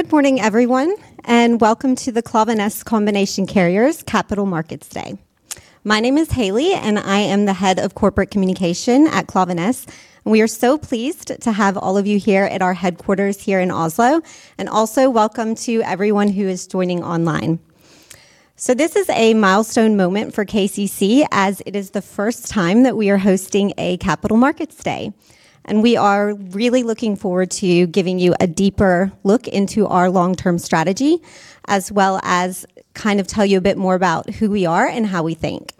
Good morning, everyone, and welcome to the Klaveness Combination Carriers Capital Markets Day. My name is Haley, and I am the Head of Corporate Communications at Klaveness. We are so pleased to have all of you here at our headquarters here in Oslo, and also welcome to everyone who is joining online, so this is a milestone moment for KCC, as it is the first time that we are hosting a Capital Markets Day, and we are really looking forward to giving you a deeper look into our long-term strategy, as well as kind of tell you a bit more about who we are and how we think,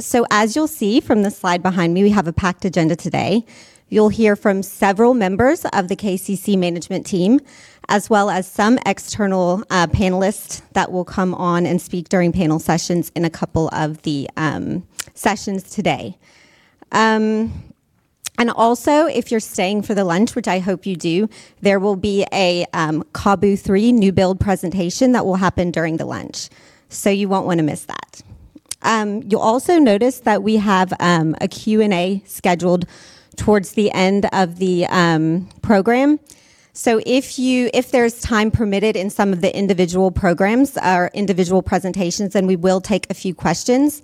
so as you'll see from the slide behind me, we have a packed agenda today. You'll hear from several members of the KCC management team, as well as some external panelists that will come on and speak during panel sessions in a couple of the sessions today, and also, if you're staying for the lunch, which I hope you do, there will be a CABU III newbuild presentation that will happen during the lunch so you won't want to miss that. You'll also notice that we have a Q&A scheduled towards the end of the program so if there's time permitted in some of the individual programs or individual presentations, then we will take a few questions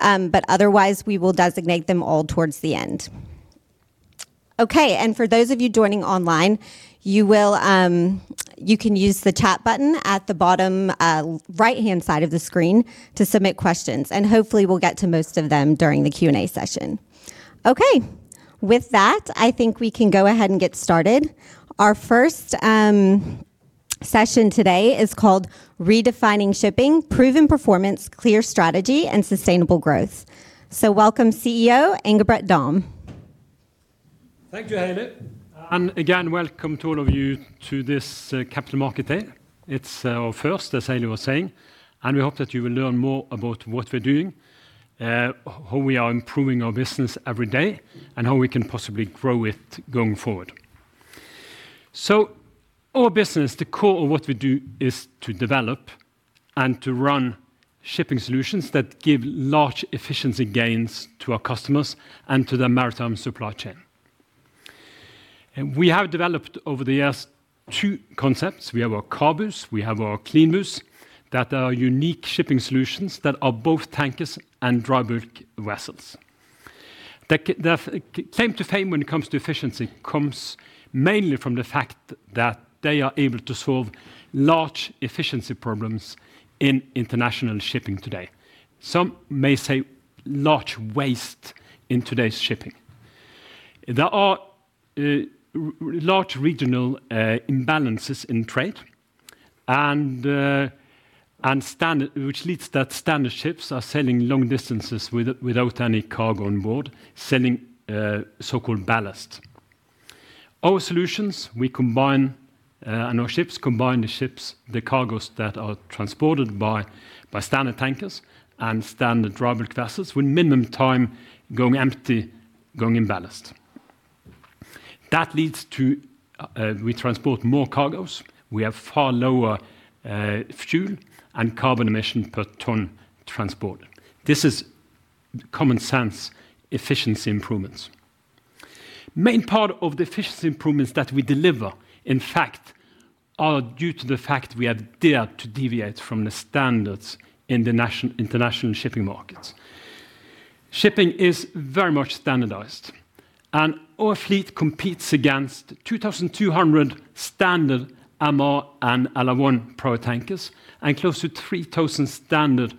but otherwise, we will designate them all towards the end. Okay, and for those of you joining online, you can use the chat button at the bottom right-hand side of the screen to submit questions and hopefully, we'll get to most of them during the Q&A session. Okay, with that, I think we can go ahead and get started. Our first session today is called Redefining Shipping: Proven Performance, Clear Strategy, and Sustainable Growth. So welcome, CEO Engebret Dahm. Thank you, Haley. Again, welcome to all of you to this Capital Markets Day. It's our first, as Haley was saying. We hope that you will learn more about what we're doing, how we are improving our business every day, and how we can possibly grow it going forward. Our business, the core of what we do, is to develop and to run shipping solutions that give large efficiency gains to our customers and to the maritime supply chain. We have developed over the years two concepts. We have our CABUs. We have our CLEANBUs. That are unique shipping solutions that are both tankers and dry bulk vessels. Their claim to fame when it comes to efficiency comes mainly from the fact that they are able to solve large efficiency problems in international shipping today. Some may say large waste in today's shipping. There are large regional imbalances in trade, which leads to standard ships sailing long distances without any cargo on board, sailing so-called ballast. Our solutions, we combine our ships, combine the ships, the cargoes that are transported by standard tankers and standard dry bulk vessels with minimum time going empty, going in ballast. That leads to we transport more cargoes. We have far lower fuel and carbon emission per tonne transport. This is common sense efficiency improvements. The main part of the efficiency improvements that we deliver, in fact, are due to the fact we have dared to deviate from the standards in the international shipping markets. Shipping is very much standardized, and our fleet competes against 2,200 standard MR and LR1 pure tankers and close to 3,000 standard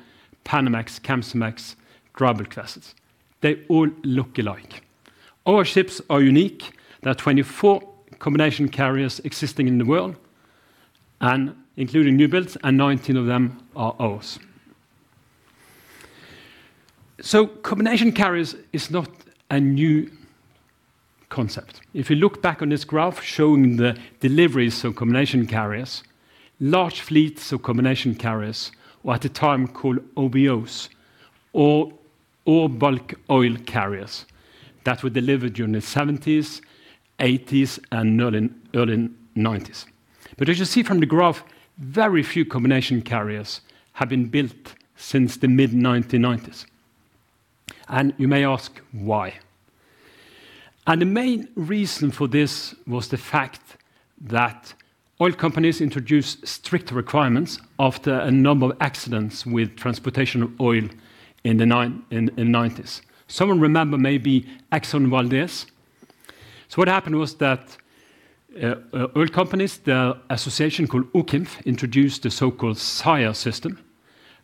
Panamax, Kamsarmax, dry bulk vessels. They all look alike. Our ships are unique. There are 24 combination carriers existing in the world, including new builds, and 19 of them are ours, so combination carriers is not a new concept. If you look back on this graph showing the deliveries of combination carriers, large fleets of combination carriers were at the time called OBOs, or Ore-Bulk-Oil carriers, that were delivered during the 1970s, 1980s, and early 1990s, but as you see from the graph, very few combination carriers have been built since the mid-1990s, and you may ask why, and the main reason for this was the fact that oil companies introduced strict requirements after a number of accidents with transportation of oil in the 1990s. Someone remember maybe Exxon Valdez, so what happened was that oil companies, their association called OCIMF, introduced the so-called SIRE system.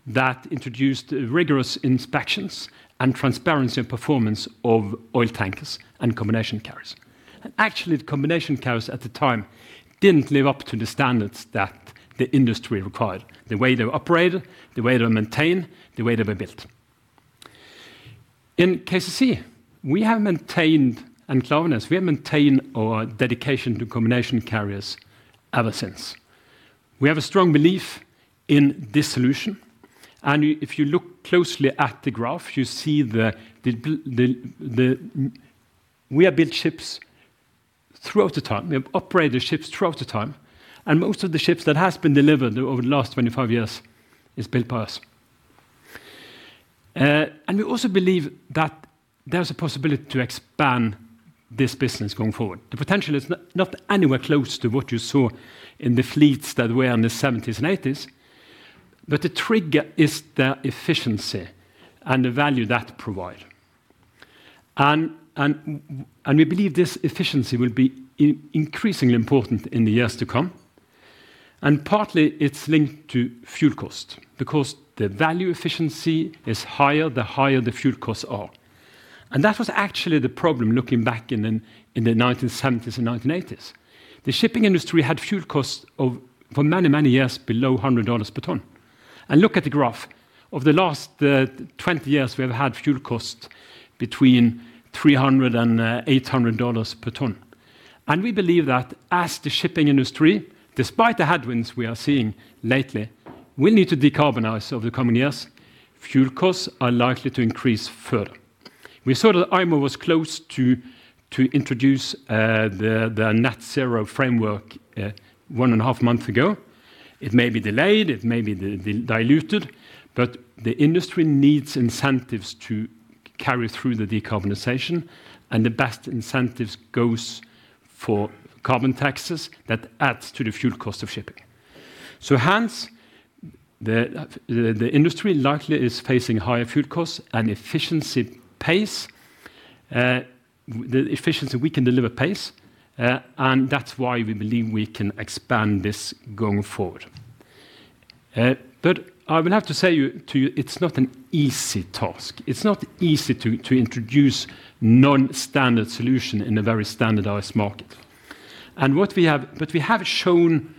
That introduced rigorous inspections and transparency and performance of oil tankers and combination carriers. Actually, the combination carriers at the time didn't live up to the standards that the industry required, the way they operate, the way they maintain, the way they were built. In KCC, we have maintained, and Klaveness, we have maintained our dedication to combination carriers ever since. We have a strong belief in this solution. And if you look closely at the graph, you see that we have built ships throughout the time. We have operated ships throughout the time. And most of the ships that have been delivered over the last 25 years are built by us. And we also believe that there's a possibility to expand this business going forward. The potential is not anywhere close to what you saw in the fleets that were in the 1970s and 1980s. But the trigger is their efficiency and the value that provide. We believe this efficiency will be increasingly important in the years to come. Partly, it's linked to fuel cost, because the value efficiency is higher the higher the fuel costs are. That was actually the problem looking back in the 1970s and 1980s. The shipping industry had fuel costs for many, many years below $100 per tonne. Look at the graph. Over the last 20 years, we have had fuel costs between $300 and $800 per tonne. We believe that as the shipping industry, despite the headwinds we are seeing lately, will need to decarbonize over the coming years, fuel costs are likely to increase further. We saw that IMO was close to introduce the Net-Zero Framework one and a half months ago. It may be delayed. It may be diluted. The industry needs incentives to carry through the decarbonization. And the best incentives go for carbon taxes that add to the fuel cost of shipping. So hence, the industry likely is facing higher fuel costs and efficiency pace. The efficiency we can deliver pace. And that's why we believe we can expand this going forward. But I will have to say to you, it's not an easy task. It's not easy to introduce non-standard solutions in a very standardized market. And what we have, but we have shown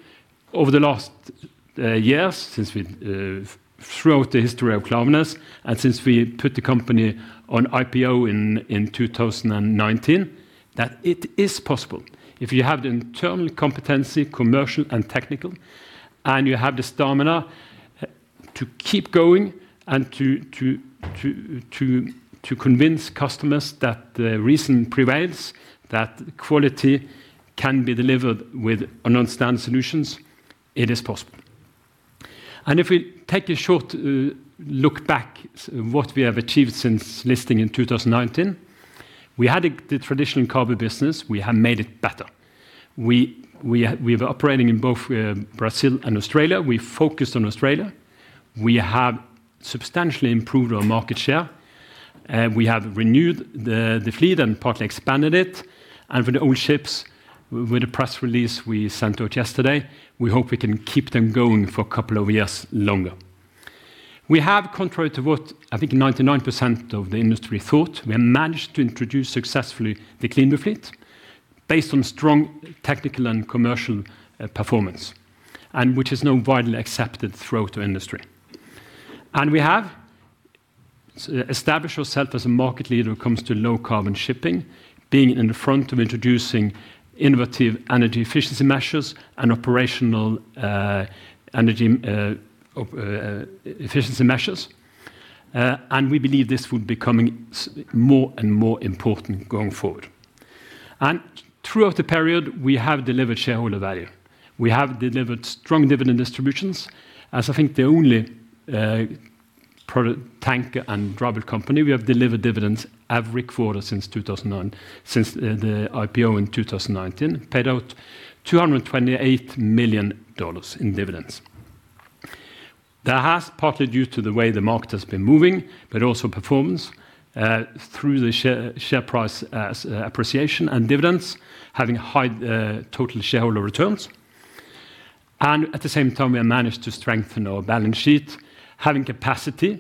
over the last years throughout the history of Klaveness, and since we put the company on IPO in 2019, that it is possible. If you have the internal competency, commercial and technical, and you have the stamina to keep going and to convince customers that the reason prevails, that quality can be delivered with non-standard solutions, it is possible. And if we take a short look back at what we have achieved since listing in 2019, we had the traditional cargo business. We have made it better. We were operating in both Brazil and Australia. We focused on Australia. We have substantially improved our market share. We have renewed the fleet and partly expanded it. And for the old ships, with the press release we sent out yesterday, we hope we can keep them going for a couple of years longer. We have, contrary to what I think 99% of the industry thought, we have managed to introduce successfully the CLEANBU fleet, based on strong technical and commercial performance, which is now widely accepted throughout the industry. And we have established ourselves as a market leader when it comes to low carbon shipping, being in the front of introducing innovative energy efficiency measures and operational energy efficiency measures. We believe this will become more and more important going forward. Throughout the period, we have delivered shareholder value. We have delivered strong dividend distributions. As, I think, the only tanker and dry bulk company, we have delivered dividends every quarter since 2009, since the IPO in 2019, paid out $228 million in dividends. That has partly due to the way the market has been moving, but also performance through the share price appreciation and dividends, having high total shareholder returns. At the same time, we have managed to strengthen our balance sheet, having capacity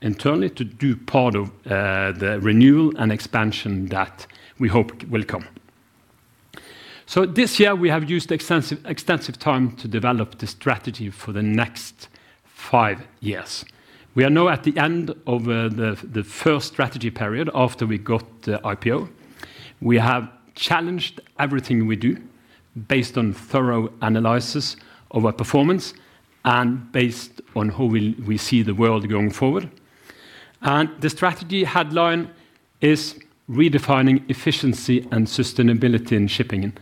internally to do part of the renewal and expansion that we hope will come. This year, we have used extensive time to develop the strategy for the next five years. We are now at the end of the first strategy period after we got the IPO. We have challenged everything we do based on thorough analysis of our performance and based on how we see the world going forward. And the strategy headline is redefining efficiency and sustainability in shipping,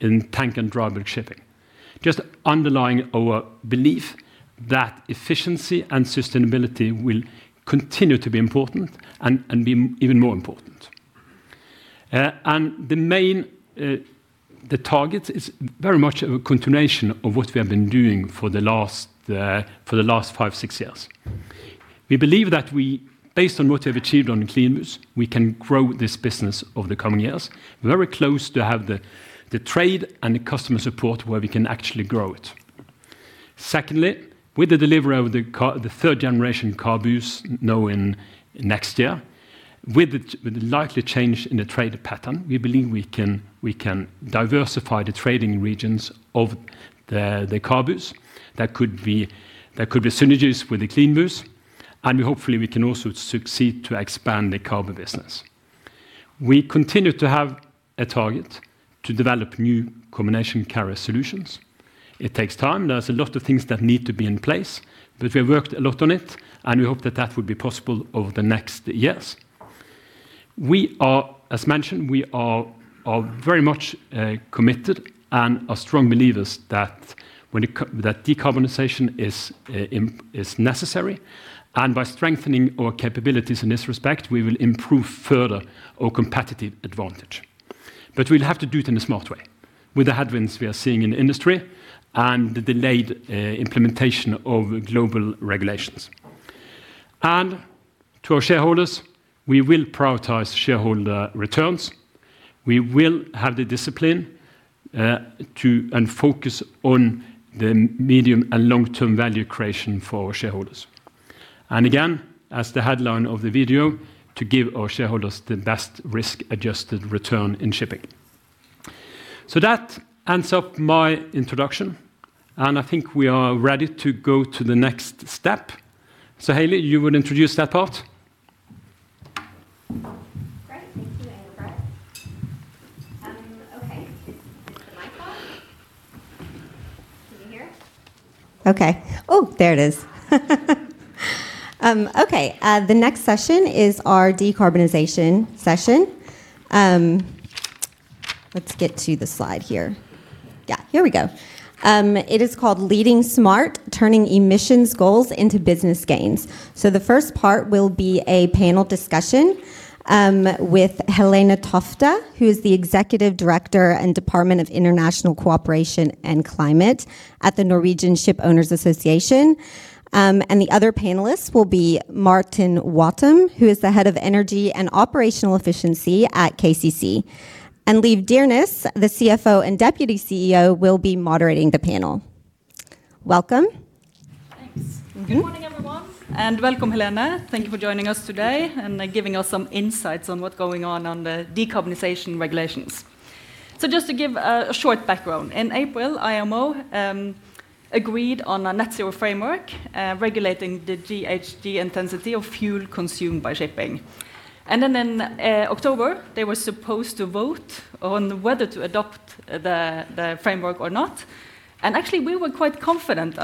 in tanker and dry bulk shipping. Just underlying our belief that efficiency and sustainability will continue to be important and be even more important. And the main target is very much a continuation of what we have been doing for the last five, six years. We believe that we, based on what we have achieved on CLEANBUs, we can grow this business over the coming years, very close to have the trade and the customer support where we can actually grow it. Secondly, with the delivery of the third generation CABUs now in next year, with the likely change in the trade pattern, we believe we can diversify the trading regions of the CABUs. That could be synergies with the CLEANBUs. And hopefully, we can also succeed to expand the cargo business. We continue to have a target to develop new combination carrier solutions. It takes time. There's a lot of things that need to be in place. But we have worked a lot on it. And we hope that that will be possible over the next years. As mentioned, we are very much committed and are strong believers that decarbonization is necessary. And by strengthening our capabilities in this respect, we will improve further our competitive advantage. But we'll have to do it in a smart way, with the headwinds we are seeing in the industry and the delayed implementation of global regulations. And to our shareholders, we will prioritize shareholder returns. We will have the discipline and focus on the medium and long-term value creation for our shareholders. And again, as the headline of the video, to give our shareholders the best risk-adjusted return in shipping. So that ends up my introduction. And I think we are ready to go to the next step. So Haley, you would introduce that part. Great. Thank you, Engebret. Okay. Is this the mic on? Can you hear? Okay. Oh, there it is. Okay. The next session is our decarbonization session. Let's get to the slide here. Yeah, here we go. It is called Leading Smart: Turning Emissions Goals into Business Gains. So the first part will be a panel discussion with Helene Tofte, who is the Executive Director and Department of International Cooperation and Climate at the Norwegian Shipowners' Association. And the other panelists will be Martin Wattum, who is the Head of Energy and Operational Efficiency at KCC. And Liv Dyrnes, the CFO and Deputy CEO, will be moderating the panel. Welcome. Thanks. Good morning, everyone, and welcome, Helene. Thank you for joining us today and giving us some insights on what's going on on the decarbonization regulations. So just to give a short background, in April, IMO agreed on a Net-Zero Framework regulating the GHG intensity of fuel consumed by shipping, and then in October, they were supposed to vote on whether to adopt the framework or not, and actually, we were quite confident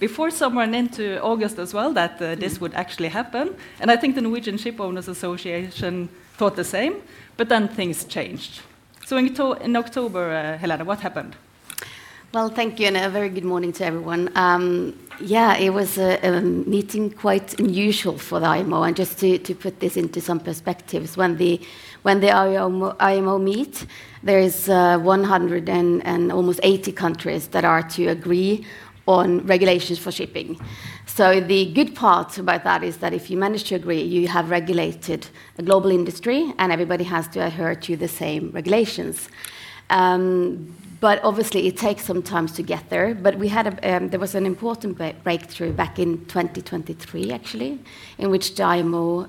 before summer and into August as well that this would actually happen, and I think the Norwegian Shipowners' Association thought the same, but then things changed, so in October, Helene, what happened? Well, thank you. And a very good morning to everyone. Yeah, it was a meeting quite unusual for the IMO. And just to put this into some perspective, when the IMO meet, there are 180 countries that are to agree on regulations for shipping. So the good part about that is that if you manage to agree, you have regulated a global industry, and everybody has to adhere to the same regulations. But obviously, it takes some time to get there. But there was an important breakthrough back in 2023, actually, in which the IMO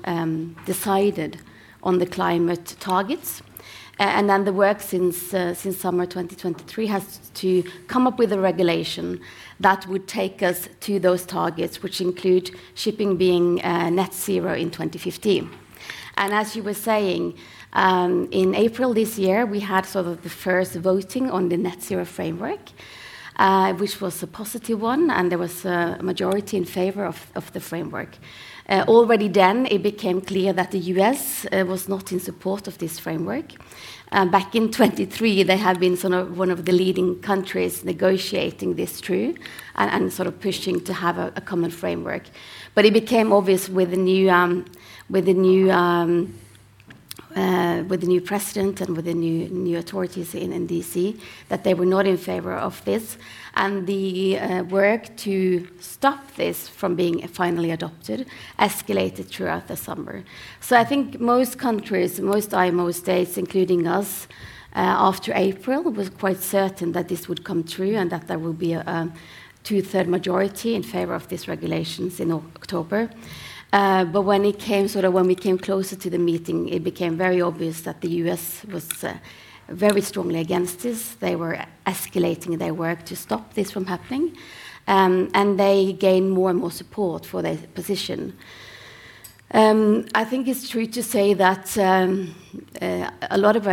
decided on the climate targets. And then the work since summer 2023 has to come up with a regulation that would take us to those targets, which include shipping being net-zero in 2015. And as you were saying, in April this year, we had sort of the first voting on the Net-Zero Framework, which was a positive one. And there was a majority in favor of the framework. Already then, it became clear that the U.S. was not in support of this framework. Back in 2023, they had been sort of one of the leading countries negotiating this through and sort of pushing to have a common framework. But it became obvious with the new president and with the new authorities in D.C. that they were not in favor of this. And the work to stop this from being finally adopted escalated throughout the summer. So I think most countries, most IMO states, including us, after April, were quite certain that this would come true and that there would be a 2/3 majority in favor of these regulations in October. But when it came sort of when we came closer to the meeting, it became very obvious that the U.S. was very strongly against this. They were escalating their work to stop this from happening. And they gained more and more support for their position. I think it's true to say that a lot of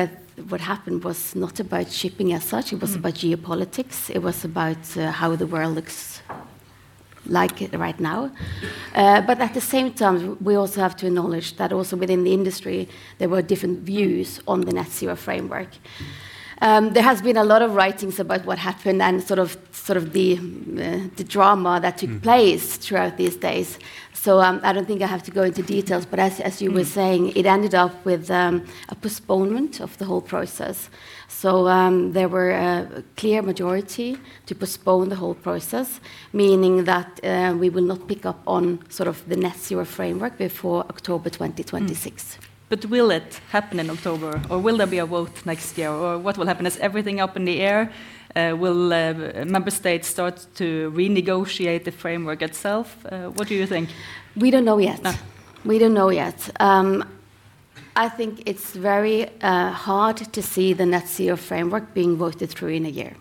what happened was not about shipping as such. It was about geopolitics. It was about how the world looks like right now. But at the same time, we also have to acknowledge that also within the industry, there were different views on the Net-Zero Framework. There has been a lot of writings about what happened and sort of the drama that took place throughout these days. So I don't think I have to go into details. But as you were saying, it ended up with a postponement of the whole process. There were a clear majority to postpone the whole process, meaning that we will not pick up on sort of the Net-Zero Framework before October 2026. But will it happen in October? Or will there be a vote next year? Or what will happen? Is everything up in the air? Will member states start to renegotiate the framework itself? What do you think? We don't know yet. We don't know yet. I think it's very hard to see the Net-Zero Framework being voted through in a year,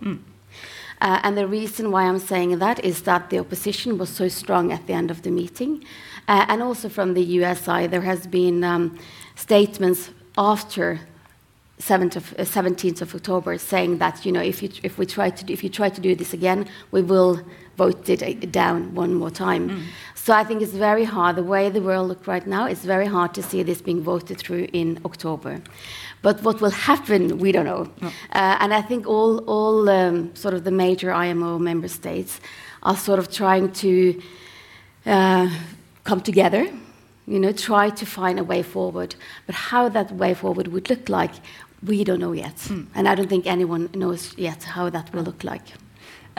and the reason why I'm saying that is that the opposition was so strong at the end of the meeting, and also from the U.S. side, there have been statements after the 17th of October saying that if we try to do this again, we will vote it down one more time, so I think it's very hard the way the world looks right now, it's very hard to see this being voted through in October, but what will happen, we don't know, and I think all sort of the major IMO member states are sort of trying to come together, try to find a way forward, but how that way forward would look like, we don't know yet. I don't think anyone knows yet how that will look like.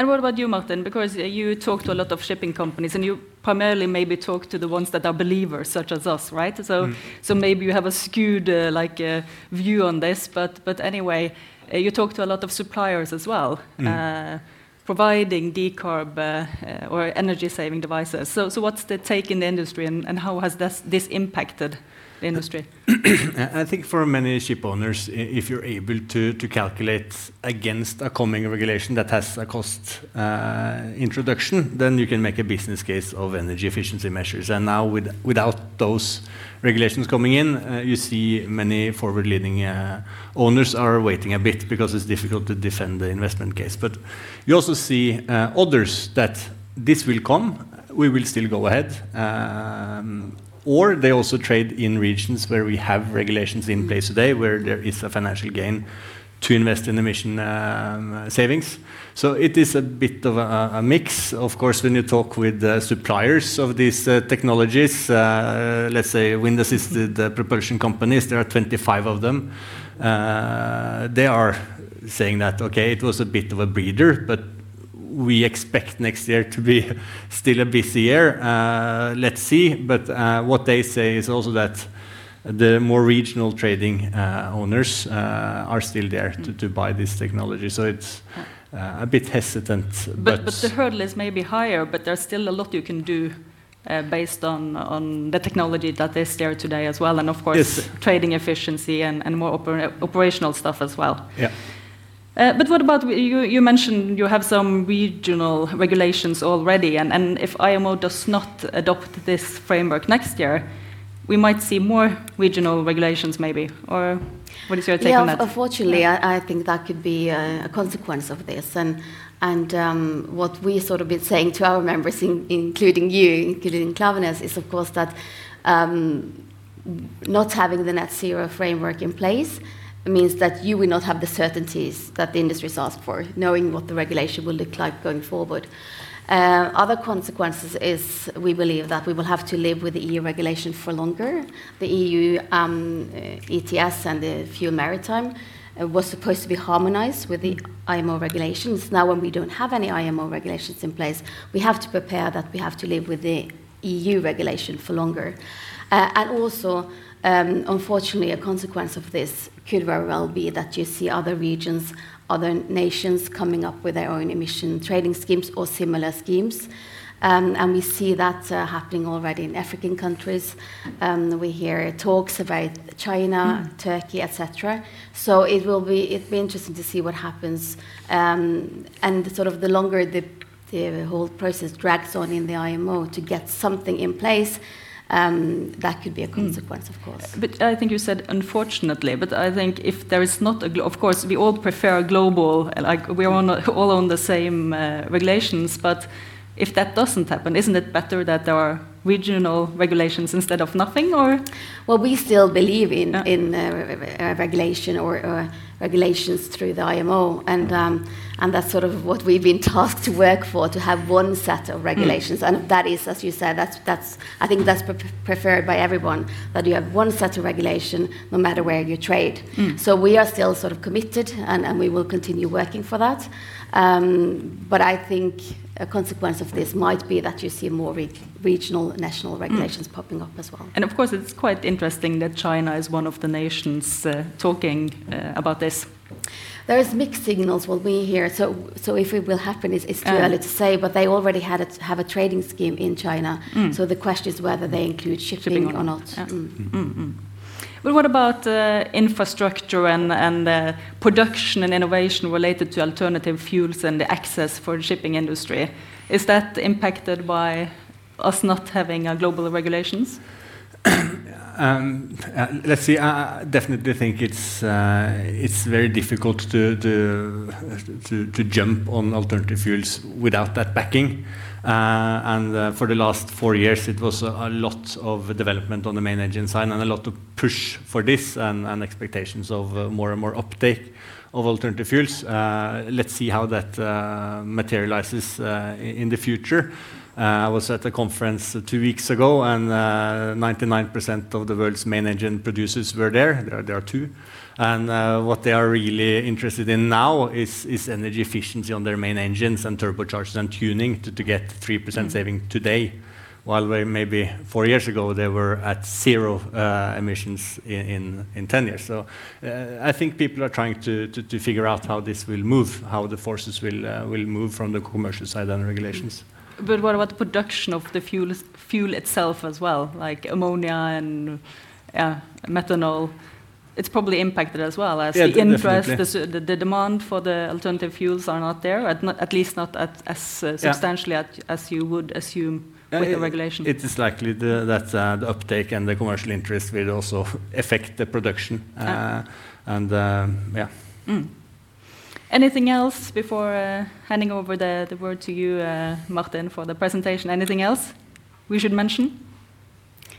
What about you, Martin? Because you talk to a lot of shipping companies. You primarily maybe talk to the ones that are believers, such as us, right? Maybe you have a skewed view on this. Anyway, you talk to a lot of suppliers as well, providing decarb or energy-saving devices. What's the take in the industry? How has this impacted the industry? I think for many shipowners, if you're able to calculate against a coming regulation that has a cost introduction, then you can make a business case of energy efficiency measures. And now, without those regulations coming in, you see many forward-leaning owners are waiting a bit because it's difficult to defend the investment case. But you also see others that this will come. We will still go ahead. Or they also trade in regions where we have regulations in place today, where there is a financial gain to invest in emission savings. So it is a bit of a mix. Of course, when you talk with suppliers of these technologies, let's say wind-assisted propulsion companies, there are 25 of them. They are saying that, okay, it was a bit of a breather, but we expect next year to be still a busy year. Let's see. But what they say is also that the more regional trading owners are still there to buy this technology. So it's a bit hesitant. But the hurdle is maybe higher, but there's still a lot you can do based on the technology that is there today as well. And of course, trading efficiency and more operational stuff as well. Yeah. But what about you mentioned you have some regional regulations already? And if IMO does not adopt this framework next year, we might see more regional regulations, maybe. Or what is your take on that? Yeah, unfortunately, I think that could be a consequence of this. And what we've sort of been saying to our members, including you, including Klaveness, is, of course, that not having the Net-Zero Framework in place means that you will not have the certainties that the industry's asked for, knowing what the regulation will look like going forward. Other consequences is we believe that we will have to live with the EU regulation for longer. The EU ETS and the FuelEU Maritime was supposed to be harmonized with the IMO regulations. Now, when we don't have any IMO regulations in place, we have to prepare that we have to live with the EU regulation for longer. And also, unfortunately, a consequence of this could very well be that you see other regions, other nations coming up with their own emission trading schemes or similar schemes. And we see that happening already in African countries. We hear talks about China, Turkey, etc. So it will be interesting to see what happens. And sort of the longer the whole process drags on in the IMO to get something in place, that could be a consequence, of course. But I think you said "unfortunately." But I think if there is not, of course, we all prefer a global where we're all on the same regulations. But if that doesn't happen, isn't it better that there are regional regulations instead of nothing, or? We still believe in regulation or regulations through the IMO. And that's sort of what we've been tasked to work for, to have one set of regulations. And that is, as you said, I think that's preferred by everyone, that you have one set of regulation no matter where you trade. So we are still sort of committed, and we will continue working for that. But I think a consequence of this might be that you see more regional national regulations popping up as well. Of course, it's quite interesting that China is one of the nations talking about this. There are mixed signals what we hear. So if it will happen, it's too early to say. But they already have a trading scheme in China. So the question is whether they include shipping or not. But what about infrastructure and production and innovation related to alternative fuels and the access for the shipping industry? Is that impacted by us not having global regulations? Let's see. I definitely think it's very difficult to jump on alternative fuels without that backing. And for the last four years, it was a lot of development on the main engine side and a lot of push for this and expectations of more and more uptake of alternative fuels. Let's see how that materializes in the future. I was at a conference two weeks ago, and 99% of the world's main engine producers were there. There are two. And what they are really interested in now is energy efficiency on their main engines and turbochargers and tuning to get 3% saving today, while maybe four years ago, they were at zero emissions in 10 years. So I think people are trying to figure out how this will move, how the forces will move from the commercial side and regulations. But what about the production of the fuel itself as well, like ammonia and methanol? It's probably impacted as well as the interest. The demand for the alternative fuels is not there, at least not as substantially as you would assume with the regulation. It is likely that the uptake and the commercial interest will also affect the production, and yeah. Anything else before handing over the word to you, Martin, for the presentation? Anything else we should mention?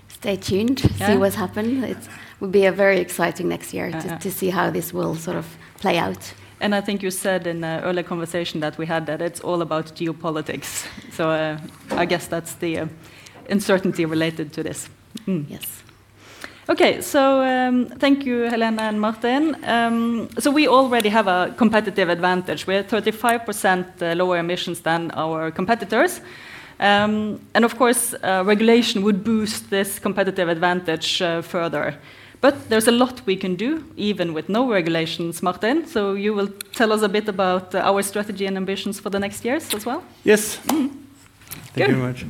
Stay tuned. See what's happened. It will be a very exciting next year to see how this will sort of play out. And I think you said in an early conversation that we had that it's all about geopolitics. So I guess that's the uncertainty related to this. Yes. Okay. So thank you, Helene and Martin. So we already have a competitive advantage. We are 35% lower emissions than our competitors. And of course, regulation would boost this competitive advantage further. But there's a lot we can do, even with no regulations, Martin. So you will tell us a bit about our strategy and ambitions for the next years as well? Yes. Thank you very much.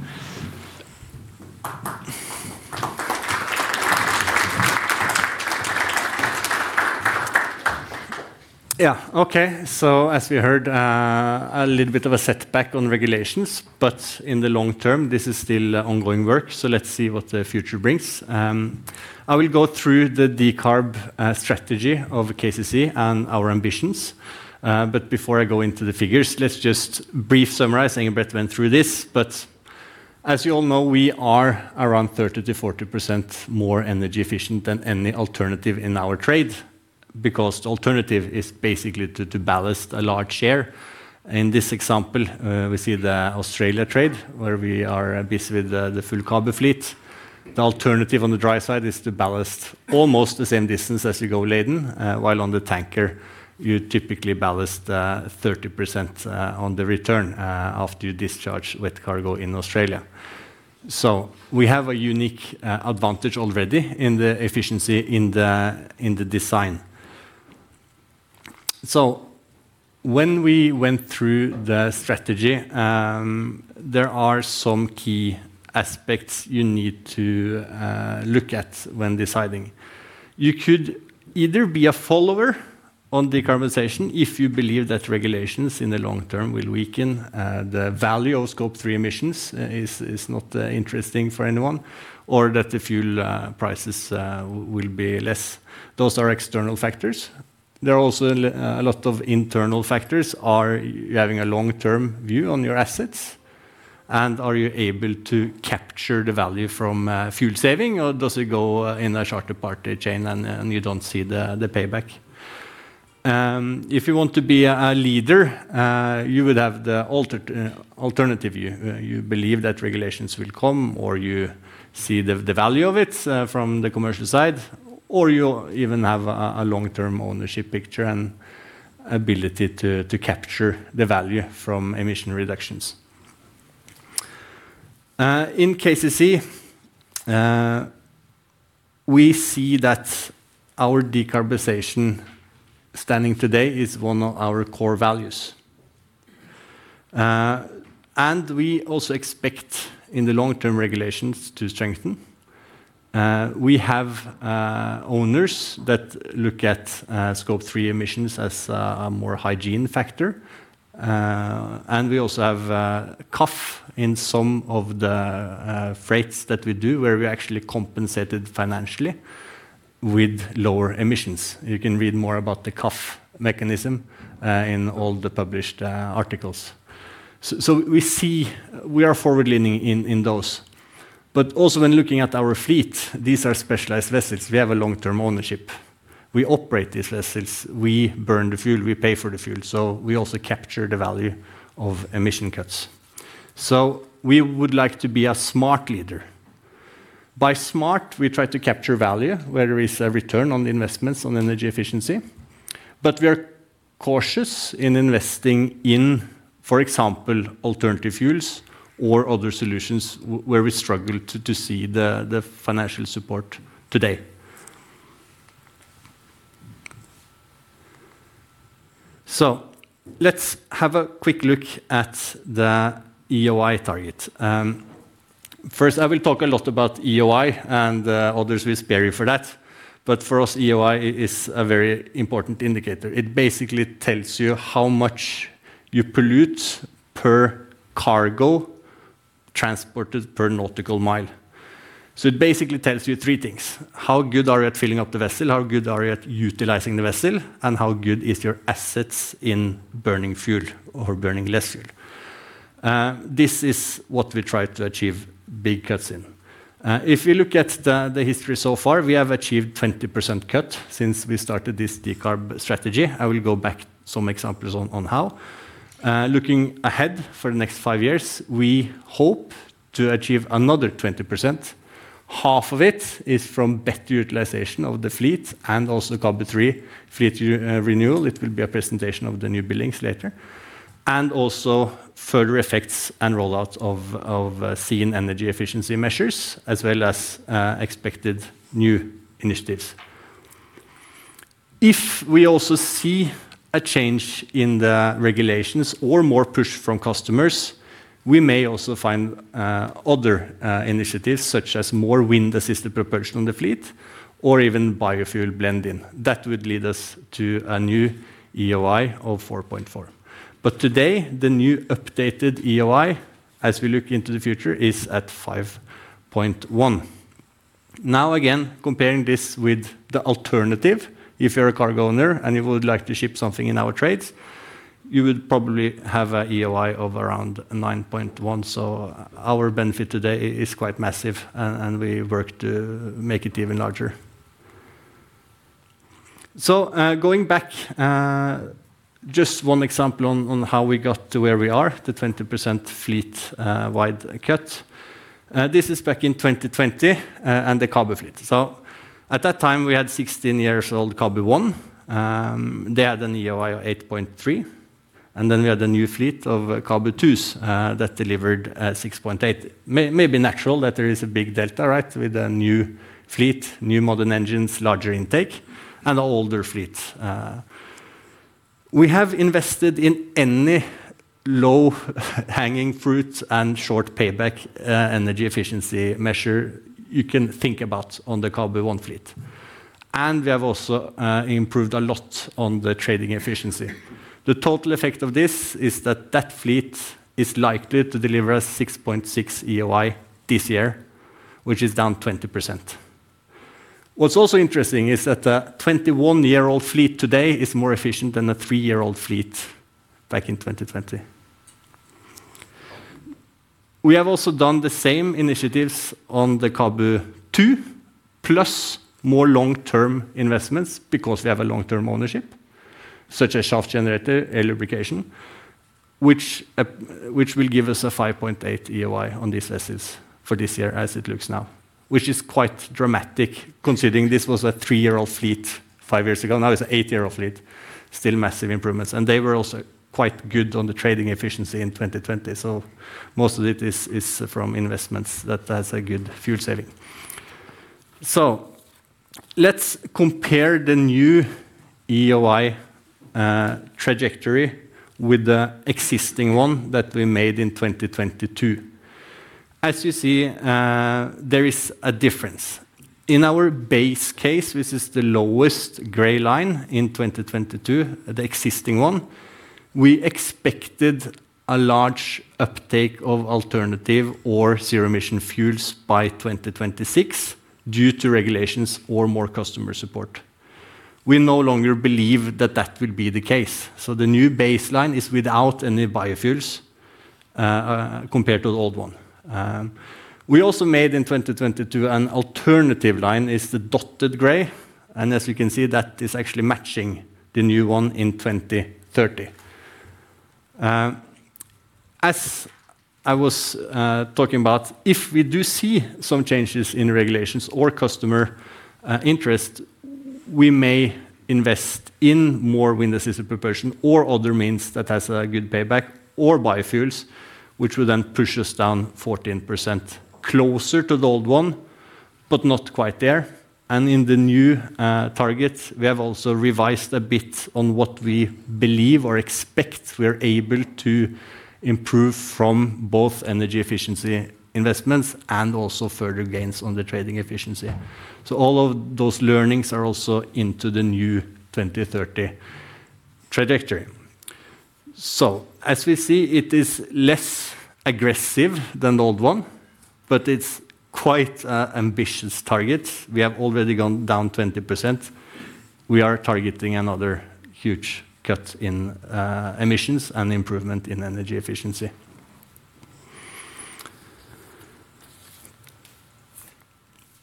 Yeah. Okay. So as we heard, a little bit of a setback on regulations. But in the long term, this is still ongoing work. So let's see what the future brings. I will go through the decarb strategy of KCC and our ambitions. But before I go into the figures, let's just briefly summarize. Engebret went through this. But as you all know, we are around 30%-40% more energy efficient than any alternative in our trade, because the alternative is basically to ballast a large share. In this example, we see the Australia trade, where we are busy with the full CABU fleet. The alternative on the dry side is to ballast almost the same distance as you go laden, while on the tanker, you typically ballast 30% on the return after you discharge with cargo in Australia. So we have a unique advantage already in the efficiency in the design. So when we went through the strategy, there are some key aspects you need to look at when deciding. You could either be a follower on decarbonization if you believe that regulations in the long term will weaken. The value of Scope 3 emissions is not interesting for anyone, or that the fuel prices will be less. Those are external factors. There are also a lot of internal factors. Are you having a long-term view on your assets? And are you able to capture the value from fuel saving? Or does it go in a shorter value chain and you don't see the payback? If you want to be a leader, you would have the alternative view. You believe that regulations will come, or you see the value of it from the commercial side, or you even have a long-term ownership picture and ability to capture the value from emission reductions. In KCC, we see that our decarbonization standing today is one of our core values, and we also expect in the long-term regulations to strengthen. We have owners that look at Scope 3 emissions as a more hygiene factor, and we also have a CAF in some of the freights that we do, where we actually compensated financially with lower emissions. You can read more about the CAF mechanism in all the published articles, so we see we are forward-leaning in those, but also when looking at our fleet, these are specialized vessels. We have a long-term ownership. We operate these vessels. We burn the fuel. We pay for the fuel. So we also capture the value of emission cuts. So we would like to be a smart leader. By smart, we try to capture value, where there is a return on investments on energy efficiency. But we are cautious in investing in, for example, alternative fuels or other solutions, where we struggle to see the financial support today. So let's have a quick look at the EEOI target. First, I will talk a lot about EEOI and others will spare you for that. But for us, EEOI is a very important indicator. It basically tells you how much you pollute per cargo transported per nautical mile. So it basically tells you three things. How good are you at filling up the vessel? How good are you at utilizing the vessel? And how good are your assets in burning fuel or burning less fuel? This is what we try to achieve big cuts in. If we look at the history so far, we have achieved a 20% cut since we started this decarb strategy. I will go back to some examples on how. Looking ahead for the next five years, we hope to achieve another 20%. Half of it is from better utilization of the fleet and also carbon-free fleet renewal. It will be a presentation of the new buildings later, and also further effects and rollouts of seen energy efficiency measures, as well as expected new initiatives. If we also see a change in the regulations or more push from customers, we may also find other initiatives, such as more wind-assisted propulsion on the fleet, or even biofuel blending. That would lead us to a new EEOI of 4.4. But today, the new updated EEOI, as we look into the future, is at 5.1. Now, again, comparing this with the alternative, if you're a cargo owner and you would like to ship something in our trades, you would probably have an EEOI of around 9.1. So our benefit today is quite massive, and we work to make it even larger. So going back, just one example on how we got to where we are, the 20% fleet-wide cut. This is back in 2020 and the CABU fleet. So at that time, we had 16-year-old CABU I. They had an EEOI of 8.3. And then we had a new fleet of CABU IIs that delivered 6.8. Maybe natural that there is a big delta, right, with a new fleet, new modern engines, larger intake, and an older fleet. We have invested in any low-hanging fruit and short payback energy efficiency measure you can think about on the CABU I fleet. And we have also improved a lot on the trading efficiency. The total effect of this is that that fleet is likely to deliver a 6.6 EEOI this year, which is down 20%. What's also interesting is that the 21-year-old fleet today is more efficient than the three-year-old fleet back in 2020. We have also done the same initiatives on the CABU II plus more long-term investments because we have a long-term ownership, such as shaft generator, air lubrication, which will give us a 5.8 EEOI on these vessels for this year, as it looks now, which is quite dramatic considering this was a three-year-old fleet five years ago. Now it's an eight-year-old fleet. Still massive improvements. And they were also quite good on the trading efficiency in 2020. So most of it is from investments that have a good fuel saving. So let's compare the new EEOI trajectory with the existing one that we made in 2022. As you see, there is a difference. In our base case, which is the lowest gray line in 2022, the existing one, we expected a large uptake of alternative or zero-emission fuels by 2026 due to regulations or more customer support. We no longer believe that that will be the case. So the new baseline is without any biofuels compared to the old one. We also made in 2022 an alternative line, is the dotted gray. And as you can see, that is actually matching the new one in 2030. As I was talking about, if we do see some changes in regulations or customer interest, we may invest in more wind-assisted propulsion or other means that have a good payback or biofuels, which would then push us down 14% closer to the old one, but not quite there. And in the new target, we have also revised a bit on what we believe or expect we're able to improve from both energy efficiency investments and also further gains on the trading efficiency. So all of those learnings are also into the new 2030 trajectory. So as we see, it is less aggressive than the old one, but it's quite an ambitious target. We have already gone down 20%. We are targeting another huge cut in emissions and improvement in energy efficiency.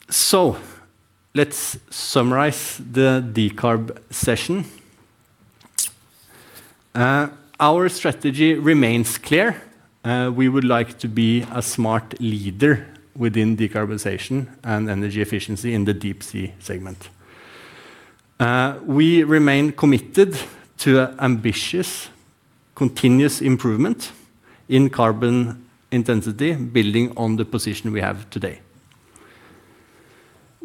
So let's summarize the decarb session. Our strategy remains clear. We would like to be a smart leader within decarbonization and energy efficiency in the deep sea segment. We remain committed to ambitious continuous improvement in carbon intensity, building on the position we have today.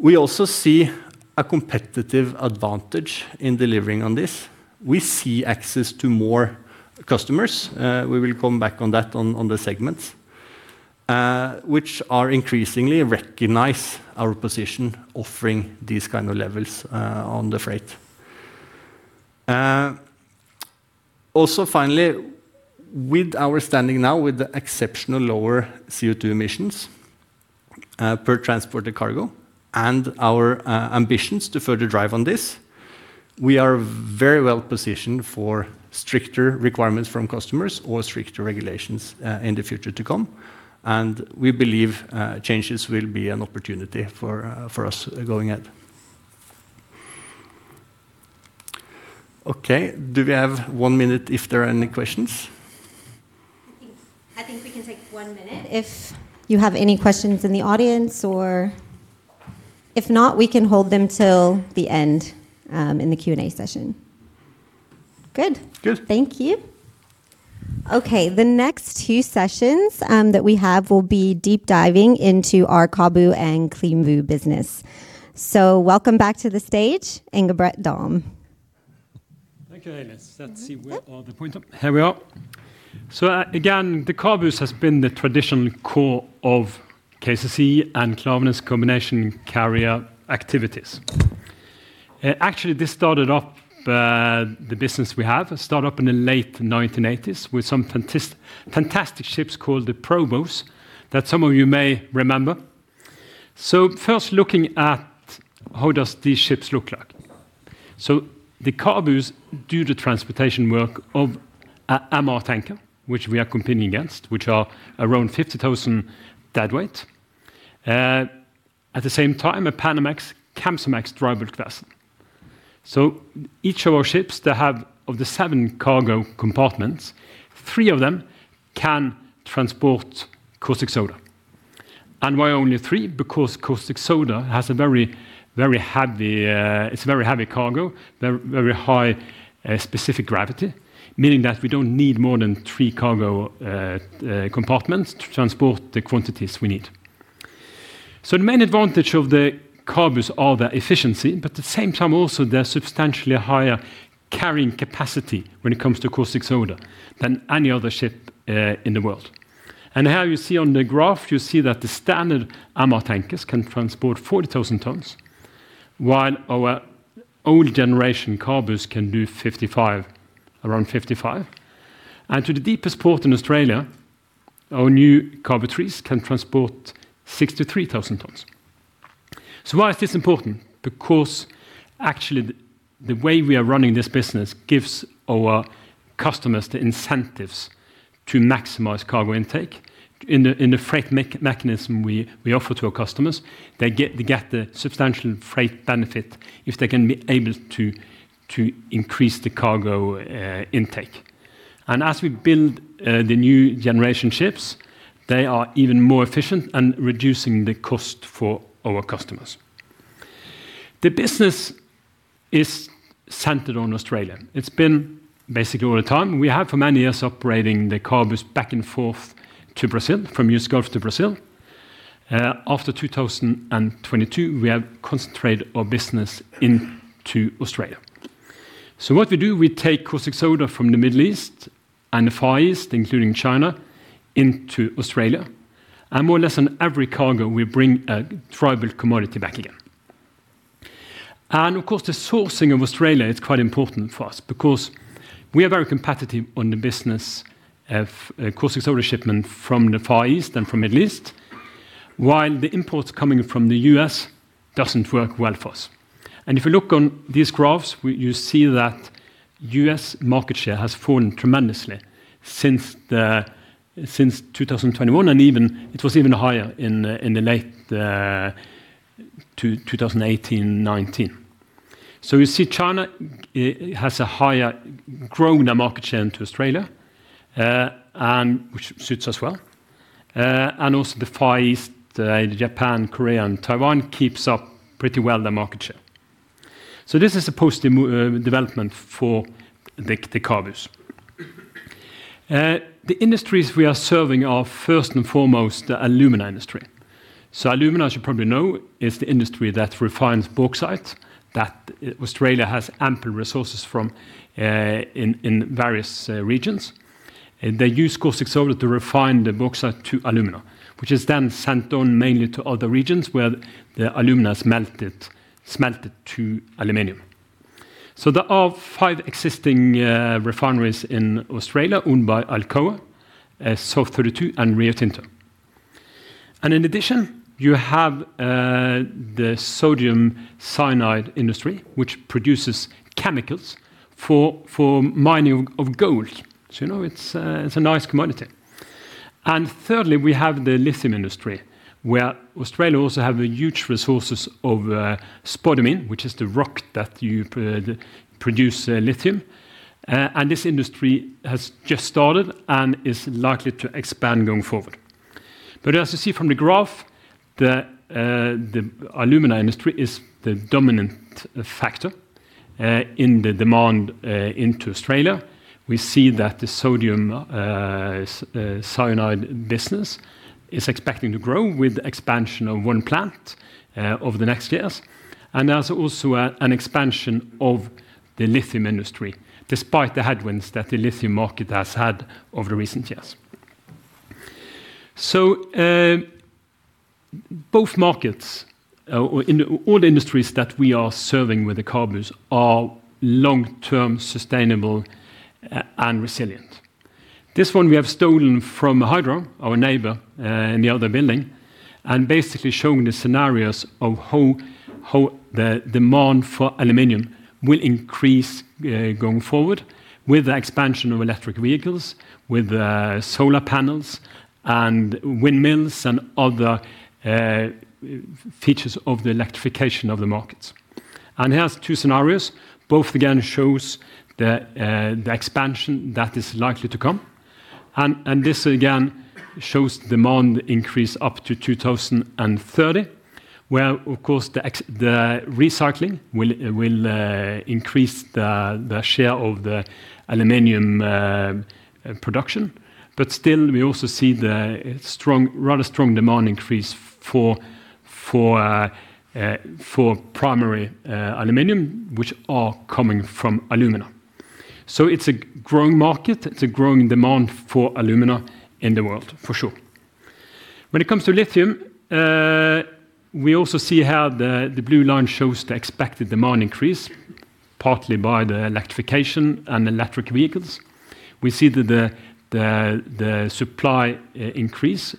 We also see a competitive advantage in delivering on this. We see access to more customers. We will come back on that on the segments, which are increasingly recognized our position offering these kinds of levels on the freight. Also, finally, with our standing now with exceptional lower CO2 emissions per transported cargo and our ambitions to further drive on this, we are very well positioned for stricter requirements from customers or stricter regulations in the future to come, and we believe changes will be an opportunity for us going ahead. Okay. Do we have one minute if there are any questions? I think we can take one minute if you have any questions in the audience, or if not, we can hold them till the end in the Q&A session. Good. Good. Thank you. Okay. The next two sessions that we have will be deep diving into our CABU and CLEANBU business. So welcome back to the stage, Engebret Dahm. Thank you, Haley. Let's see where the point. Here we are. So again, the CABUs has been the traditional core of KCC and Klaveness Combination Carriers activities. Actually, this started up the business we have started up in the late 1980s with some fantastic ships called the PROBOs that some of you may remember. So first, looking at how does these ships look like? So the CABUs do the transportation work of an MR tanker, which we are competing against, which are around 50,000 deadweight. At the same time, a Panamax Kamsarmax dry bulk vessel. So each of our ships that have of the seven cargo compartments, three of them can transport caustic soda. And why only three? Because caustic soda has a very, very heavy it's a very heavy cargo, very high specific gravity, meaning that we don't need more than three cargo compartments to transport the quantities we need. So the main advantage of the CABUs are the efficiency, but at the same time, also there's substantially higher carrying capacity when it comes to caustic soda than any other ship in the world. And here you see on the graph, you see that the standard MR tankers can transport 40,000 tonnes, while our old generation CABUs can do 55,000, around 55,000. And to the deepest port in Australia, our new CABU IIIs can transport 63,000 tonnes. So why is this important? Because actually, the way we are running this business gives our customers the incentives to maximize cargo intake. In the freight mechanism we offer to our customers, they get the substantial freight benefit if they can be able to increase the cargo intake. And as we build the new generation ships, they are even more efficient and reducing the cost for our customers. The business is centered on Australia. It's been basically all the time. We have for many years operating the CABUs back and forth to Brazil, from US Gulf to Brazil. After 2022, we have concentrated our business into Australia. So what we do, we take caustic soda from the Middle East and the Far East, including China, into Australia. And more or less on every cargo, we bring a dry bulk commodity back again. And of course, the sourcing of Australia is quite important for us because we are very competitive on the business of caustic soda shipment from the Far East and from the Middle East, while the imports coming from the U.S. doesn't work well for us, and if you look on these graphs, you see that U.S. market share has fallen tremendously since 2021, and it was even higher in the late 2018-2019, so you see China has a higher grown market share into Australia, which suits us well, and also the Far East, Japan, Korea, and Taiwan keeps up pretty well the market share, so this is a positive development for the CABUs. The industries we are serving are first and foremost the alumina industry, so alumina, as you probably know, is the industry that refines bauxite that Australia has ample resources from in various regions. They use caustic soda to refine the bauxite to alumina, which is then sent on mainly to other regions where the alumina is melted to aluminum. So there are five existing refineries in Australia owned by Alcoa, South32, and Rio Tinto. And in addition, you have the sodium cyanide industry, which produces chemicals for mining of gold. So it's a nice commodity. And thirdly, we have the lithium industry, where Australia also has huge resources of spodumene, which is the rock that you produce lithium. And this industry has just started and is likely to expand going forward. But as you see from the graph, the alumina industry is the dominant factor in the demand into Australia. We see that the sodium cyanide business is expecting to grow with the expansion of one plant over the next years. And there's also an expansion of the lithium industry, despite the headwinds that the lithium market has had over the recent years. So both markets, all the industries that we are serving with the CABUs, are long-term sustainable and resilient. This one, we have stolen from Hydro, our neighbor in the other building, and basically showing the scenarios of how the demand for aluminum will increase going forward with the expansion of electric vehicles, with solar panels, and windmills, and other features of the electrification of the markets. And here's two scenarios. Both again show the expansion that is likely to come. And this again shows demand increase up to 2030, where, of course, the recycling will increase the share of the aluminum production. But still, we also see the rather strong demand increase for primary aluminum, which are coming from alumina. So it's a growing market. It's a growing demand for alumina in the world, for sure. When it comes to lithium, we also see here the blue line shows the expected demand increase, partly by the electrification and electric vehicles. We see that the supply increase,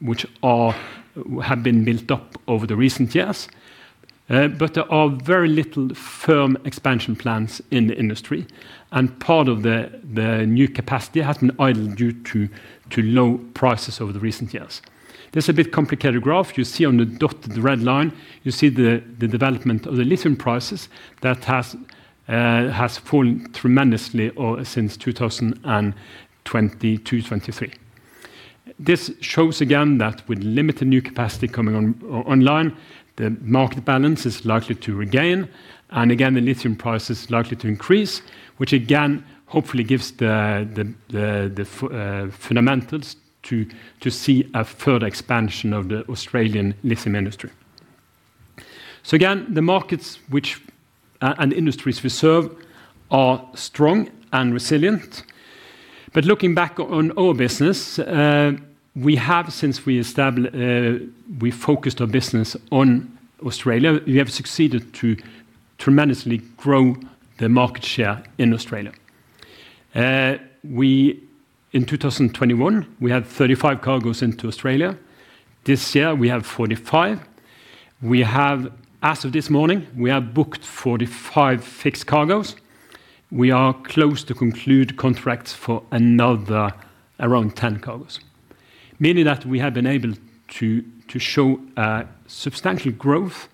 which have been built up over the recent years, but there are very little firm expansion plans in the industry. And part of the new capacity has been idled due to low prices over the recent years. This is a bit complicated graph. You see on the dotted red line, you see the development of the lithium prices that has fallen tremendously since 2022-2023. This shows again that with limited new capacity coming online, the market balance is likely to regain. And again, the lithium price is likely to increase, which again, hopefully gives the fundamentals to see a further expansion of the Australian lithium industry. So again, the markets and industries we serve are strong and resilient. But looking back on our business, we have, since we focused our business on Australia, we have succeeded to tremendously grow the market share in Australia. In 2021, we had 35 cargoes into Australia. This year, we have 45. As of this morning, we have booked 45 fixed cargoes. We are close to conclude contracts for another around 10 cargoes, meaning that we have been able to show a substantial growth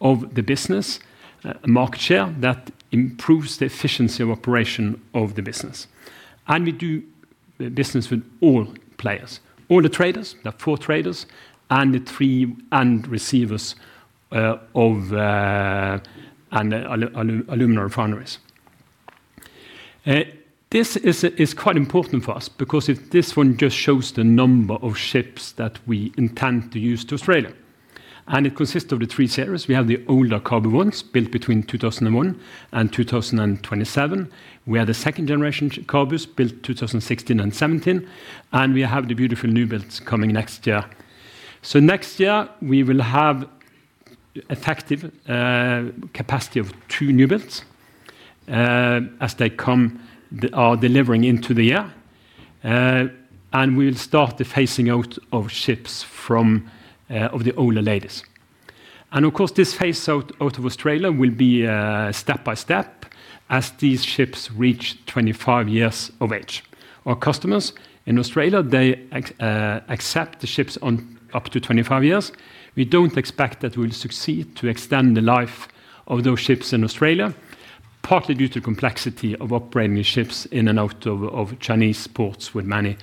of the business, a market share that improves the efficiency of operation of the business. And we do business with all players, all the traders, the four traders, and the three end receivers of alumina refineries. This is quite important for us because this one just shows the number of ships that we intend to use to Australia. And it consists of the three series. We have the older CABU Is built between 2001 and 2027. We have the second-generation CABUs built 2016 and 2017, and we have the beautiful new builds coming next year, so next year we will have effective capacity of two new builds as they are delivering into the year. We will start the phasing out of ships of the older ladies, and of course this phase out of Australia will be step by step as these ships reach 25 years of age. Our customers in Australia, they accept the ships up to 25 years. We don't expect that we will succeed to extend the life of those ships in Australia, partly due to the complexity of operating ships in and out of Chinese ports with many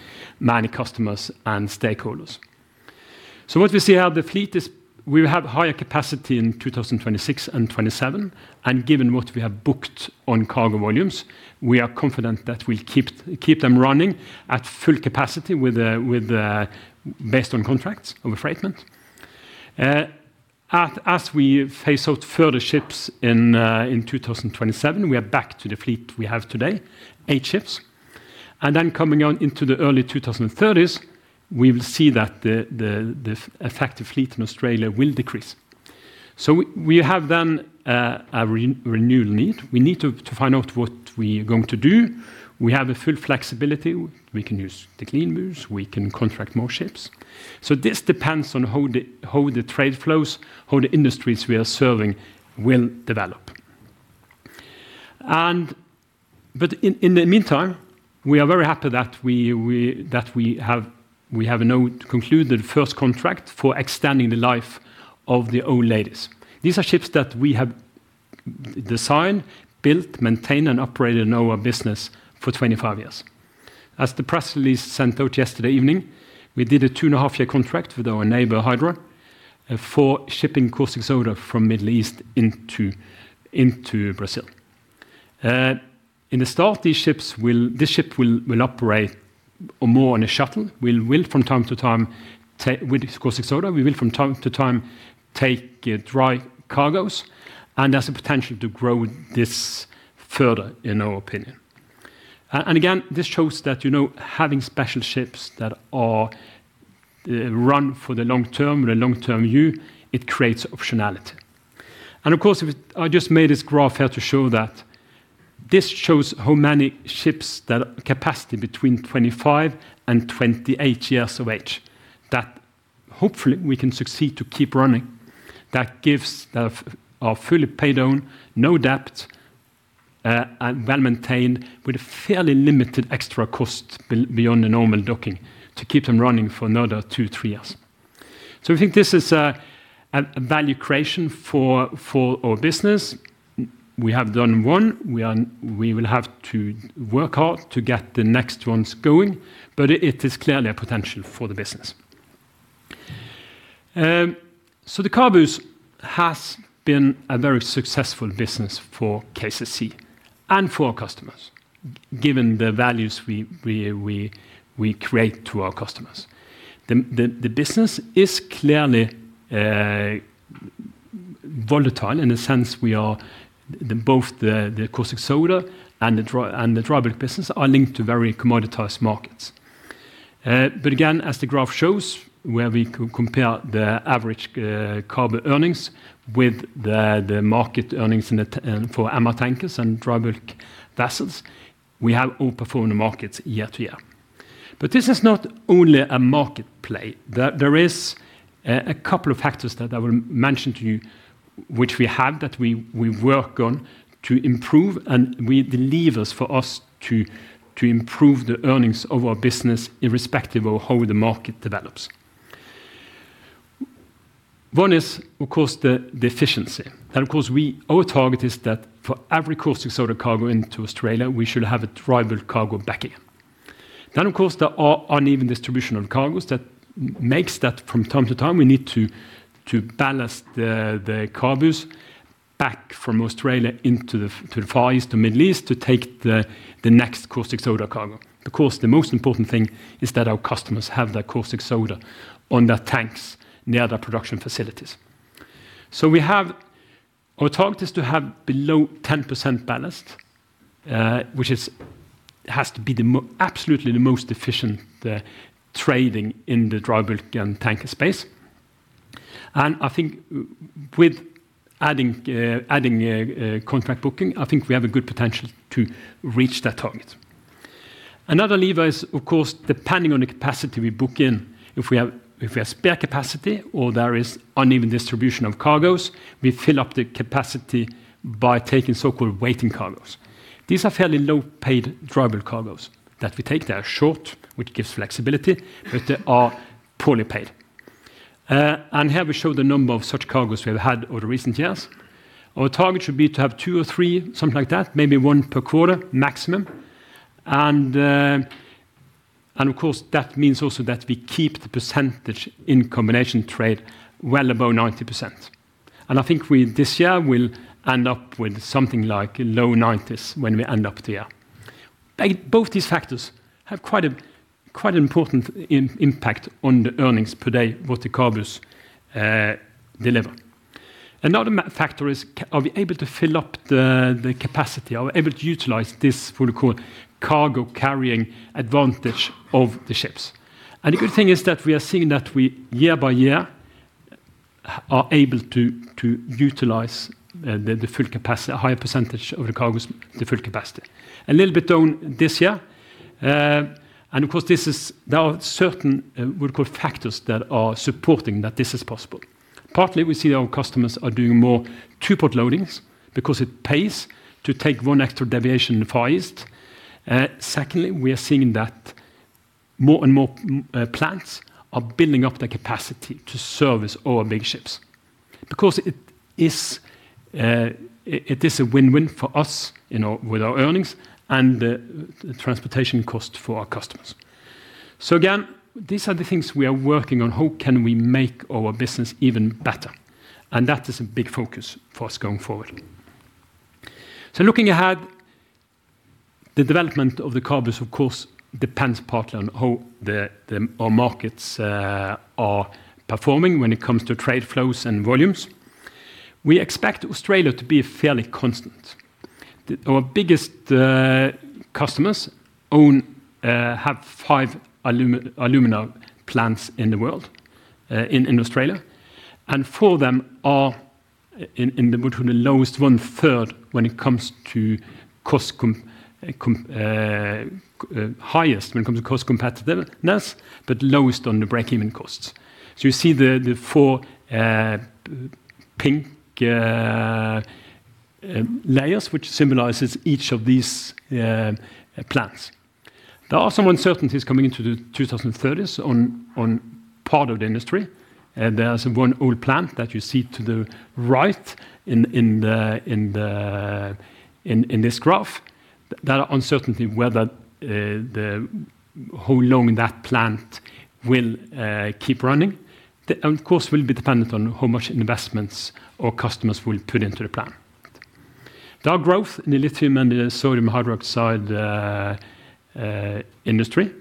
customers and stakeholders, so what we see here, the fleet is we have higher capacity in 2026 and 2027. And given what we have booked on cargo volumes, we are confident that we'll keep them running at full capacity based on contracts of affreightment. As we phase out further ships in 2027, we are back to the fleet we have today, eight ships. And then coming on into the early 2030s, we will see that the effective fleet in Australia will decrease. So we have then a renewal need. We need to find out what we are going to do. We have a full flexibility. We can use the CLEANBUs. We can contract more ships. So this depends on how the trade flows, how the industries we are serving will develop. But in the meantime, we are very happy that we have now concluded the first contract for extending the life of the old ladies. These are ships that we have designed, built, maintained, and operated in our business for 25 years. As the press release sent out yesterday evening, we did a two-and-a-half-year contract with our neighbor, Hydro, for shipping caustic soda from the Middle East into Brazil. In the start, this ship will operate more on a shuttle. We will, from time to time, with caustic soda, take dry cargoes. And there's a potential to grow this further, in our opinion. And again, this shows that having special ships that are run for the long term, the long-term view, it creates optionality. And of course, I just made this graph here to show how many ships that are between 25 and 28 years of age that hopefully we can succeed to keep running. That gives are fully paid down, no debt, and well maintained with a fairly limited extra cost beyond the normal docking to keep them running for another two or three years. So we think this is a value creation for our business. We have done one. We will have to work hard to get the next ones going, but it is clearly a potential for the business. So the CABUs has been a very successful business for KCC and for our customers, given the values we create to our customers. The business is clearly volatile in the sense we are both the caustic soda and the dry bulk business are linked to very commoditized markets. But again, as the graph shows, where we compare the average CABU earnings with the market earnings for MR tankers and dry bulk vessels, we have outperformed the markets year to year. But this is not only a market play. There are a couple of factors that I will mention to you which we have that we work on to improve, and we believe for us to improve the earnings of our business irrespective of how the market develops. One is, of course, the efficiency, and of course, our target is that for every caustic soda cargo into Australia, we should have a triangular cargo backhaul, then, of course, there are uneven distribution of cargos that makes that, from time to time, we need to balance the CABUs back from Australia into the Far East or Middle East to take the next caustic soda cargo. Of course, the most important thing is that our customers have that caustic soda on their tanks near their production facilities. So our target is to have below 10% ballast, which has to be absolutely the most efficient trading in the dry bulk and tanker space. And I think with adding contract booking, I think we have a good potential to reach that target. Another lever is, of course, depending on the capacity we book in. If we have spare capacity or there is uneven distribution of cargoes, we fill up the capacity by taking so-called waiting cargoes. These are fairly low-paid dry bulk cargoes that we take. They are short, which gives flexibility, but they are poorly paid. And here we show the number of such cargoes we have had over recent years. Our target should be to have two or three, something like that, maybe one per quarter maximum. And of course, that means also that we keep the percentage in combination trade well above 90%. And I think this year we'll end up with something like low 90s when we end up the year. Both these factors have quite an important impact on the earnings per day what the CABUs deliver. Another factor is, are we able to fill up the capacity? Are we able to utilize this what we call cargo carrying advantage of the ships? And the good thing is that we are seeing that we, year by year, are able to utilize the full capacity, a higher percentage of the cargos, the full capacity. A little bit down this year. And of course, there are certain what we call factors that are supporting that this is possible. Partly, we see that our customers are doing more two-port loadings because it pays to take one extra deviation in the Far East. Secondly, we are seeing that more and more plants are building up their capacity to service our big ships. Because it is a win-win for us with our earnings and the transportation cost for our customers. So again, these are the things we are working on. How can we make our business even better? And that is a big focus for us going forward. So looking ahead, the development of the CABUs, of course, depends partly on how our markets are performing when it comes to trade flows and volumes. We expect Australia to be fairly constant. Our biggest customers have five alumina plants in the world in Australia. And four of them are in the lowest 1/3 when it comes to cost highest, when it comes to cost competitiveness, but lowest on the break-even costs. So you see the four pink layers, which symbolizes each of these plants. There are some uncertainties coming into the 2030s on part of the industry. There's one old plant that you see to the right in this graph. There are uncertainties whether how long that plant will keep running, and of course, it will be dependent on how much investments our customers will put into the plant. There are growth in the lithium and the sodium hydroxide industry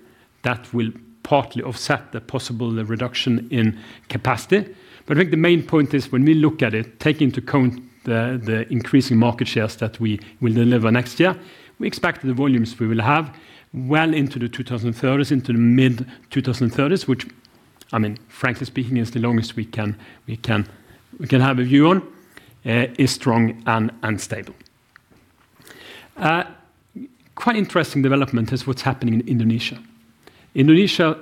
that will partly offset the possible reduction in capacity, but I think the main point is, when we look at it, taking into account the increasing market shares that we will deliver next year, we expect the volumes we will have well into the 2030s, into the mid-2030s, which, I mean, frankly speaking, is the longest we can have a view on, is strong and stable. Quite interesting development is what's happening in Indonesia. Indonesia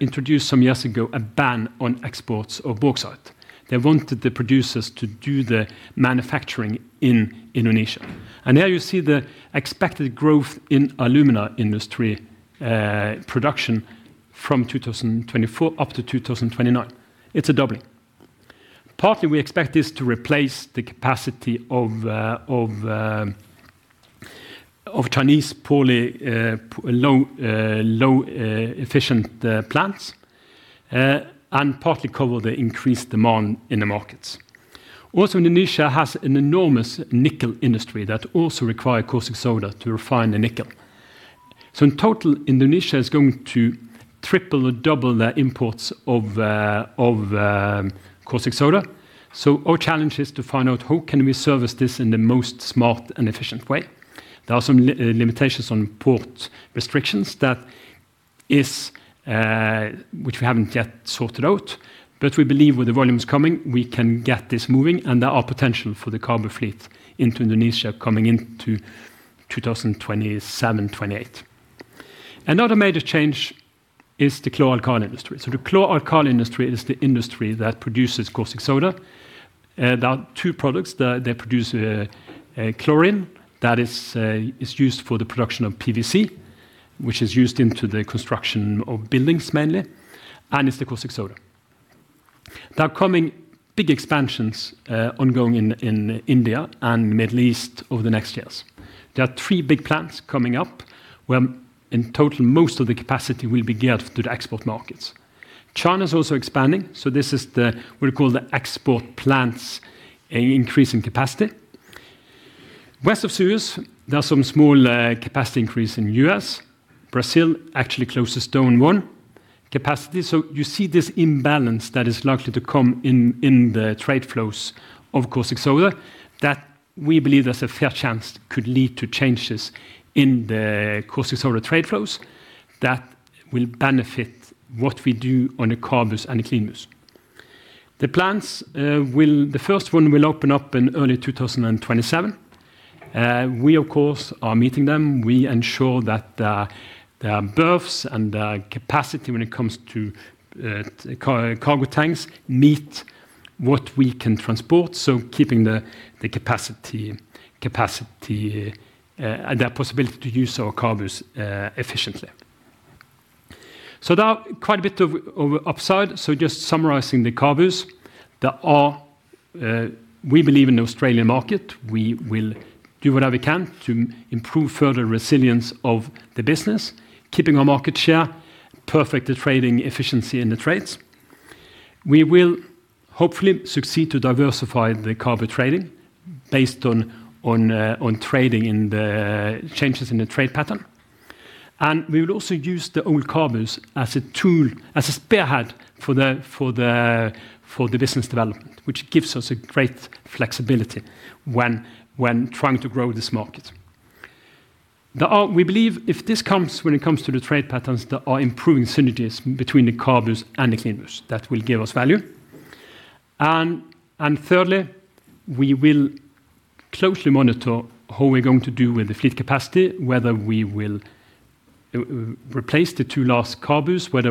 introduced some years ago a ban on exports of bauxite. They wanted the producers to do the manufacturing in Indonesia, and there you see the expected growth in alumina industry production from 2024 up to 2029. It's a doubling. Partly, we expect this to replace the capacity of Chinese poorly efficient plants and partly cover the increased demand in the markets. Also, Indonesia has an enormous nickel industry that also requires caustic soda to refine the nickel, so in total, Indonesia is going to triple or double their imports of caustic soda, so our challenge is to find out how can we service this in the most smart and efficient way. There are some limitations on port restrictions that we haven't yet sorted out, but we believe with the volumes coming, we can get this moving, and there are potential for the CABU fleet into Indonesia coming into 2027-2028. Another major change is the chlor-alkali industry. So the chlor-alkali industry is the industry that produces caustic soda. There are two products. They produce chlorine that is used for the production of PVC, which is used into the construction of buildings mainly, and it's the caustic soda. There are coming big expansions ongoing in India and the Middle East over the next years. There are three big plants coming up where in total, most of the capacity will be geared to the export markets. China is also expanding. So this is what we call the export plants increasing capacity. West of Suez, there's some small capacity increase in the U.S. Brazil actually closes down one capacity. You see this imbalance that is likely to come in the trade flows of caustic soda that we believe there's a fair chance could lead to changes in the caustic soda trade flows that will benefit what we do on the CABUs and the CLEANBUs. The first one will open up in early 2027. We, of course, are meeting them. We ensure that their berths and their capacity when it comes to cargo tanks meet what we can transport. So keeping the capacity and their possibility to use our CABUs efficiently. So there are quite a bit of upside. So just summarizing the CABUs, we believe in the Australian market. We will do whatever we can to improve further resilience of the business, keeping our market share, perfect the trading efficiency in the trades. We will hopefully succeed to diversify the CABU trading based on changes in the trade pattern, and we will also use the old CABUs as a tool, as a spearhead for the business development, which gives us a great flexibility when trying to grow this market. We believe if this comes when it comes to the trade patterns, there are improving synergies between the CABUs and the CLEANBUs that will give us value, and thirdly, we will closely monitor how we're going to do with the fleet capacity, whether we will replace the two last CABUs, whether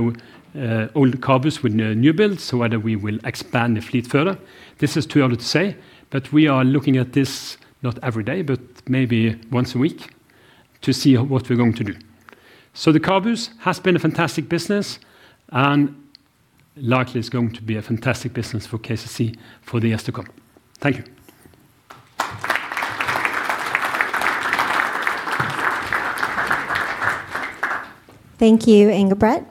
old CABUs with new builds, or whether we will expand the fleet further. This is too early to say, but we are looking at this not every day, but maybe once a week to see what we're going to do. So the CABUs has been a fantastic business and likely is going to be a fantastic business for KCC for the years to come. Thank you. Thank you, Engebret.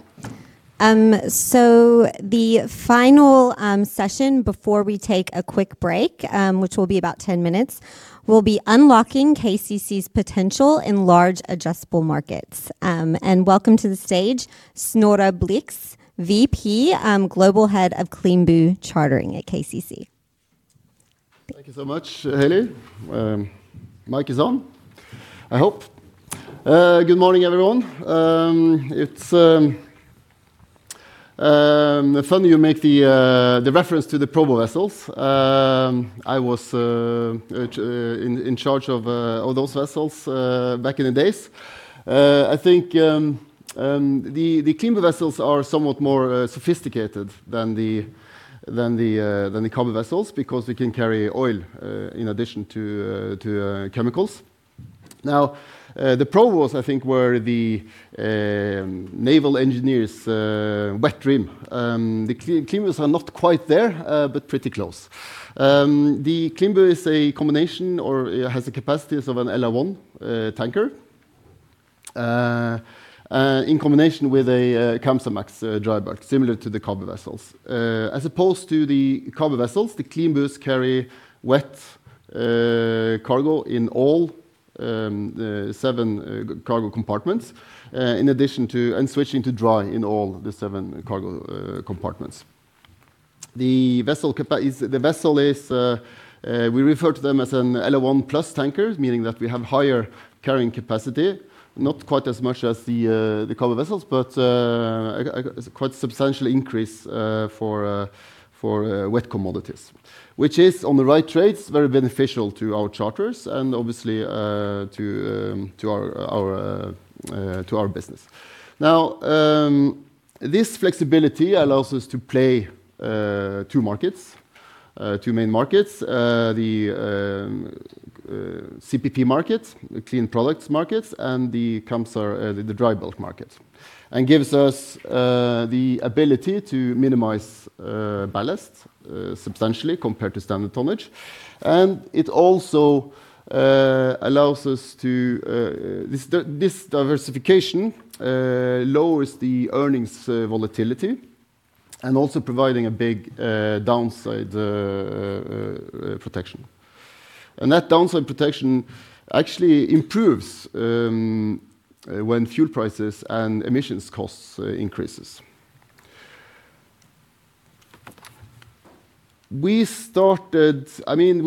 So the final session before we take a quick break, which will be about 10 minutes, will be unlocking KCC's potential in large addressable markets. And welcome to the stage, Snorre Blix, VP and Global Head of CLEANBU Chartering at KCC. Thank you so much, Haley. Mic is on, I hope. Good morning, everyone. It's funny you make the reference to the PROBO vessels. I was in charge of those vessels back in the days. I think the CLEANBU vessels are somewhat more sophisticated than the CABU vessels because we can carry oil in addition to chemicals. Now, the PROBOs, I think, were the naval engineers' wet dream. The CLEANBUs are not quite there, but pretty close. The CLEANBU is a combination or has the capacities of an LR1-tanker in combination with a Kamsarmax dry bulk, similar to the CABU vessels. As opposed to the CABU vessels, the CLEANBUs carry wet cargo in all seven cargo compartments, in addition to switching to dry in all the seven cargo compartments. The vessel, we refer to them as an LR1+ tanker, meaning that we have higher carrying capacity, not quite as much as the CABU vessels, but quite a substantial increase for wet commodities, which is, on the right trades, very beneficial to our charters and obviously to our business. Now, this flexibility allows us to play two markets, two main markets, the CPP market, the clean products markets, and the Kamsarmax, the dry bulk market, and gives us the ability to minimize ballast substantially compared to standard tonnage. And it also allows us to this diversification lowers the earnings volatility and also providing a big downside protection. And that downside protection actually improves when fuel prices and emissions costs increase. We started, I mean,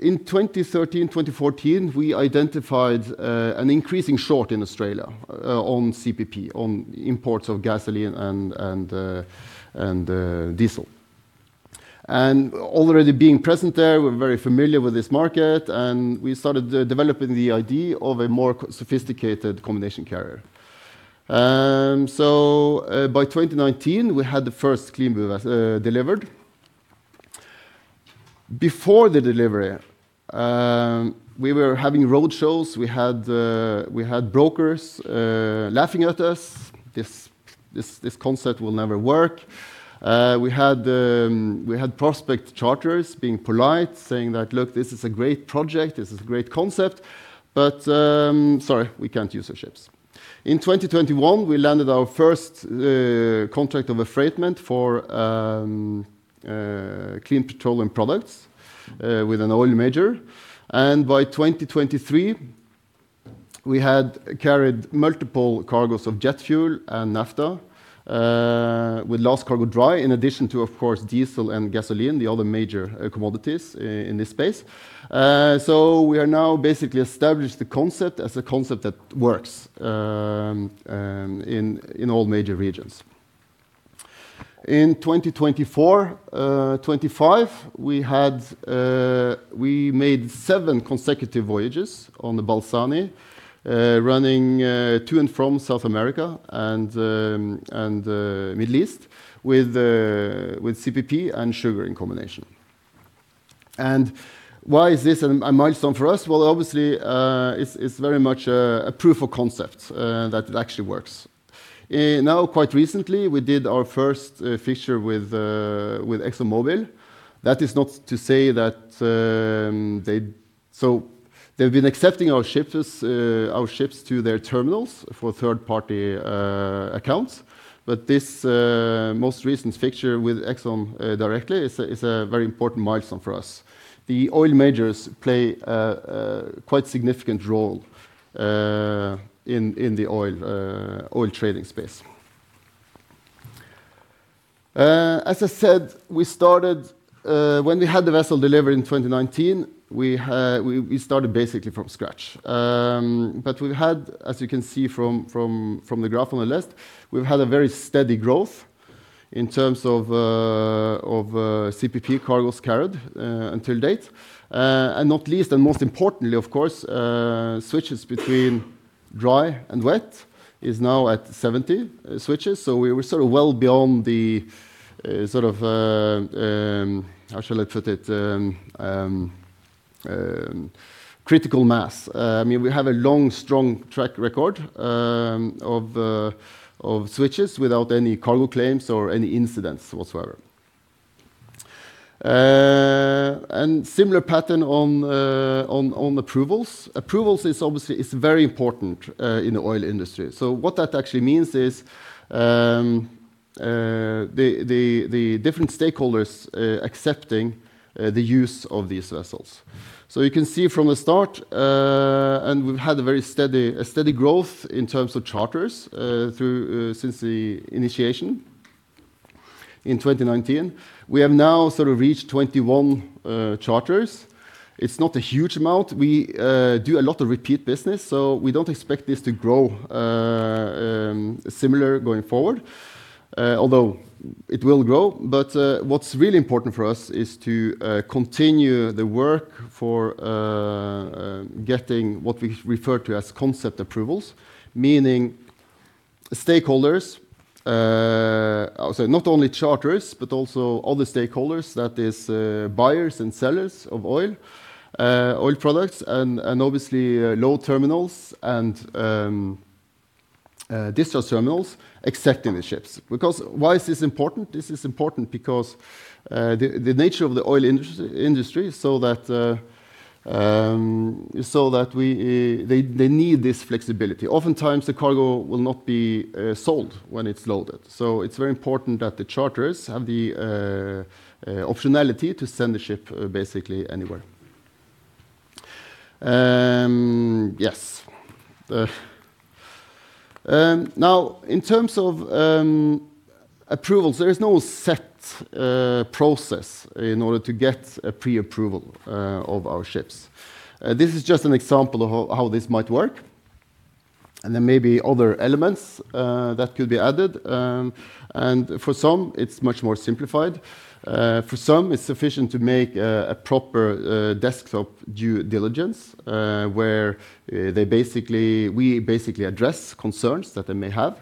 in 2013, 2014, we identified an increasing shortage in Australia on CPP, on imports of gasoline and diesel. And already being present there, we're very familiar with this market, and we started developing the idea of a more sophisticated combination carrier. So by 2019, we had the first CLEANBU delivered. Before the delivery, we were having road shows. We had brokers laughing at us. This concept will never work. We had prospective charterers being polite, saying that, "Look, this is a great project. This is a great concept. But sorry, we can't use your ships." In 2021, we landed our first contract of affreightment for clean petroleum products with an oil major. By 2023, we had carried multiple cargoes of jet fuel and naphtha with last cargo dry, in addition to, of course, diesel and gasoline, the other major commodities in this space. We are now basically established the concept as a concept that works in all major regions. In 2024-2025, we made seven consecutive voyages on the Balzani, running to and from South America and the Middle East with CPP and sugar in combination. Why is this a milestone for us? Obviously, it's very much a proof of concept that it actually works. Now, quite recently, we did our first fixture with ExxonMobil. That is not to say that they haven't, so they've been accepting our ships to their terminals for third-party accounts. This most recent fixture with Exxon directly is a very important milestone for us. The oil majors play quite a significant role in the oil trading space. As I said, when we had the vessel delivered in 2019, we started basically from scratch, but we've had, as you can see from the graph on the left, we've had a very steady growth in terms of CPP cargoes carried to date, and not least, and most importantly, of course, switches between dry and wet is now at 70 switches, so we're sort of well beyond the sort of, how shall I put it, critical mass. I mean, we have a long, strong track record of switches without any cargo claims or any incidents whatsoever, and similar pattern on approvals. Approvals is very important in the oil industry, so what that actually means is the different stakeholders accepting the use of these vessels. So you can see from the start, and we've had a very steady growth in terms of charters since the initiation in 2019. We have now sort of reached 21 charters. It's not a huge amount. We do a lot of repeat business, so we don't expect this to grow similar going forward, although it will grow. But what's really important for us is to continue the work for getting what we refer to as concept approvals, meaning stakeholders, not only charters, but also other stakeholders, that is, buyers and sellers of oil, oil products, and obviously load terminals and discharge terminals accepting the ships. Because why is this important? This is important because the nature of the oil industry is so that they need this flexibility. Oftentimes, the cargo will not be sold when it's loaded. So it's very important that the charters have the optionality to send the ship basically anywhere. Yes. Now, in terms of approvals, there is no set process in order to get a pre-approval of our ships. This is just an example of how this might work. And there may be other elements that could be added. And for some, it's much more simplified. For some, it's sufficient to make a proper desktop due diligence where we basically address concerns that they may have.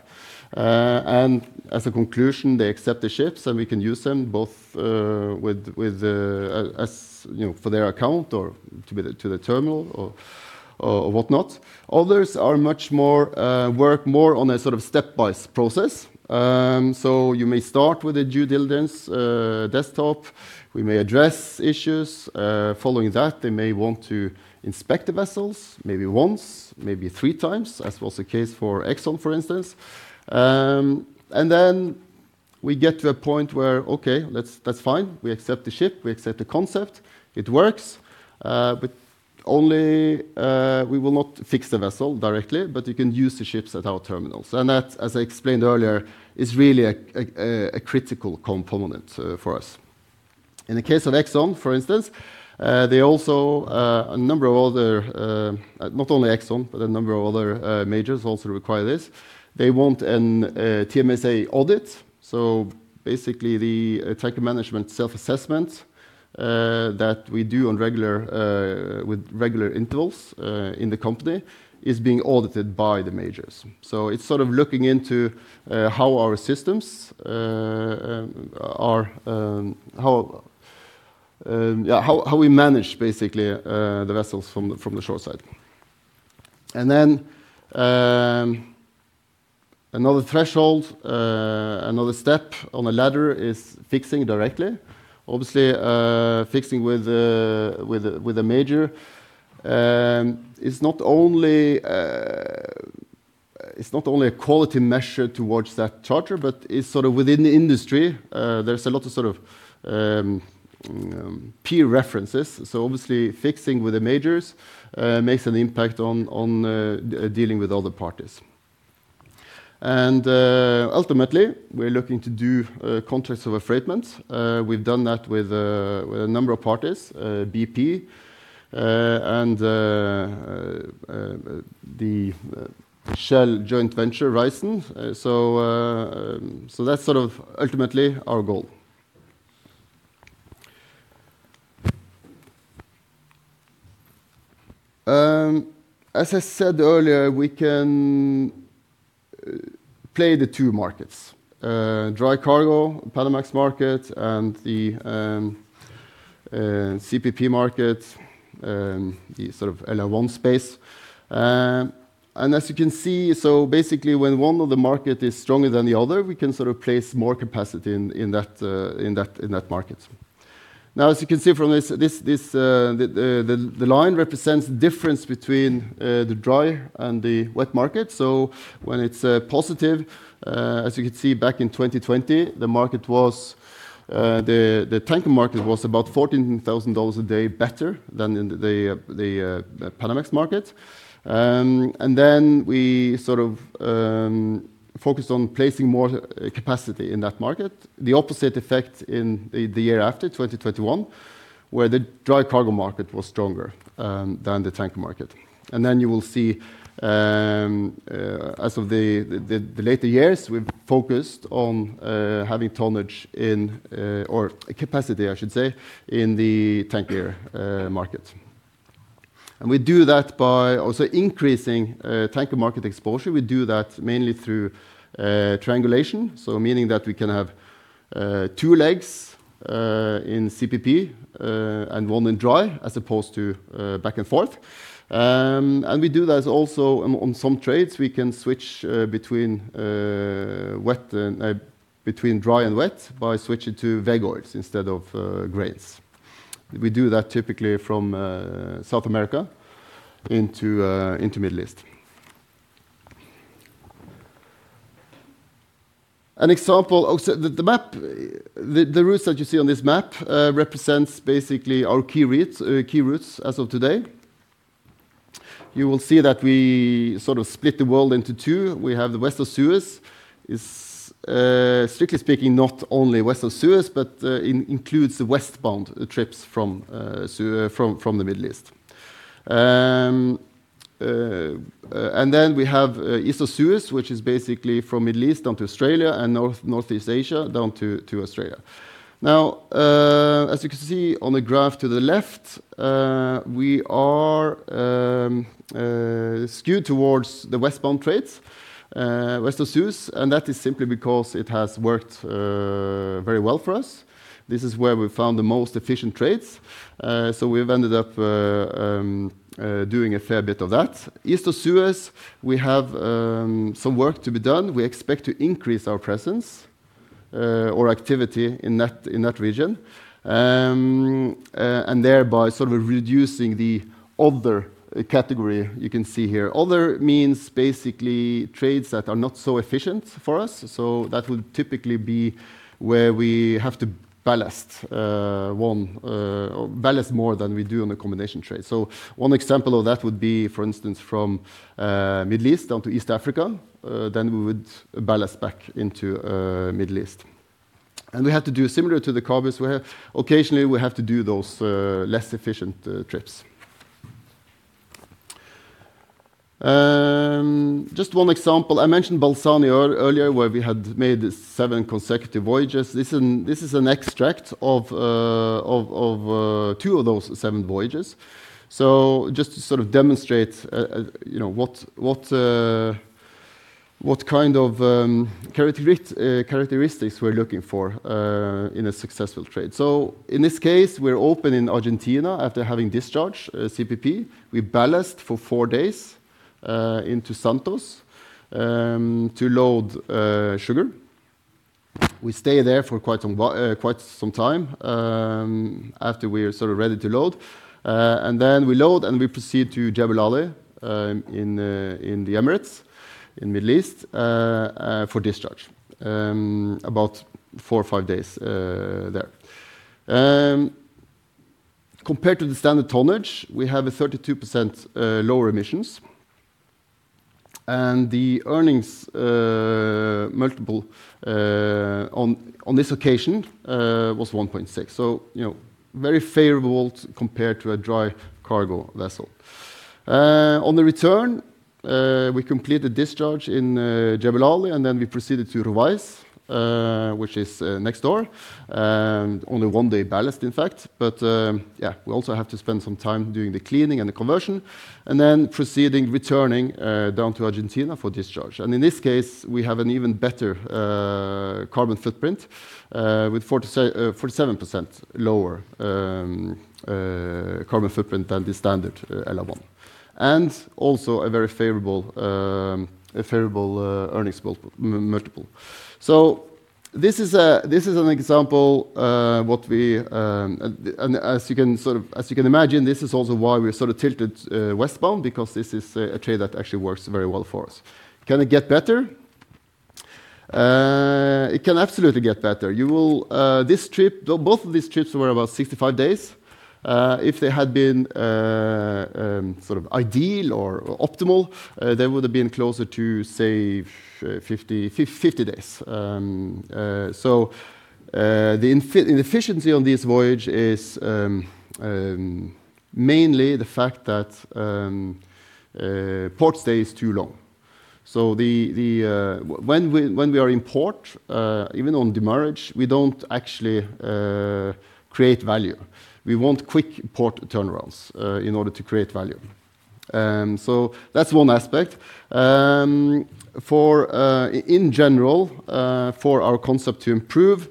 And as a conclusion, they accept the ships, and we can use them both as for their account or to the terminal or whatnot. Others work more on a sort of stepwise process. So you may start with a due diligence desktop. We may address issues. Following that, they may want to inspect the vessels, maybe once, maybe three times, as was the case for Exxon, for instance, and then we get to a point where, okay, that's fine. We accept the ship. We accept the concept. It works, but only we will not fix the vessel directly, but you can use the ships at our terminals, and that, as I explained earlier, is really a critical component for us. In the case of Exxon, for instance, they also a number of other, not only Exxon, but a number of other majors also require this. They want a TMSA audit, so basically, the Tanker Management and Self-Assessment that we do with regular intervals in the company is being audited by the majors, so it's sort of looking into how our systems are, how we manage basically the vessels from the shore side. And then another threshold, another step on a ladder, is fixing directly. Obviously, fixing with a major is not only a quality measure towards that charter, but is sort of within the industry. There's a lot of sort of peer references. So obviously, fixing with the majors makes an impact on dealing with other parties. And ultimately, we're looking to do contracts of affreightment. We've done that with a number of parties, BP and the Shell joint venture, Raízen. So that's sort of ultimately our goal. As I said earlier, we can play the two markets, dry cargo, Panamax market, and the CPP market, the sort of LR1 space. And as you can see, so basically, when one of the markets is stronger than the other, we can sort of place more capacity in that market. Now, as you can see from this, the line represents the difference between the dry and the wet market. So when it's positive, as you can see back in 2020, the tanker market was about $14,000 a day better than the Panamax market. And then we sort of focused on placing more capacity in that market. The opposite effect in the year after, 2021, where the dry cargo market was stronger than the tanker market. And then you will see as of the later years, we've focused on having tonnage, or capacity, I should say, in the tanker market. And we do that by also increasing tanker market exposure. We do that mainly through triangulation, so meaning that we can have two legs in CPP and one in dry as opposed to back and forth. And we do that also on some trades. We can switch between dry and wet by switching to veg oils instead of grains. We do that typically from South America into the Middle East. An example, the routes that you see on this map represents basically our key routes as of today. You will see that we sort of split the world into two. We have the West of Suez, strictly speaking, not only West of Suez, but includes the westbound trips from the Middle East. And then we have East of Suez, which is basically from Middle East down to Australia and Northeast Asia down to Australia. Now, as you can see on the graph to the left, we are skewed towards the westbound trades, West of Suez, and that is simply because it has worked very well for us. This is where we found the most efficient trades. So we've ended up doing a fair bit of that. East of Suez, we have some work to be done. We expect to increase our presence or activity in that region and thereby sort of reducing the other category you can see here. Other means basically trades that are not so efficient for us. So that would typically be where we have to ballast more than we do on the combination trade. So one example of that would be, for instance, from Middle East down to East Africa, then we would ballast back into Middle East. And we have to do similar to the cargo where occasionally we have to do those less efficient trips. Just one example, I mentioned Balzani earlier where we had made seven consecutive voyages. This is an extract of two of those seven voyages. So just to sort of demonstrate what kind of characteristics we're looking for in a successful trade. So in this case, we're open in Argentina after having discharged CPP. We ballast for four days into Santos to load sugar. We stay there for quite some time after we're sort of ready to load. And then we load and we proceed to Jebel Ali in the Emirates in Middle East for discharge, about four or five days there. Compared to the standard tonnage, we have a 32% lower emissions. And the earnings multiple on this occasion was 1.6. So very favorable compared to a dry cargo vessel. On the return, we complete the discharge in Jebel Ali, and then we proceeded to Ruwais, which is next door, only one day ballast, in fact. Yeah, we also have to spend some time doing the cleaning and the conversion and then proceeding returning down to Argentina for discharge. In this case, we have an even better carbon footprint with 47% lower carbon footprint than the standard LR1 and also a very favorable earnings multiple. This is an example what we and as you can sort of imagine, this is also why we're sort of tilted westbound because this is a trade that actually works very well for us. Can it get better? It can absolutely get better. This trip, both of these trips were about 65 days. If they had been sort of ideal or optimal, they would have been closer to, say, 50 days. The inefficiency on this voyage is mainly the fact that port stays too long. So when we are in port, even on demurrage, we don't actually create value. We want quick port turnarounds in order to create value. So that's one aspect. In general, for our concept to improve,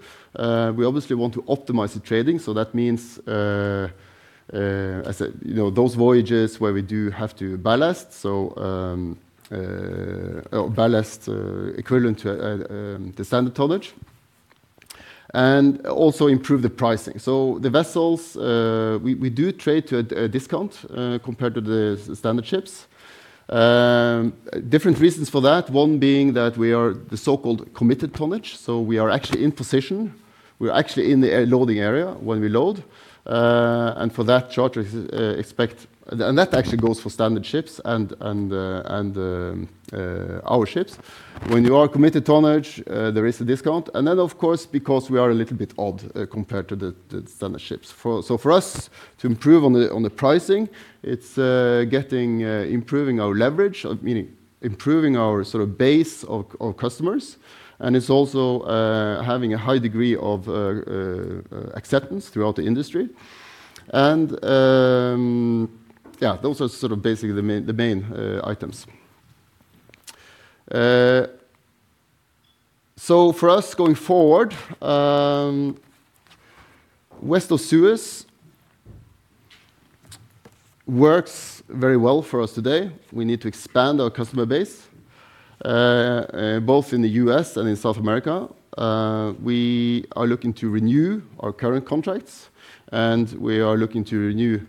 we obviously want to optimize the trading. So that means those voyages where we do have to ballast or ballast equivalent to the standard tonnage and also improve the pricing. So the vessels we do trade at a discount compared to the standard ships. Different reasons for that, one being that we are the so-called committed tonnage. So we are actually in position. We're actually in the loading area when we load. And for that, charterers expect and that actually goes for standard ships and our ships. When you are committed tonnage, there is a discount. And then, of course, because we are a little bit odd compared to the standard ships. So for us to improve on the pricing, it's improving our leverage, meaning improving our sort of base of customers. And it's also having a high degree of acceptance throughout the industry. And yeah, those are sort of basically the main items. So for us going forward, West of Suez works very well for us today. We need to expand our customer base both in the U.S. and in South America. We are looking to renew our current contracts, and we are looking to renew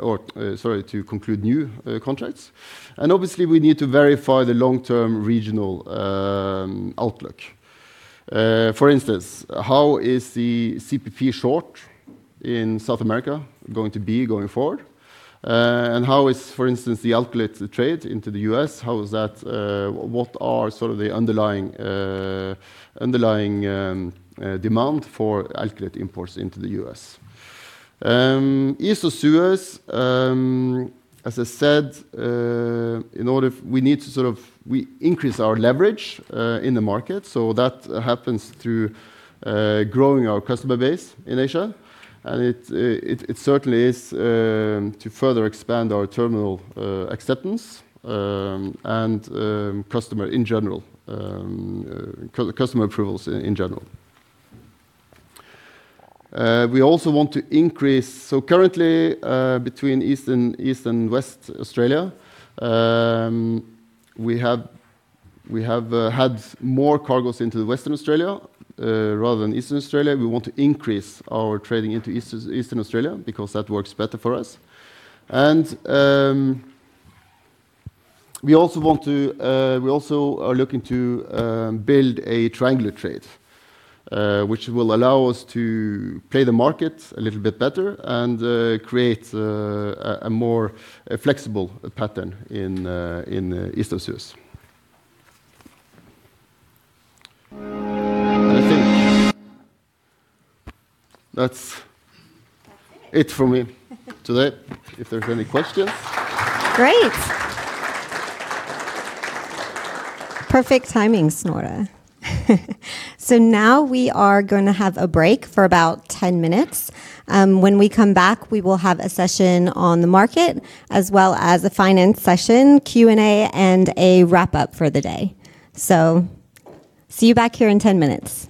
or, sorry, to conclude new contracts. And obviously, we need to verify the long-term regional outlook. For instance, how is the CPP short in South America going to be going forward? And how is, for instance, the alkylate trade into the U.S.? How is that? What are sort of the underlying demand for alkylate imports into the U.S.? East of Suez, as I said. In order we need to sort of increase our leverage in the market, so that happens through growing our customer base in Asia. It certainly is to further expand our terminal acceptance and customer in general, customer approvals in general. We also want to increase. Currently, between East and West Australia, we have had more cargoes into Western Australia rather than Eastern Australia. We want to increase our trading into Eastern Australia because that works better for us. We also are looking to build a triangular trade, which will allow us to play the market a little bit better and create a more flexible pattern in East of Suez. I think that's it for me today. If there's any questions. Great. Perfect timing, Snorre. So now we are going to have a break for about 10 minutes. When we come back, we will have a session on the market as well as a finance session, Q&A, and a wrap-up for the day. So see you back here in 10 minutes.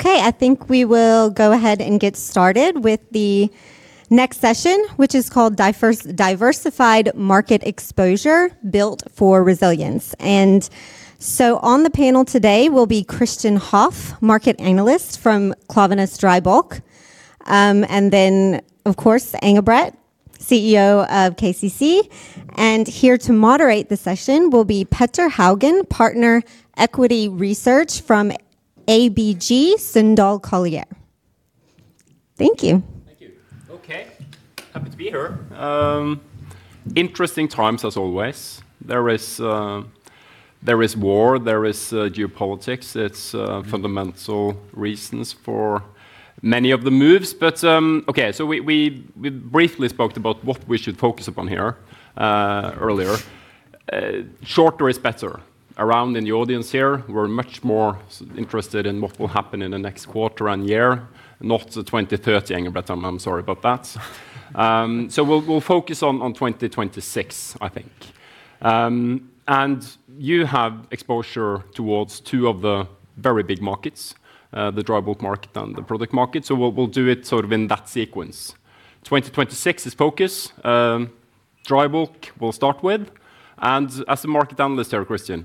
Okay, I think we will go ahead and get started with the next session, which is called Diversified Market Exposure: Built for Resilience. And so on the panel today will be Kristian Hauff, Market Analyst from Klaveness Dry Bulk, and then, of course, Engebret, CEO of KCC. And here to moderate the session will be Petter Haugen, Partner Equity Research from ABG Sundal Collier. Thank you. Thank you. Okay, happy to be here. Interesting times, as always. There is war, there is geopolitics. It's fundamental reasons for many of the moves. But okay, so we briefly spoke about what we should focus upon here earlier. Shorter is better. Around in the audience here, we're much more interested in what will happen in the next quarter and year, not the 2030, Engebret, I'm sorry about that. So we'll focus on 2026, I think. And you have exposure towards two of the very big markets, the Dry Bulk market and the product market. So we'll do it sort of in that sequence. 2026 is focus. Dry Bulk we'll start with. And as a market analyst here, Kristian,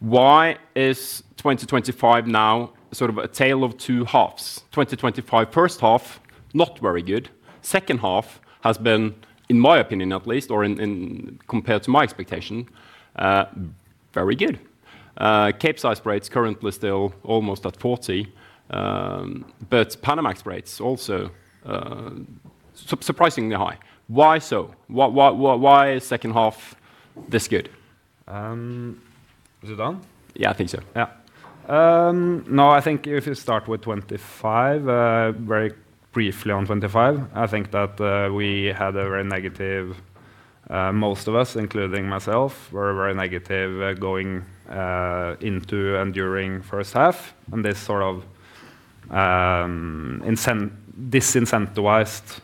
why is 2025 now sort of a tale of two halves? 2025 first half, not very good. Second half has been, in my opinion at least, or compared to my expectation, very good. Capesize rates currently still almost at 40, but Panamax rates also surprisingly high. Why so? Why is second half this good? Is it on? Yeah, I think so. Yeah. No, I think if you start with 2025, very briefly on 2025, I think that we had a very negative, most of us, including myself, were very negative going into and during first half, and this sort of disincentivized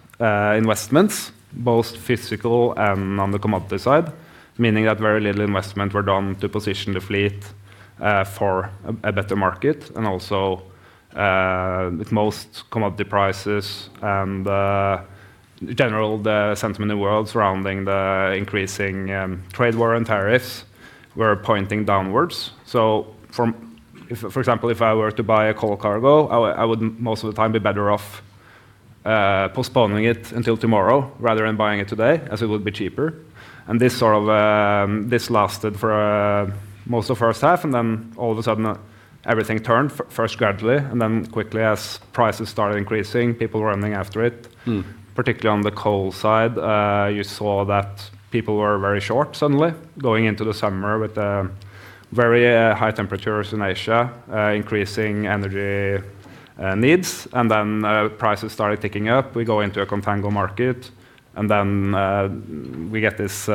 investments, both physical and on the commodity side, meaning that very little investment were done to position the fleet for a better market, and also, with most commodity prices and general sentiment in the world surrounding the increasing trade war and tariffs, we're pointing downwards, so for example, if I were to buy a coal cargo, I would most of the time be better off postponing it until tomorrow rather than buying it today, as it would be cheaper, and this sort of lasted for most of the first half, and then all of a sudden, everything turned first gradually. And then quickly, as prices started increasing, people were running after it. Particularly on the coal side, you saw that people were very short suddenly going into the summer with very high temperatures in Asia, increasing energy needs. And then prices started ticking up. We go into a contango market, and then we get this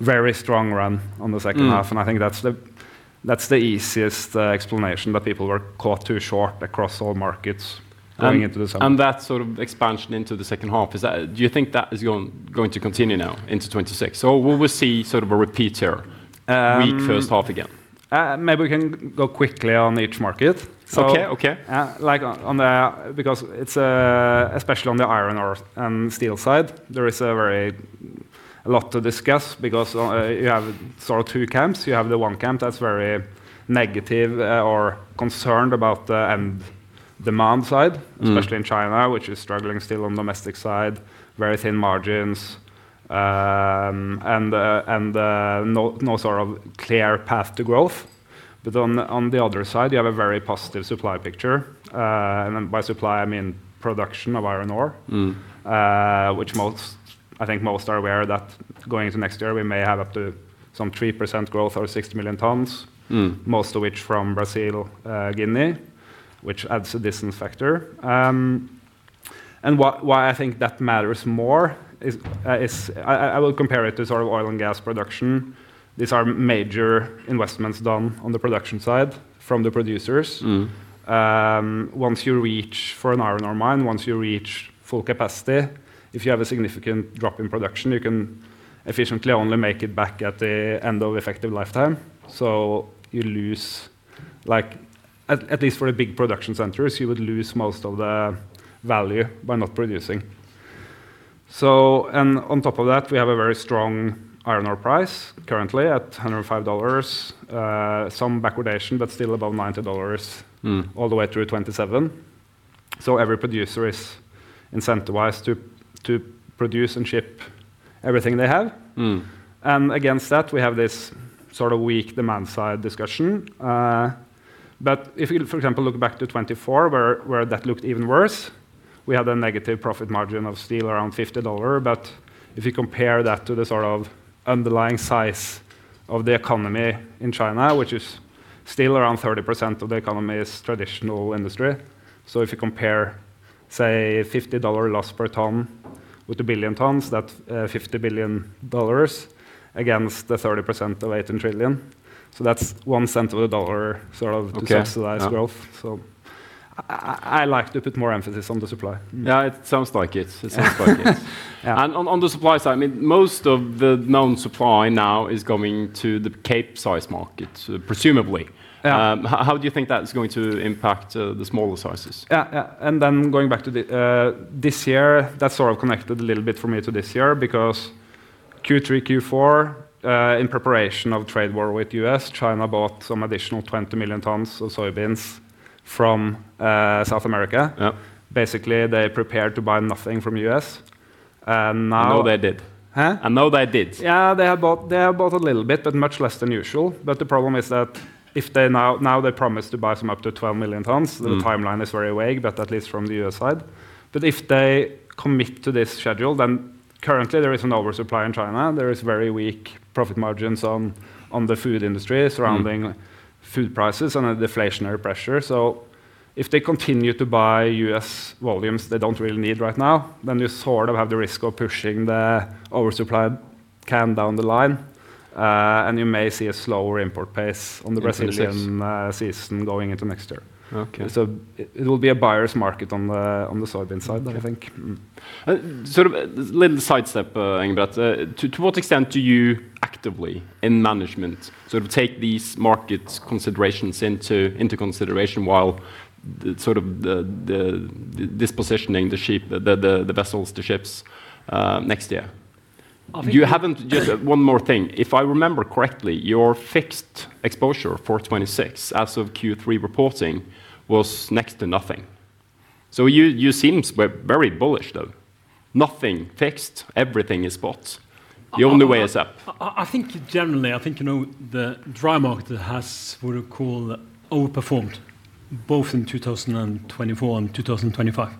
very strong run on the second half. And I think that's the easiest explanation that people were caught too short across all markets going into the summer. And that sort of expansion into the second half, do you think that is going to continue now into 2026? Or will we see sort of a repeat here, weak first half again? Maybe we can go quickly on each market. Okay, okay. Like on the, because it's especially on the iron ore and steel side, there is a very lot to discuss because you have sort of two camps. You have the one camp that's very negative or concerned about the end demand side, especially in China, which is struggling still on the domestic side, very thin margins, and no sort of clear path to growth, but on the other side, you have a very positive supply picture, and by supply, I mean production of iron ore, which most, I think most are aware that going into next year, we may have up to some 3% growth or 6 million tonnes, most of which from Brazil, Guinea, which adds a disincentive, and why I think that matters more is I will compare it to sort of oil and gas production. These are major investments done on the production side from the producers. Once you reach for an iron ore mine, once you reach full capacity, if you have a significant drop in production, you can efficiently only make it back at the end of effective lifetime. So you lose, like at least for the big production centers, you would lose most of the value by not producing. So on top of that, we have a very strong iron ore price currently at $105, some backwardation, but still above $90 all the way through 2027. So every producer is incentivized to produce and ship everything they have. And against that, we have this sort of weak demand side discussion. But if you, for example, look back to 2024, where that looked even worse, we had a negative profit margin of steel around $50. But if you compare that to the sort of underlying size of the economy in China, which is still around 30% of the economy's traditional industry. So if you compare, say, $50 lost per tonne with a billion tonnes, that's $50 billion against the 30% of $18 trillion. So that's one cent of the dollar sort of to subsidize growth. So I like to put more emphasis on the supply. Yeah, it sounds like it. It sounds like it. And on the supply side, I mean, most of the known supply now is going to the Capesize market, presumably. How do you think that's going to impact the smaller sizes? Yeah, yeah. And then going back to this year, that sort of connected a little bit for me to this year because Q3, Q4, in preparation of trade war with the U.S., China bought some additional 20 million tons of soybeans from South America. Basically, they prepared to buy nothing from the U.S. I know they did. Huh? I know they did. Yeah, they have bought a little bit, but much less than usual. But the problem is that if they now, they promised to buy some up to 12 million tons. The timeline is very vague, but at least from the U.S. side. But if they commit to this schedule, then currently there is an oversupply in China. There is very weak profit margins on the food industry surrounding food prices and a deflationary pressure. So if they continue to buy U.S. volumes they don't really need right now, then you sort of have the risk of pushing the oversupply can down the line. And you may see a slower import pace on the Brazilian season going into next year. So it will be a buyer's market on the soybean side, I think. Sort of a little sidestep, Engebret. To what extent do you actively in management sort of take these market considerations into consideration while sort of positioning the vessels, the ships next year? Don't you have just one more thing. If I remember correctly, your fixed exposure for 2026 as of Q3 reporting was next to nothing. So you seem very bullish, though. Nothing fixed, everything is bought. The only way is up. I think generally, I think the dry market has what we call overperformed both in 2024 and 2025.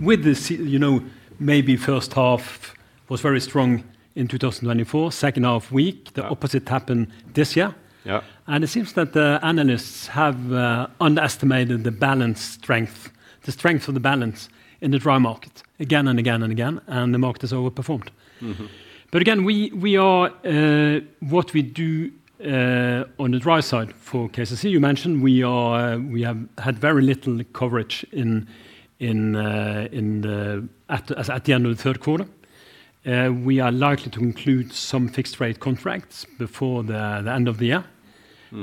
With the maybe first half was very strong in 2024, second half weak, the opposite happened this year. And it seems that the analysts have underestimated the balance strength, the strength of the balance in the dry market again and again and again, and the market has overperformed. But again, we are what we do on the dry side for KCC. You mentioned we have had very little coverage at the end of the third quarter. We are likely to include some fixed rate contracts before the end of the year.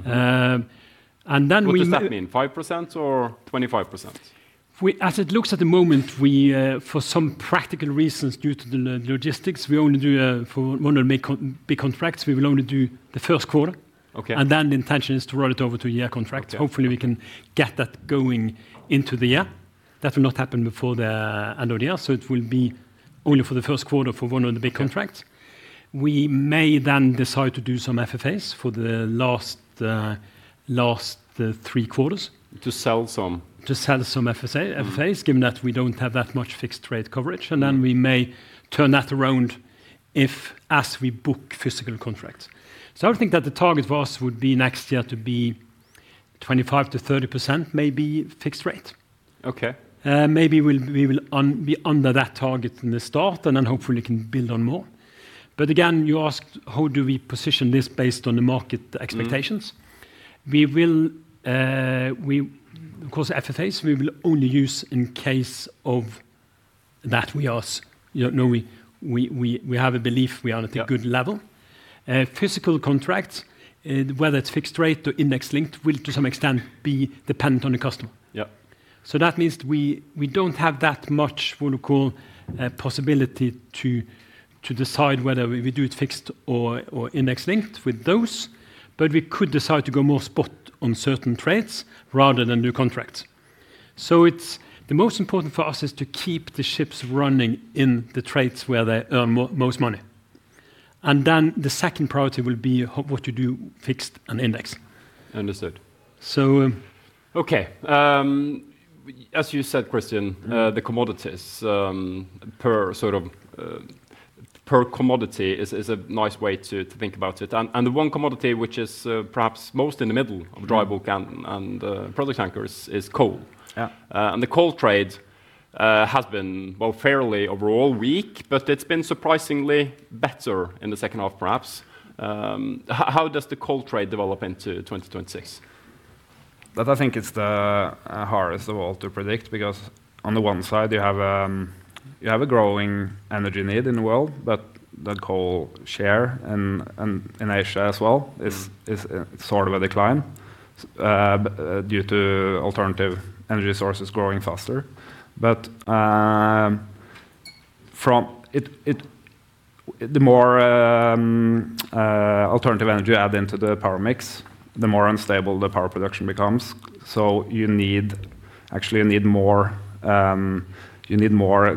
And then we. What does that mean? 5% or 25%? As it looks at the moment, for some practical reasons due to the logistics, we only do one of the big contracts. We will only do the first quarter, and then the intention is to roll it over to year contracts. Hopefully, we can get that going into the year. That will not happen before the end of the year, so it will be only for the first quarter for one of the big contracts. We may then decide to do some FFAs for the last three quarters. To sell some. To sell some FFAs, given that we don't have that much fixed rate coverage. And then we may turn that around if, as we book physical contracts. So I would think that the target for us would be next year to be 25%-30% maybe fixed rate. Okay. Maybe we will be under that target in the start, and then hopefully can build on more, but again, you asked, how do we position this based on the market expectations? Of course, FFAs, we will only use in case of that we are, you know, we have a belief we are at a good level. Physical contracts, whether it's fixed rate or index linked, will to some extent be dependent on the customer, so that means we don't have that much what we call possibility to decide whether we do it fixed or index linked with those. But we could decide to go more spot on certain trades rather than new contracts, so the most important for us is to keep the ships running in the trades where they earn most money, and then the second priority will be what you do fixed and index. Understood. So. Okay. As you said, Kristian, the commodities per sort of per commodity is a nice way to think about it, and the one commodity which is perhaps most in the middle of dry bulk and product tankers is coal, and the coal trade has been fairly overall weak, but it's been surprisingly better in the second half, perhaps. How does the coal trade develop into 2026? That I think is the hardest of all to predict because on the one side, you have a growing energy need in the world, but the coal share in Asia as well is sort of a decline due to alternative energy sources growing faster. But the more alternative energy you add into the power mix, the more unstable the power production becomes. So you need actually more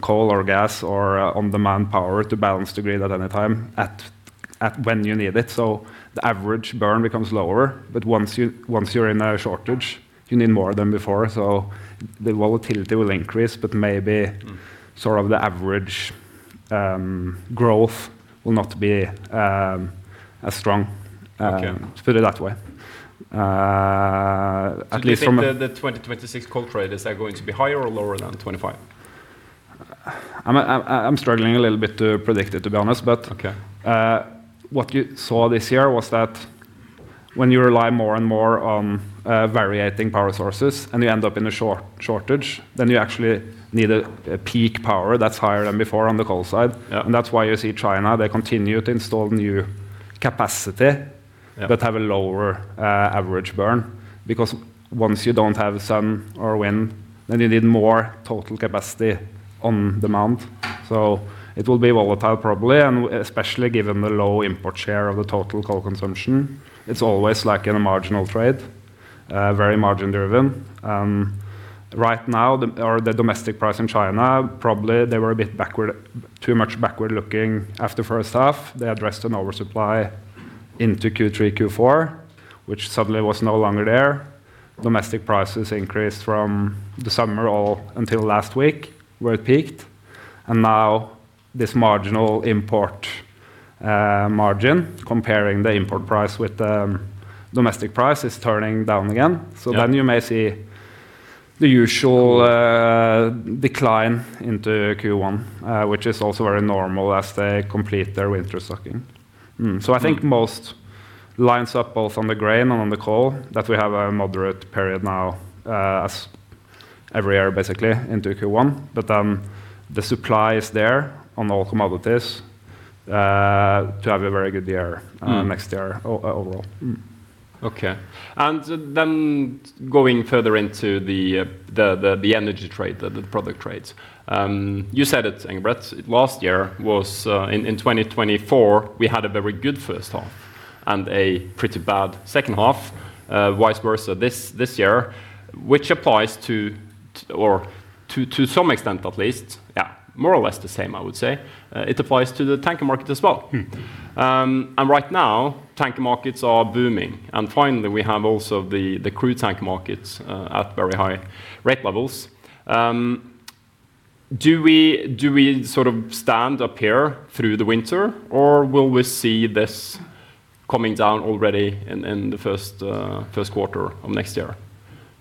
coal or gas or on-demand power to balance the grid at any time when you need it. So the average burn becomes lower, but once you're in a shortage, you need more than before. So the volatility will increase, but maybe sort of the average growth will not be as strong. Let's put it that way. I think the 2026 coal trade is going to be higher or lower than 2025? I'm struggling a little bit to predict it, to be honest, but what you saw this year was that when you rely more and more on varying power sources and you end up in a shortage, then you actually need a peak power that's higher than before on the coal side, and that's why you see China, they continue to install new capacity that have a lower average burn, because once you don't have sun or wind, then you need more total capacity on demand, so it will be volatile probably, and especially given the low import share of the total coal consumption. It's always like in a marginal trade, very margin-driven. Right now, the domestic price in China, probably they were a bit backward, too much backward looking after first half. They addressed an oversupply into Q3, Q4, which suddenly was no longer there. Domestic prices increased from the summer all until last week, where it peaked. And now this marginal import margin, comparing the import price with the domestic price, is turning down again. So then you may see the usual decline into Q1, which is also very normal as they complete their winter stocking. So I think most lines up both on the grain and on the coal that we have a moderate period now as every year basically into Q1. But then the supply is there on all commodities to have a very good year next year overall. Okay. And then going further into the energy trade, the product trades, you said it, Engebret. Last year was in 2024, we had a very good first half and a pretty bad second half, vice versa this year, which applies to, or to some extent at least, yeah, more or less the same, I would say. It applies to the tanker market as well. And right now, tanker markets are booming. And finally, we have also the crude tanker markets at very high rate levels. Do we sort of stand up here through the winter, or will we see this coming down already in the first quarter of next year?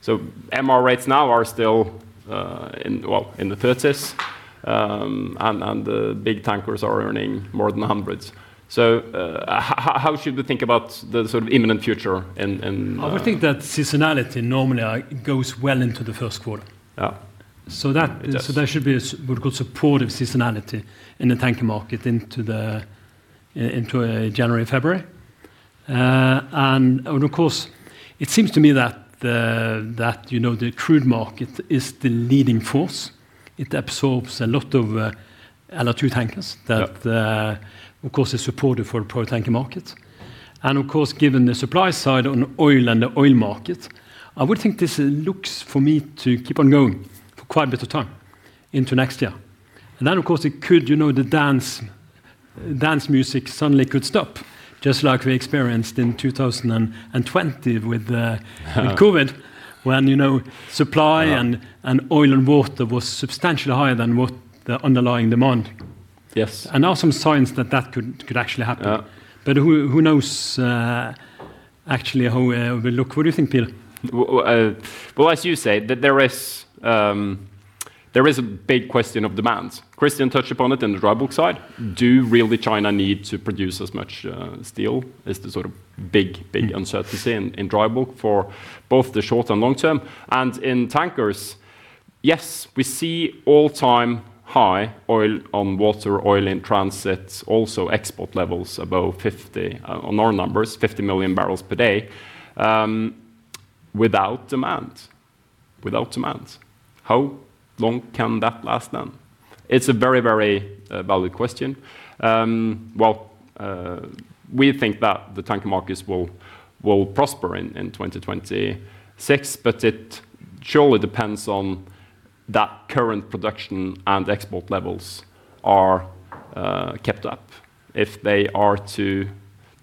So MR rates now are still, well, in the 30s, and the big tankers are earning more than hundreds. So how should we think about the sort of imminent future? I would think that seasonality normally goes well into the first quarter. So there should be what we call supportive seasonality in the tanker market into January and February. And of course, it seems to me that the crude market is the leading force. It absorbs a lot of LR2-tankers that, of course, is supportive for the product tanker market. And of course, given the supply side on oil and the oil market, I would think this looks to me to keep on going for quite a bit of time into next year. And then, of course, it could, you know, the dance music suddenly could stop, just like we experienced in 2020 with COVID, when supply of oil was substantially higher than what the underlying demand. And there are some signs that that could actually happen. But who knows actually how it will look? What do you think, Petter? Well, as you say, there is a big question of demand. Kristian touched upon it in the dry bulk side. Do really China need to produce as much steel? Is the sort of big uncertainty in dry bulk for both the short and long term? And in tankers, yes, we see all-time high oil on water, oil in transit, also export levels above 50 on our numbers, 50 million barrels per day without demand. Without demand. How long can that last then? It's a very, very valid question. Well, we think that the tanker markets will prosper in 2026, but it surely depends on that current production and export levels are kept up. If they are to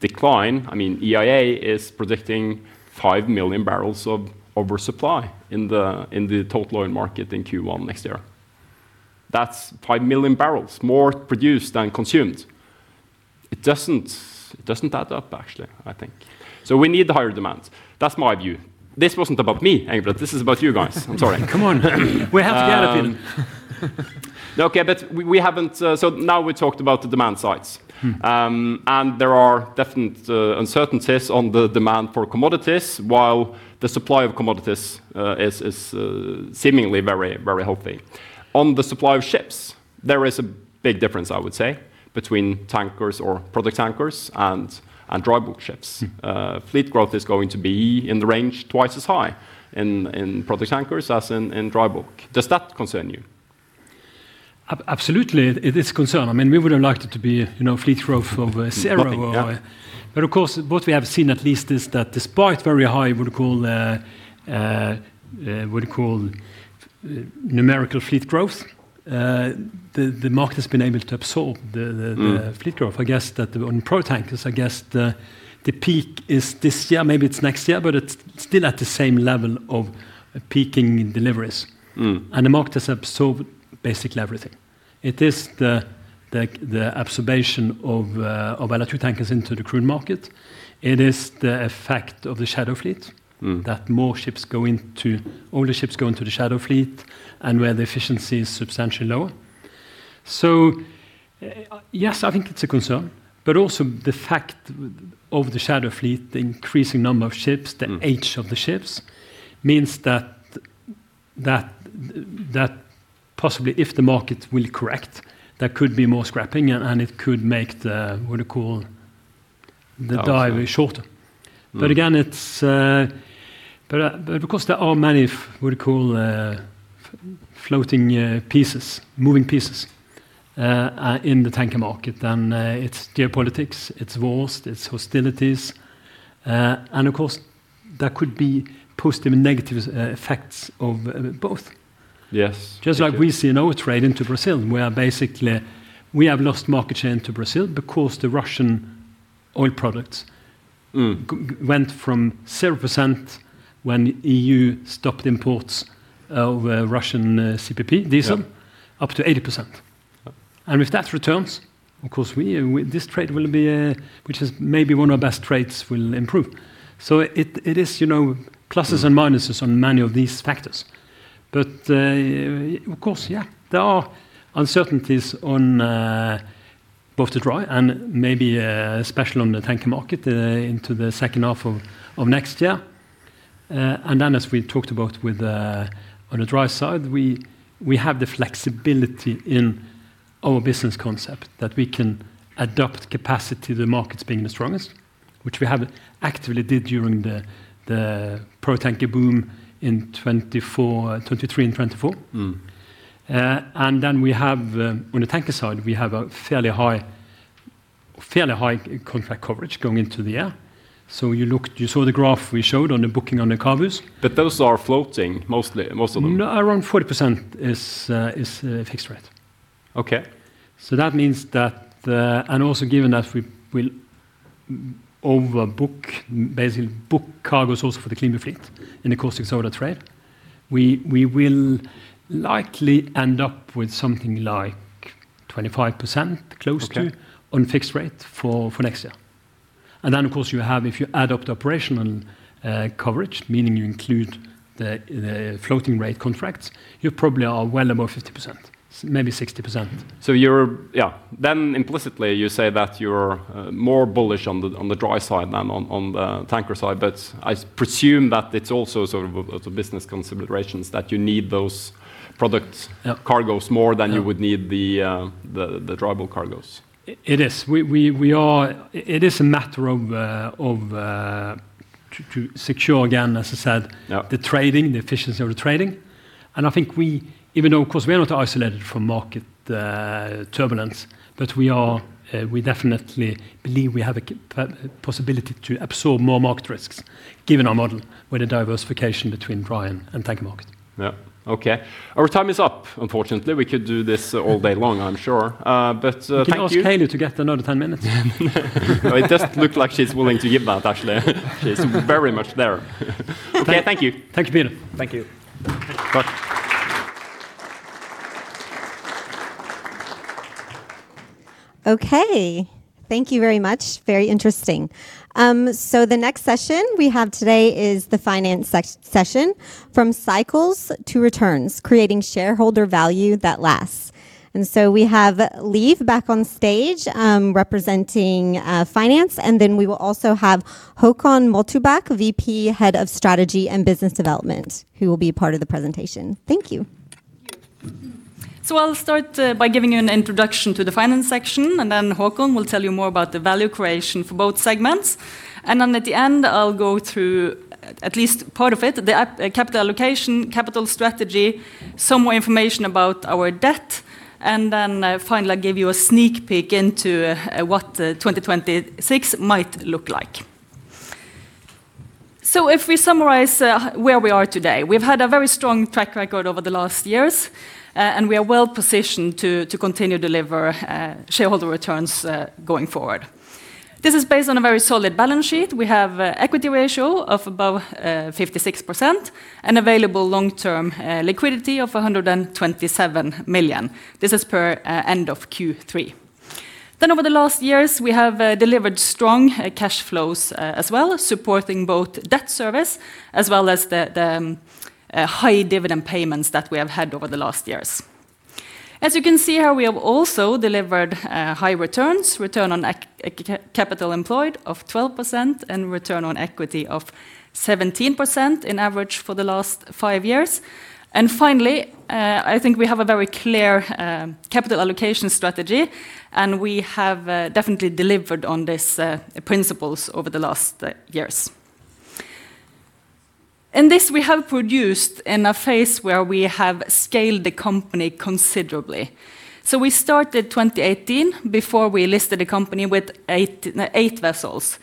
decline, I mean, EIA is predicting 5 million barrels of oversupply in the total oil market in Q1 next year. That's 5 million barrels more produced than consumed. It doesn't add up, actually, I think. So we need the higher demand. That's my view. This wasn't about me, Engebret. This is about you guys. I'm sorry. Come on. We have to get it, Peter. Okay, but we haven't. So now we talked about the demand sides. And there are definite uncertainties on the demand for commodities, while the supply of commodities is seemingly very, very healthy. On the supply of ships, there is a big difference, I would say, between tankers or product tankers and dry bulk ships. Fleet growth is going to be in the range twice as high in product tankers as in dry bulk. Does that concern you? Absolutely, it is a concern. I mean, we would have liked it to be fleet growth of zero. But of course, what we have seen at least is that despite very high, what we call numerical fleet growth, the market has been able to absorb the fleet growth. I guess that on product tankers, I guess the peak is this year, maybe it's next year, but it's still at the same level of peaking deliveries. And the market has absorbed basically everything. It is the absorption of LR2 tankers into the crude market. It is the effect of the shadow fleet, that more ships go into the shadow fleet and where the efficiency is substantially lower. So yes, I think it's a concern, but also the fact of the shadow fleet, the increasing number of ships, the age of the ships means that possibly if the market will correct, there could be more scrapping and it could make the, what we call the dive shorter. But again, of course, there are many, what we call floating pieces, moving pieces in the tanker market. And it's geopolitics, it's wars, it's hostilities. And of course, there could be positive and negative effects of both. Just like we see an oil trade into Brazil, where basically we have lost market share into Brazil because the Russian oil products went from 0% when the EU stopped imports of Russian CPP diesel up to 80%. And if that returns, of course, this trade will be, which is maybe one of the best trades will improve. So it is pluses and minuses on many of these factors. But of course, yeah, there are uncertainties on both the dry and maybe especially on the tanker market into the second half of next year. And then as we talked about with on the dry side, we have the flexibility in our business concept that we can adapt capacity to the markets being the strongest, which we have actively did during the product tanker boom in 2023 and 2024. And then we have on the tanker side, we have a fairly high contract coverage going into the year. So you saw the graph we showed on the booking on the cargoes. But those are floating mostly. Around 40% is fixed rate. Okay. So that means that, and also given that we will overbook, basically book cargoes also for the CLEANBU fleet in the caustic soda trade, we will likely end up with something like 25%, close to on fixed rate for next year. And then of course, you have, if you add up the operational coverage, meaning you include the floating rate contracts, you probably are well above 50%, maybe 60%. So yeah, then implicitly you say that you're more bullish on the dry side than on the tanker side, but I presume that it's also sort of business considerations that you need those product cargoes more than you would need the dry bulk cargoes. It is. It is a matter of to secure again, as I said, the trading, the efficiency of the trading, and I think we, even though of course we are not isolated from market turbulence, but we definitely believe we have a possibility to absorb more market risks given our model with the diversification between dry and tanker market. Yeah. Okay. Our time is up, unfortunately. We could do this all day long, I'm sure. Can I ask Haley to get another 10 minutes? It doesn't look like she's willing to give that, actually. She's very much there. Okay, thank you. Thank you, Petter. Thank you. Okay. Thank you very much. Very interesting. So the next session we have today is the finance session from cycles to returns, creating shareholder value that lasts. And so we have Liv back on stage representing Finance, and then we will also have Håkon Moltubakk, VP, Head of Strategy and Business Development, who will be part of the presentation. Thank you. I'll start by giving you an introduction to the Finance section, and then Håkon will tell you more about the value creation for both segments. And then at the end, I'll go through at least part of it, the capital allocation, capital strategy, some more information about our debt, and then finally I'll give you a sneak peek into what 2026 might look like. So if we summarize where we are today, we've had a very strong track record over the last years, and we are well positioned to continue to deliver shareholder returns going forward. This is based on a very solid balance sheet. We have an equity ratio of above 56% and available long-term liquidity of $127 million. This is per end of Q3. Then over the last years, we have delivered strong cash flows as well, supporting both debt service as well as the high dividend payments that we have had over the last years. As you can see here, we have also delivered high returns, return on capital employed of 12% and return on equity of 17% in average for the last five years. And finally, I think we have a very clear capital allocation strategy, and we have definitely delivered on these principles over the last years. In this, we have produced in a phase where we have scaled the company considerably. So we started 2018 before we listed the company with eight vessels.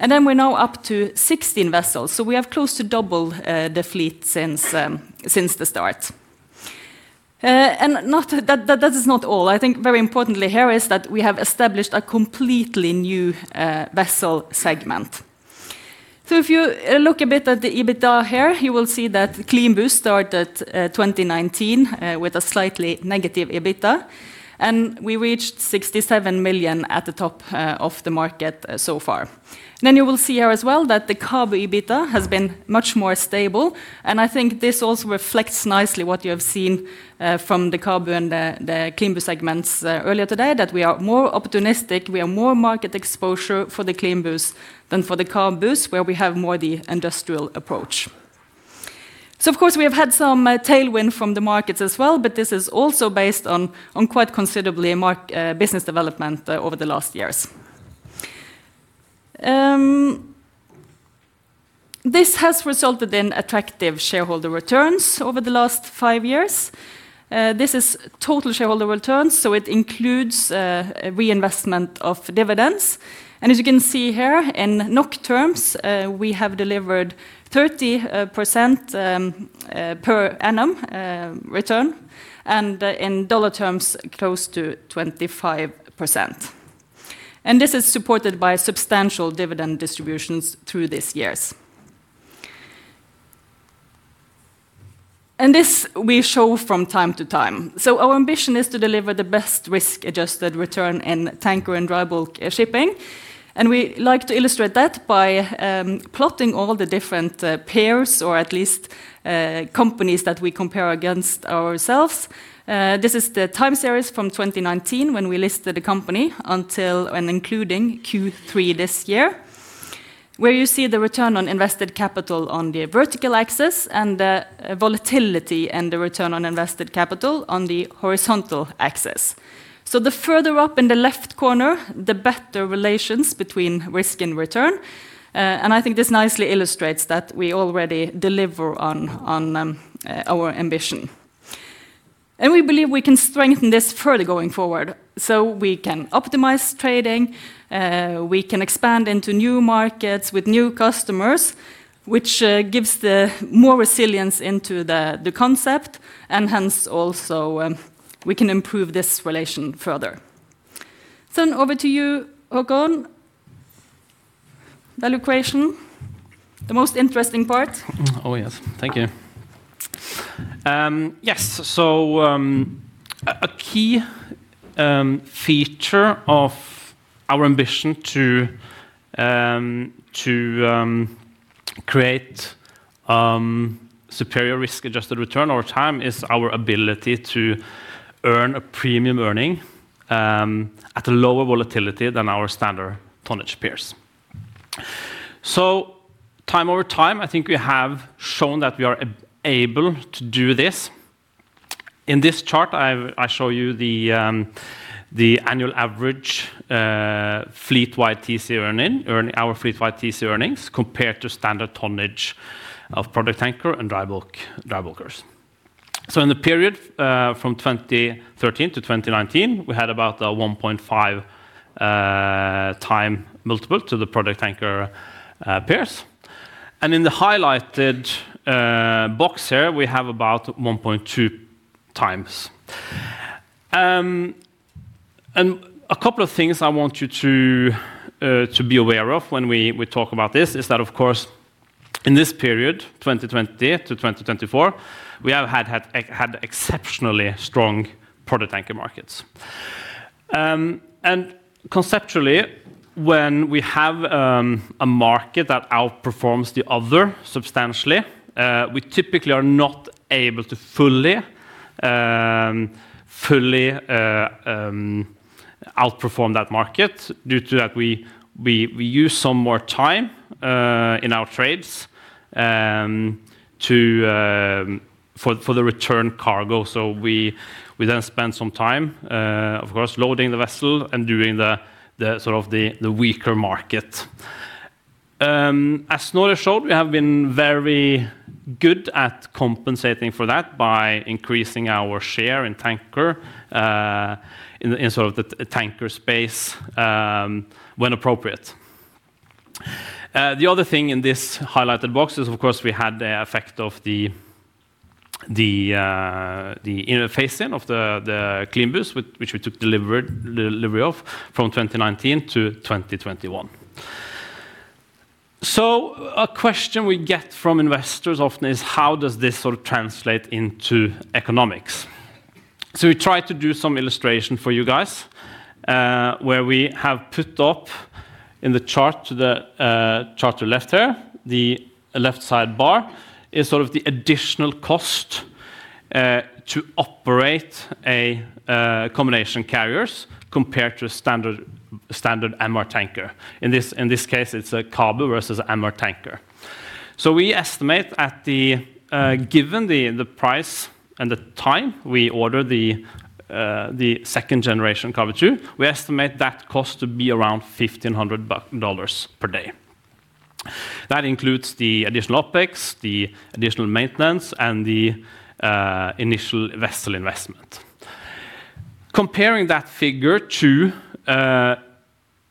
And then we're now up to 16 vessels. So we have close to doubled the fleet since the start. And that is not all. I think very importantly here is that we have established a completely new vessel segment, so if you look a bit at the EBITDA here, you will see that CLEANBU started 2019 with a slightly negative EBITDA, and we reached $67 million at the top of the market so far, then you will see here as well that the CABU EBITDA has been much more stable, and I think this also reflects nicely what you have seen from the CABU and the CLEANBU segments earlier today, that we are more opportunistic. We have more market exposure for the CLEANBUs than for the CABUs, where we have more of the industrial approach, so of course, we have had some tailwind from the markets as well, but this is also based on quite considerably business development over the last years. This has resulted in attractive shareholder returns over the last five years. This is total shareholder returns, so it includes reinvestment of dividends. And as you can see here, in NOK terms, we have delivered 30% per annum return, and in dollar terms, close to 25%. And this is supported by substantial dividend distributions through these years. And this we show from time to time. So our ambition is to deliver the best risk-adjusted return in tanker and dry bulk shipping. And we like to illustrate that by plotting all the different peers, or at least companies that we compare against ourselves. This is the time series from 2019 when we listed the company until and including Q3 this year, where you see the return on invested capital on the vertical axis and the volatility and the return on invested capital on the horizontal axis. So the further up in the left corner, the better relations between risk and return. And I think this nicely illustrates that we already deliver on our ambition. And we believe we can strengthen this further going forward. So we can optimize trading, we can expand into new markets with new customers, which gives more resilience into the concept, and hence also we can improve this relation further. So over to you, Håkon. Value creation, the most interesting part. Oh yes, thank you. Yes, so a key feature of our ambition to create superior risk-adjusted return over time is our ability to earn a premium earning at a lower volatility than our standard tonnage peers. So time over time, I think we have shown that we are able to do this. In this chart, I show you the annual average fleet-wide TC earning, our fleet-wide TC earnings compared to standard tonnage of product tanker and dry bulkers. So in the period from 2013 to 2019, we had about a 1.5x multiple to the product tanker peers. And in the highlighted box here, we have about 1.2x. And a couple of things I want you to be aware of when we talk about this is that, of course, in this period, 2020 to 2024, we have had exceptionally strong product tanker markets. Conceptually, when we have a market that outperforms the other substantially, we typically are not able to fully outperform that market due to that we use some more time in our trades for the return cargo. So we then spend some time, of course, loading the vessel and doing the sort of the weaker market. As Snorre showed, we have been very good at compensating for that by increasing our share in tanker in sort of the tanker space when appropriate. The other thing in this highlighted box is, of course, we had the effect of the phasing of the CLEANBUs, which we took delivery of from 2019 to 2021. So a question we get from investors often is, how does this sort of translate into economics? So we tried to do some illustration for you guys where we have put up in the chart to the left here. The left side bar is sort of the additional cost to operate a combination carriers compared to a standard MR-tanker. In this case, it's a CABU versus an MR-tanker. So we estimate that, given the price and the time we order the second generation CABU II, we estimate that cost to be around $1,500 per day. That includes the additional OpEx, the additional maintenance, and the initial vessel investment. Comparing that figure to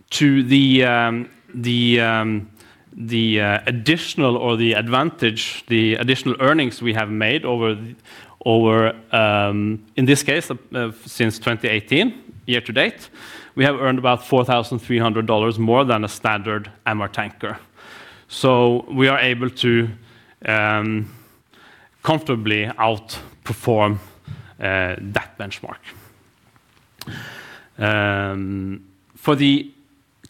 the additional or the advantage, the additional earnings we have made over, in this case, since 2018, year to date, we have earned about $4,300 more than a standard MR-tanker. So we are able to comfortably outperform that benchmark. For the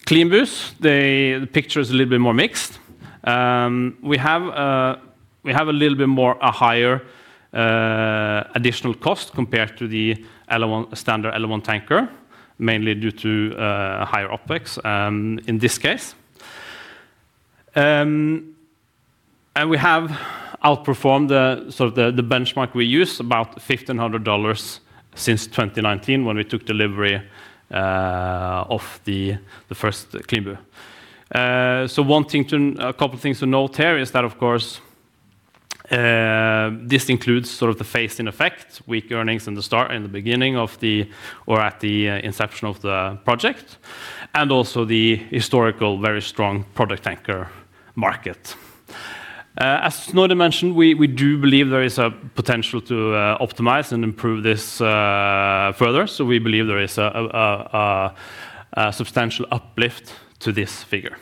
CLEANBUs, the picture is a little bit more mixed. We have a little bit more a higher additional cost compared to the standard LR1-tanker, mainly due to higher OpEx in this case and we have outperformed the benchmark we use about $1,500 since 2019 when we took delivery of the first CLEANBU, so a couple of things to note here is that, of course, this includes sort of the phase in effect, weak earnings in the start and the beginning of the, or at the inception of the project, and also the historical very strong product tanker market. As Snorre mentioned, we do believe there is a potential to optimize and improve this further, so we believe there is a substantial uplift to this figure,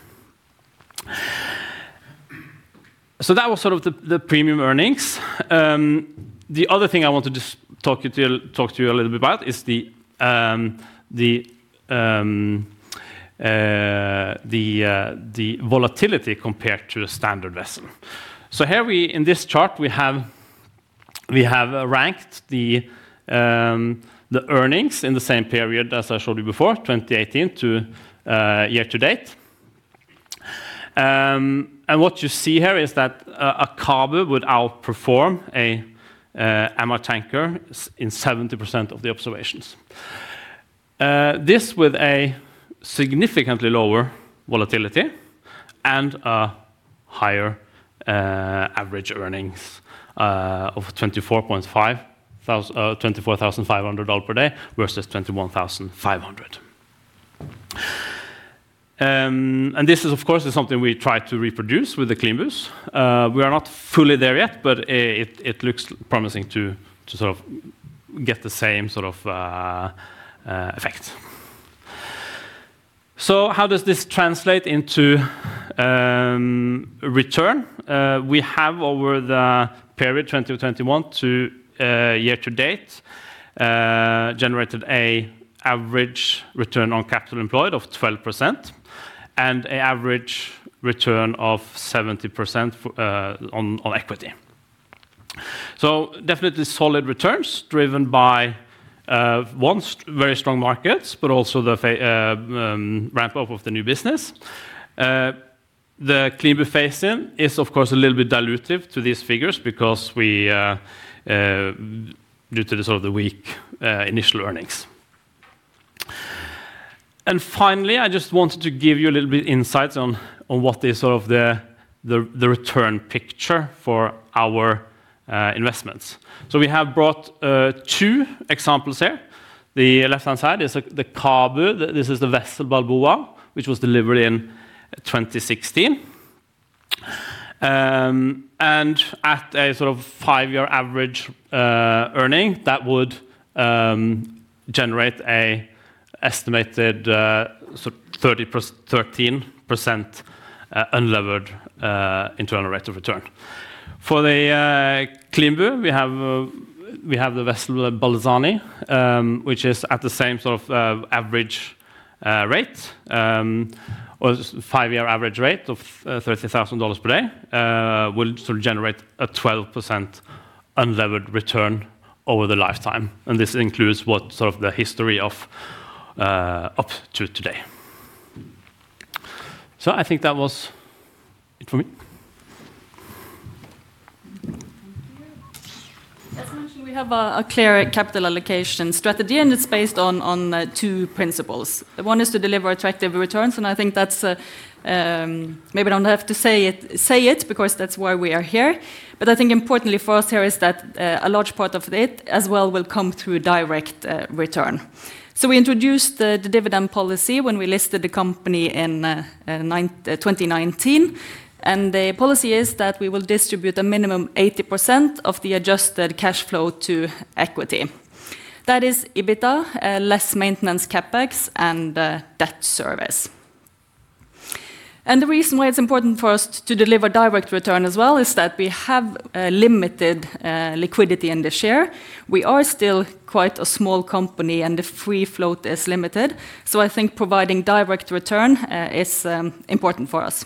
so that was sort of the premium earnings. The other thing I want to talk to you a little bit about is the volatility compared to a standard vessel. So here in this chart, we have ranked the earnings in the same period as I showed you before, 2018 to year to date. And what you see here is that a CABU would outperform an MR-tanker in 70% of the observations. This, with a significantly lower volatility and a higher average earnings of $24,500 per day versus $21,500. And this is, of course, something we try to reproduce with the CLEANBUs. We are not fully there yet, but it looks promising to sort of get the same sort of effect. So how does this translate into return? We have over the period 2021 to year to date generated an average return on capital employed of 12% and an average return of 70% on equity. So definitely solid returns driven by, one, very strong markets, but also the ramp-up of the new business. The CLEANBU phase in is, of course, a little bit dilutive to these figures because due to the sort of the weak initial earnings. And finally, I just wanted to give you a little bit of insights on what is sort of the return picture for our investments. So we have brought two examples here. The left-hand side is the CABU. This is the vessel Balboa, which was delivered in 2016. And at a sort of five-year average earning, that would generate an estimated sort of 13% unlevered internal rate of return. For the CLEANBU, we have the vessel Balzani, which is at the same sort of average rate, or five-year average rate of $30,000 per day, will sort of generate a 12% unlevered return over the lifetime. And this includes what sort of the history of up to today. So I think that was it for me. As mentioned, we have a clear capital allocation strategy, and it's based on two principles. One is to deliver attractive returns, and I think that's maybe I don't have to say it because that's why we are here. But I think importantly for us here is that a large part of it as well will come through direct return. So we introduced the dividend policy when we listed the company in 2019, and the policy is that we will distribute a minimum 80% of the adjusted cash flow to equity. That is EBITDA, less maintenance CapEx, and debt service. And the reason why it's important for us to deliver direct return as well is that we have limited liquidity in the share. We are still quite a small company, and the free float is limited. So I think providing direct return is important for us.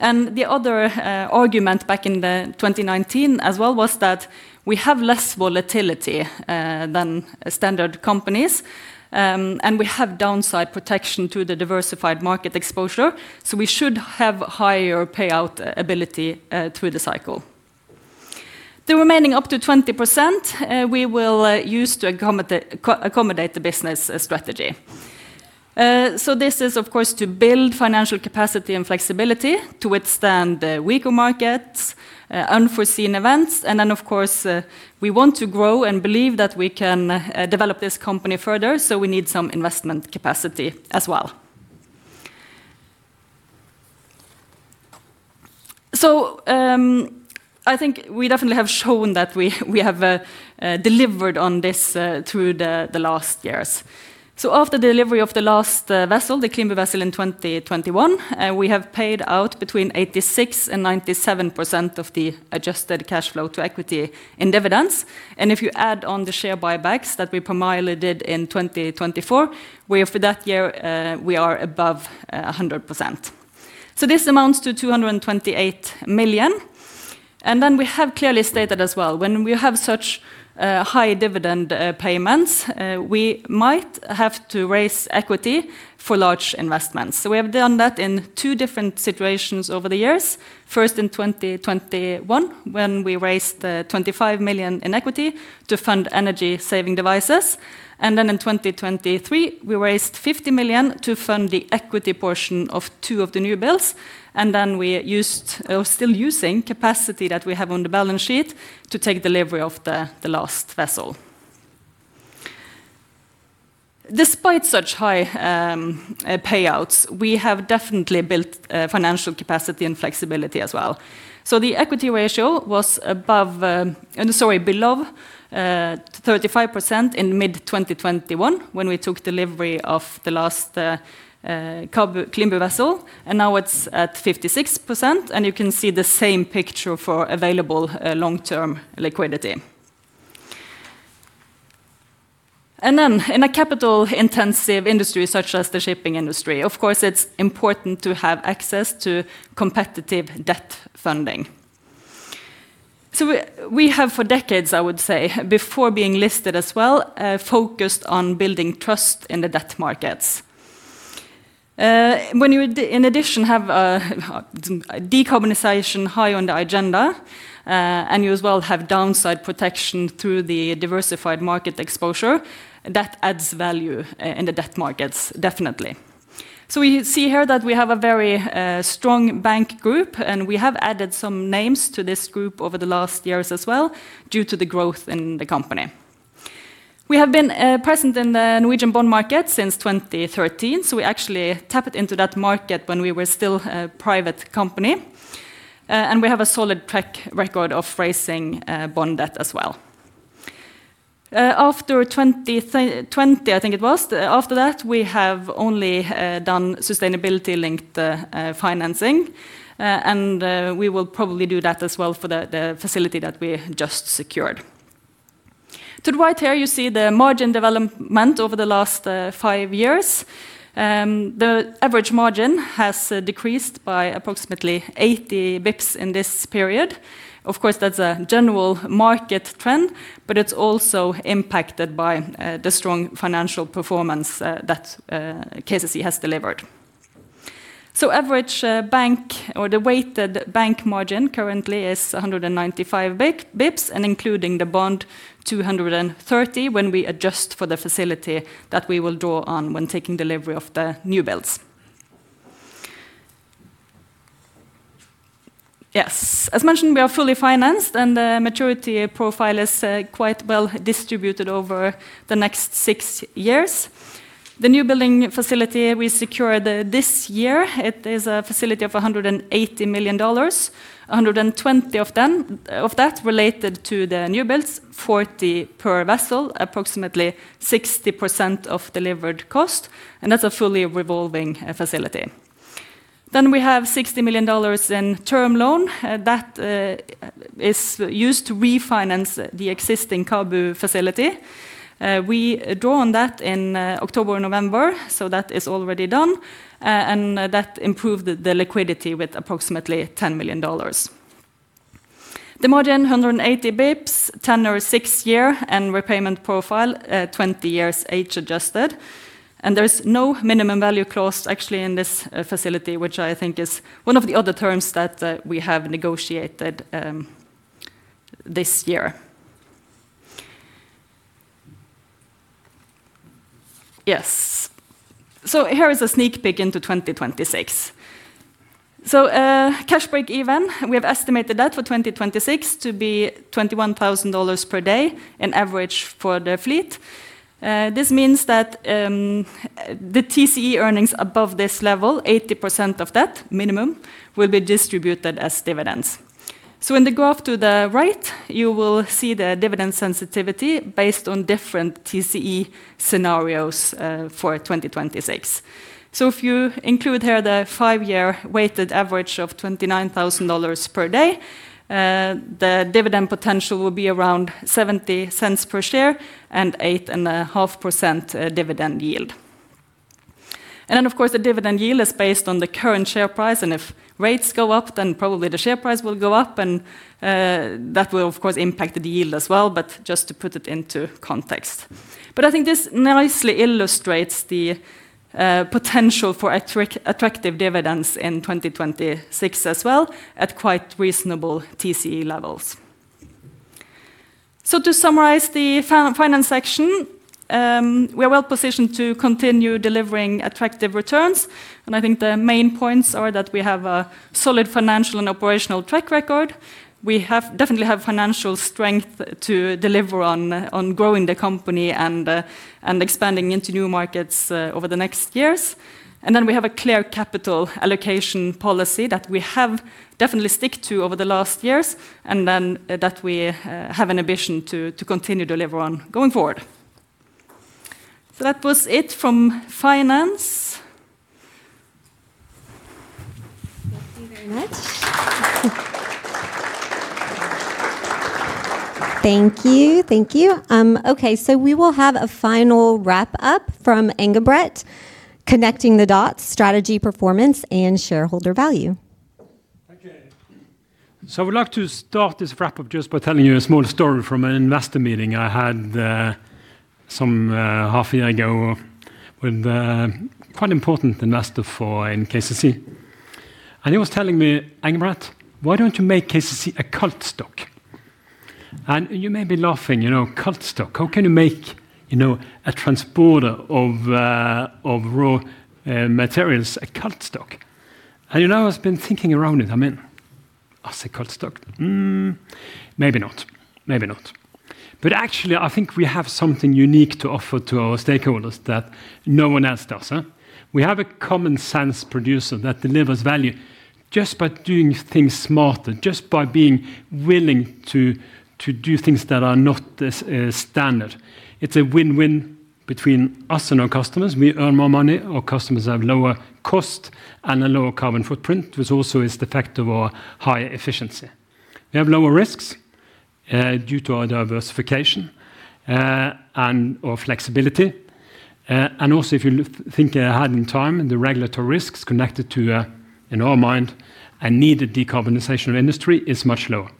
And the other argument back in 2019 as well was that we have less volatility than standard companies, and we have downside protection to the diversified market exposure, so we should have higher payout ability through the cycle. The remaining up to 20% we will use to accommodate the business strategy. so this is, of course, to build financial capacity and flexibility to withstand weaker markets, unforeseen events, and then, of course, we want to grow and believe that we can develop this company further, so we need some investment capacity as well. so I think we definitely have shown that we have delivered on this through the last years. so after delivery of the last vessel, the CLEANBU vessel in 2021, we have paid out between 86% and 97% of the adjusted cash flow to equity in dividends. And if you add on the share buybacks that we promised did in 2024, for that year we are above 100%. So this amounts to $228 million. And then we have clearly stated as well, when we have such high dividend payments, we might have to raise equity for large investments. So we have done that in two different situations over the years. First in 2021, when we raised $25 million in equity to fund energy-saving devices. And then in 2023, we raised $50 million to fund the equity portion of two of the new builds. And then we used or still using capacity that we have on the balance sheet to take delivery of the last vessel. Despite such high payouts, we have definitely built financial capacity and flexibility as well. So the equity ratio was above, sorry, below 35% in mid-2021 when we took delivery of the last CLEANBU vessel, and now it's at 56%, and you can see the same picture for available long-term liquidity. And then in a capital-intensive industry such as the shipping industry, of course, it's important to have access to competitive debt funding. So we have for decades, I would say, before being listed as well, focused on building trust in the debt markets. When you, in addition, have decarbonization high on the agenda and you as well have downside protection through the diversified market exposure, that adds value in the debt markets, definitely. So we see here that we have a very strong bank group, and we have added some names to this group over the last years as well due to the growth in the company. We have been present in the Norwegian bond market since 2013, so we actually tapped into that market when we were still a private company, and we have a solid track record of raising bond debt as well. After 2020, I think it was, after that, we have only done sustainability-linked financing, and we will probably do that as well for the facility that we just secured. To the right here, you see the margin development over the last five years. The average margin has decreased by approximately 80 bps in this period. Of course, that's a general market trend, but it's also impacted by the strong financial performance that KCC has delivered, so average bank or the weighted bank margin currently is 195 bps, and including the bond, 230 when we adjust for the facility that we will draw on when taking delivery of the new builds. Yes, as mentioned, we are fully financed, and the maturity profile is quite well distributed over the next six years. The new building facility we secured this year, it is a facility of $180 million, $120 million of that related to the new builds, $40 million per vessel, approximately 60% of delivered cost, and that's a fully revolving facility. Then we have $60 million in term loan that is used to refinance the existing CABU facility. We draw on that in October and November, so that is already done, and that improved the liquidity with approximately $10 million. The margin, 180 bps, 10 or 6-year and repayment profile, 20 years age adjusted. And there's no minimum value clause actually in this facility, which I think is one of the other terms that we have negotiated this year. Yes. So here is a sneak peek into 2026. So, cash breakeven, we have estimated that for 2026 to be $21,000 per day on average for the fleet. This means that the TCE earnings above this level, 80% of that minimum, will be distributed as dividends. So, in the graph to the right, you will see the dividend sensitivity based on different TCE scenarios for 2026. So, if you include here the five-year weighted average of $29,000 per day, the dividend potential will be around $0.70 per share and 8.5% dividend yield. And then, of course, the dividend yield is based on the current share price, and if rates go up, then probably the share price will go up, and that will, of course, impact the yield as well, but just to put it into context. But I think this nicely illustrates the potential for attractive dividends in 2026 as well at quite reasonable TCE levels. So to summarize the finance section, we are well positioned to continue delivering attractive returns, and I think the main points are that we have a solid financial and operational track record. We definitely have financial strength to deliver on growing the company and expanding into new markets over the next years. And then we have a clear capital allocation policy that we have definitely stuck to over the last years, and then that we have an ambition to continue to deliver on going forward. So that was it from finance. Thank you very much. Thank you. Thank you. Okay, so we will have a final wrap-up from Engebret. Connecting the dots, strategy, performance, and shareholder value. Okay. So I would like to start this wrap-up just by telling you a small story from an investor meeting I had some half a year ago with a quite important investor for KCC. And he was telling me, Engebret, why don't you make KCC a cult stock? And you may be laughing, you know, cult stock, how can you make a transporter of raw materials a cult stock? And you know, I've been thinking around it, I mean, us a cult stock? Maybe not. Maybe not. But actually, I think we have something unique to offer to our stakeholders that no one else does. We have a common sense producer that delivers value just by doing things smarter, just by being willing to do things that are not standard. It's a win-win between us and our customers. We earn more money, our customers have lower cost and a lower carbon footprint, which also is the fact of our high efficiency. We have lower risks due to our diversification and our flexibility, and also, if you think ahead in time, the regulatory risks connected to, in our mind, a needed decarbonization of industry is much lower,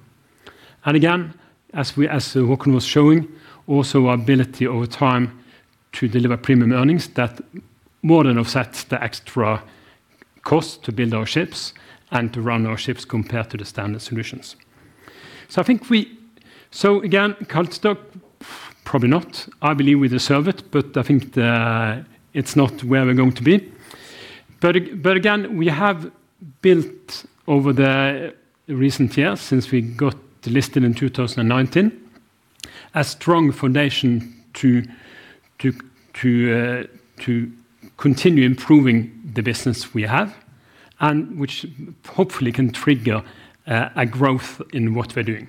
and again, as Håkon was showing, also our ability over time to deliver premium earnings that more than offsets the extra cost to build our ships and to run our ships compared to the standard solutions, so I think we, so again, cult stock, probably not. I believe we deserve it, but I think it's not where we're going to be. But again, we have built over the recent years since we got listed in 2019 a strong foundation to continue improving the business we have, and which hopefully can trigger a growth in what we're doing.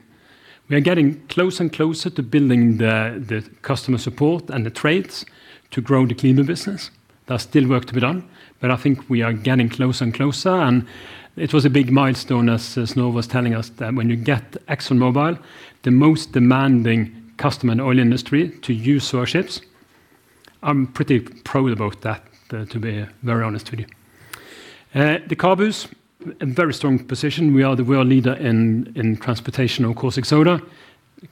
We are getting close and closer to building the customer support and the trades to grow the CLEANBU business. There's still work to be done, but I think we are getting close and closer, and it was a big milestone, as Snorre was telling us, that when you get ExxonMobil, the most demanding customer in the oil industry to use our ships. I'm pretty proud about that, to be very honest with you. The CABUs, a very strong position. We are the world leader in transportation, of course, alumina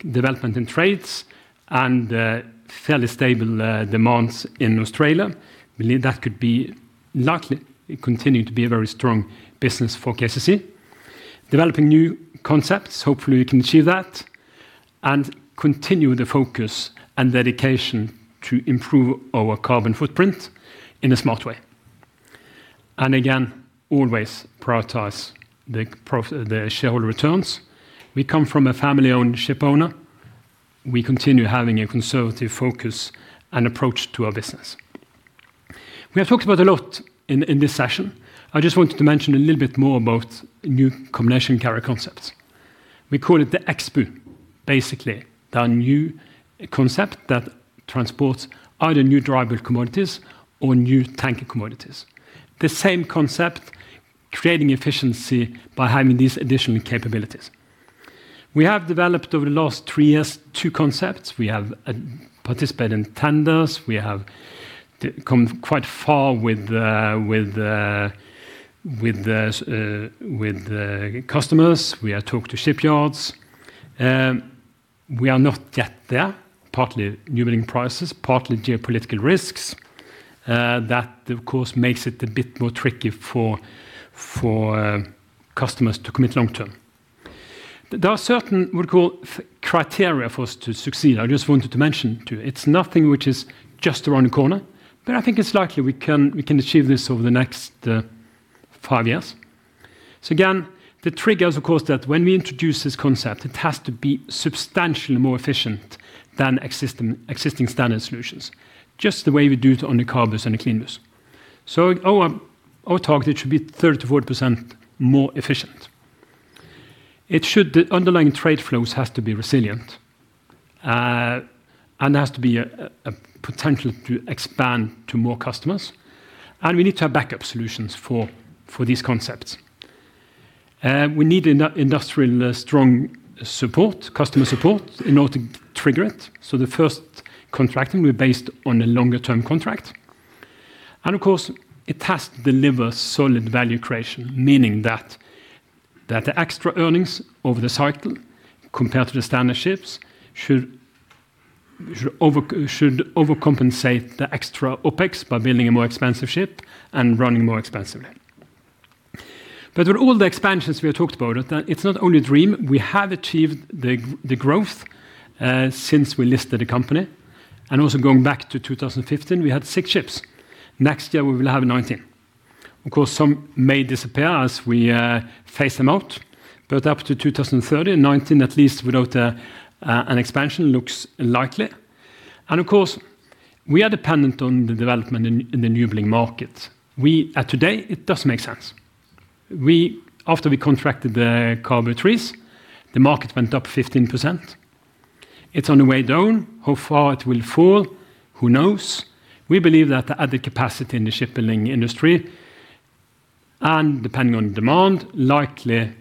development in trades, and fairly stable demands in Australia. That could likely continue to be a very strong business for KCC. Developing new concepts, hopefully we can achieve that and continue the focus and dedication to improve our carbon footprint in a smart way, and again, always prioritize the shareholder returns. We come from a family-owned ship owner. We continue having a conservative focus and approach to our business. We have talked about a lot in this session. I just wanted to mention a little bit more about new combination carrier concepts. We call it the EXBU, basically. There are new concepts that transport either new dry bulk commodities or new tanker commodities. The same concept, creating efficiency by having these additional capabilities. We have developed over the last three years two concepts. We have participated in tenders. We have come quite far with customers. We have talked to shipyards. We are not yet there, partly new building prices, partly geopolitical risks that, of course, make it a bit more tricky for customers to commit long-term. There are certain criteria for us to succeed. I just wanted to mention to you. It's nothing which is just around the corner, but I think it's likely we can achieve this over the next five years. So again, the trigger is, of course, that when we introduce this concept, it has to be substantially more efficient than existing standard solutions, just the way we do it on the CABUs and the CLEANBUs. So our target should be 30%-40% more efficient. The underlying trade flows have to be resilient, and there has to be a potential to expand to more customers. And we need to have backup solutions for these concepts. We need industrial strong support, customer support in order to trigger it. So the first contracting will be based on a longer-term contract. And of course, it has to deliver solid value creation, meaning that the extra earnings over the cycle compared to the standard ships should overcompensate the extra OpEx by building a more expensive ship and running more expensively. But with all the expansions we have talked about, it's not only a dream. We have achieved the growth since we listed the company. And also going back to 2015, we had six ships. Next year, we will have 19. Of course, some may disappear as we phase them out, but up to 2030, 19 at least without an expansion looks likely. And of course, we are dependent on the development in the newbuilding market. Today, it does make sense. After we contracted the CABU IIIs, the market went up 15%. It's on the way down. How far it will fall, who knows? We believe that the added capacity in the shipping industry and depending on demand, likely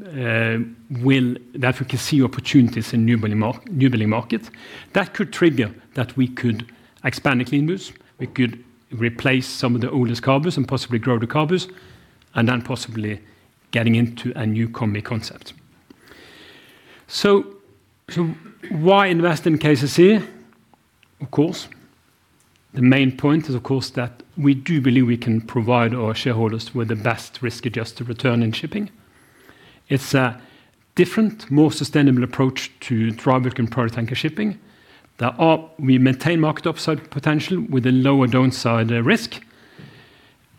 will that we can see opportunities in the newbuilding market. That could trigger that we could expand the CLEANBUs. We could replace some of the oldest CABUs and possibly grow the CABUs, and then possibly getting into a new combi concept. So why invest in KCC? Of course, the main point is, of course, that we do believe we can provide our shareholders with the best risk-adjusted return in shipping. It's a different, more sustainable approach to dry bulk and product tanker shipping. We maintain market upside potential with a lower downside risk.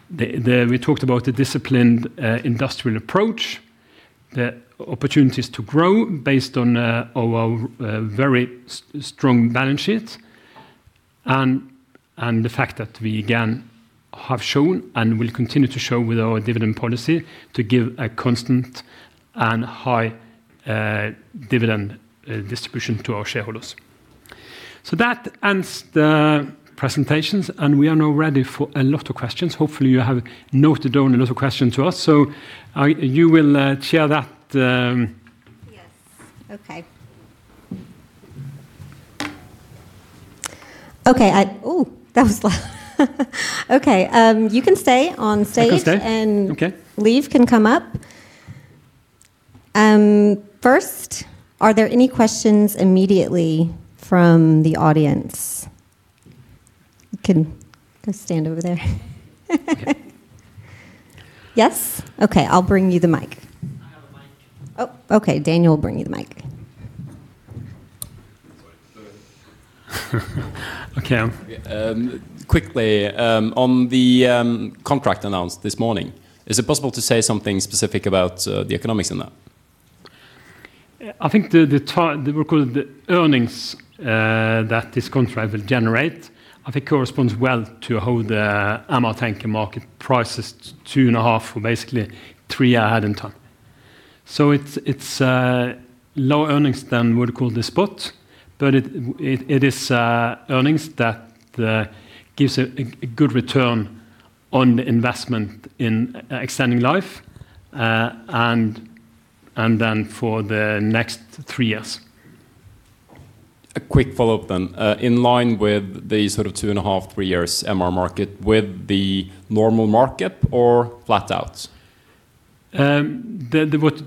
We talked about a disciplined industrial approach, the opportunities to grow based on our very strong balance sheet, and the fact that we again have shown and will continue to show with our dividend policy to give a constant and high dividend distribution to our shareholders. So that ends the presentations, and we are now ready for a lot of questions. Hopefully, you have noted down a lot of questions for us, so you will share that. Yes. Okay. Okay. Oh, that was loud. Okay. You can stay on stage, and Liv can come up. First, are there any questions immediately from the audience? You can go stand over there. Yes? Okay, I'll bring you the mic. I have a mic. Oh, okay. Daniel will bring you the mic. Okay, quickly, on the contract announced this morning, is it possible to say something specific about the economics in that? I think the earnings that this contract will generate, I think, corresponds well to how the MR-tanker market prices two and a half or basically three ahead in time. So it's lower earnings than what we call the spot, but it is earnings that gives a good return on the investment in extending life and then for the next three years. A quick follow-up then. In line with the sort of two and a half, three years MR market, with the normal market or flat out? The, what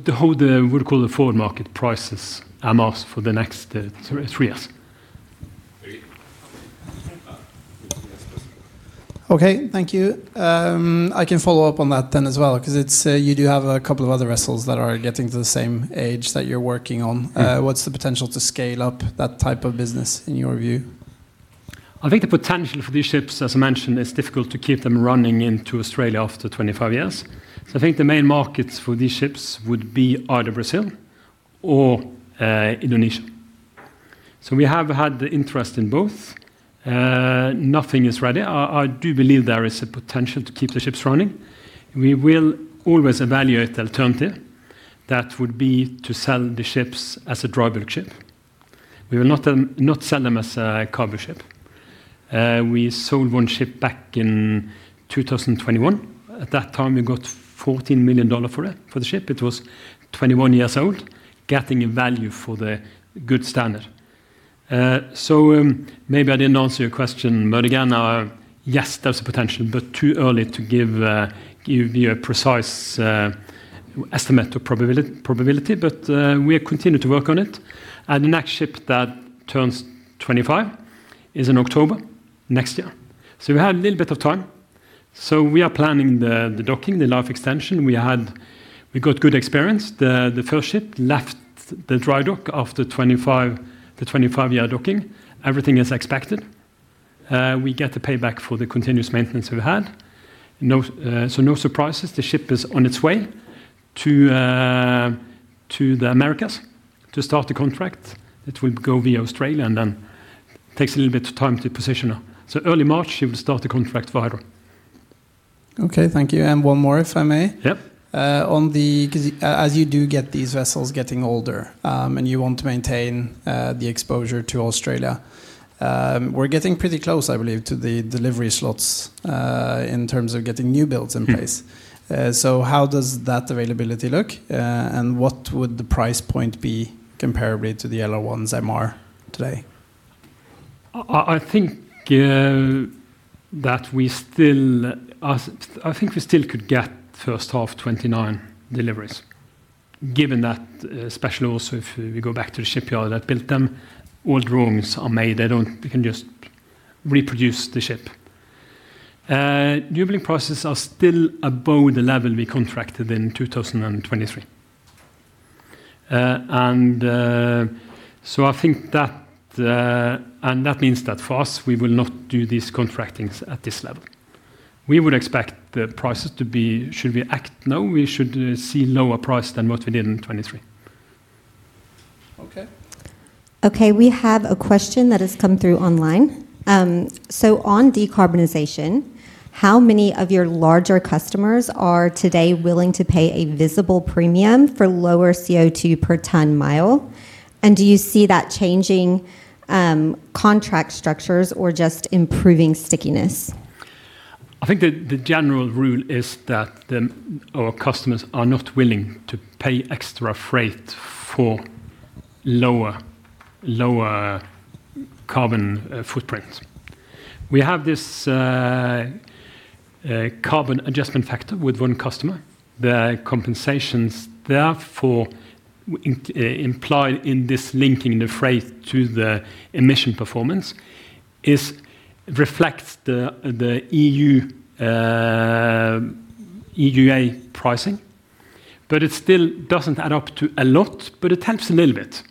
we call, the forward market prices amounts for the next three years. Okay, thank you. I can follow up on that then as well, because you do have a couple of other vessels that are getting to the same age that you're working on. What's the potential to scale up that type of business in your view? I think the potential for these ships, as I mentioned, it's difficult to keep them running into Australia after 25 years. So I think the main markets for these ships would be either Brazil or Indonesia. So we have had the interest in both. Nothing is ready. I do believe there is a potential to keep the ships running. We will always evaluate the alternative. That would be to sell the ships as a dry bulk ship. We will not sell them as a cargo ship. We sold one ship back in 2021. At that time, we got $14 million for the ship. It was 21 years old, getting a value for the good standard. So maybe I didn't answer your question, but again, yes, there's a potential, but too early to give you a precise estimate of probability. But we are continuing to work on it. The next ship that turns 25 is in October next year. We have a little bit of time. We are planning the docking, the life extension. We got good experience. The first ship left the dry dock after the 25-year docking. Everything is expected. We get the payback for the continuous maintenance we've had. No surprises. The ship is on its way to the Americas to start the contract. It will go via Australia and then takes a little bit of time to position. Early March, she will start the contract for Hydro. Okay, thank you. And one more, if I may. As you do get these vessels getting older and you want to maintain the exposure to Australia, we're getting pretty close, I believe, to the delivery slots in terms of getting new builds in place. So how does that availability look? And what would the price point be comparably to the LR1's MR today? I think we still could get first half 2029 deliveries, given that especially also if we go back to the shipyard that built them, all the wrongs are made. They can just reproduce the ship. Newbuilding prices are still above the level we contracted in 2023. And so I think that means that for us, we will not do these contractings at this level. We would expect the prices to be. Should we act now, we should see lower price than what we did in 2023. Okay, we have a question that has come through online. So on decarbonization, how many of your larger customers are today willing to pay a visible premium for lower CO2 per ton-mile? And do you see that changing contract structures or just improving stickiness? I think the general rule is that our customers are not willing to pay extra freight for lower carbon footprints. We have this carbon adjustment factor with one customer. The compensations therefore implied in this linking the freight to the emission performance reflects the EUA pricing, but it still doesn't add up to a lot, but it helps a little bit.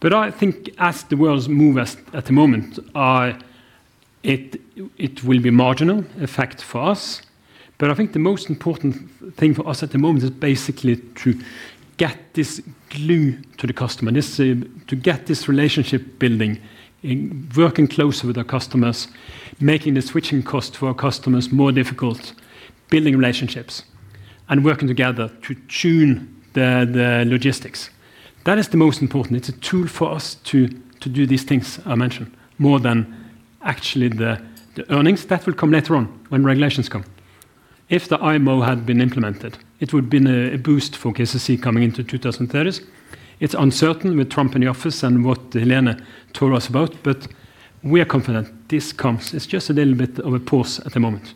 But I think as the world moves at the moment, it will be a marginal effect for us. But I think the most important thing for us at the moment is basically to get this glue to the customer, to get this relationship building, working closer with our customers, making the switching cost for our customers more difficult, building relationships, and working together to tune the logistics. That is the most important. It's a tool for us to do these things I mentioned, more than actually the earnings that will come later on when regulations come. If the IMO had been implemented, it would have been a boost for KCC coming into 2030. It's uncertain with Trump in the office and what Helene told us about, but we are confident this comes. It's just a little bit of a pause at the moment.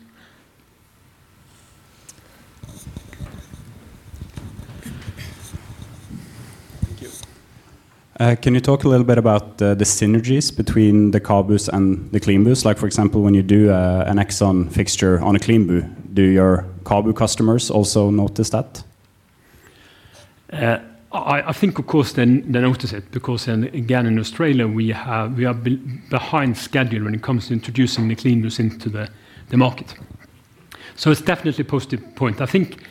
Thank you. Can you talk a little bit about the synergies between the CABUs and the CLEANBUs? Like for example, when you do an Exxon fixture on a CLEANBU, do your CABU customers also notice that? I think, of course, they notice it because again, in Australia, we are behind schedule when it comes to introducing the CLEANBUs into the market. So it's definitely a positive point. I think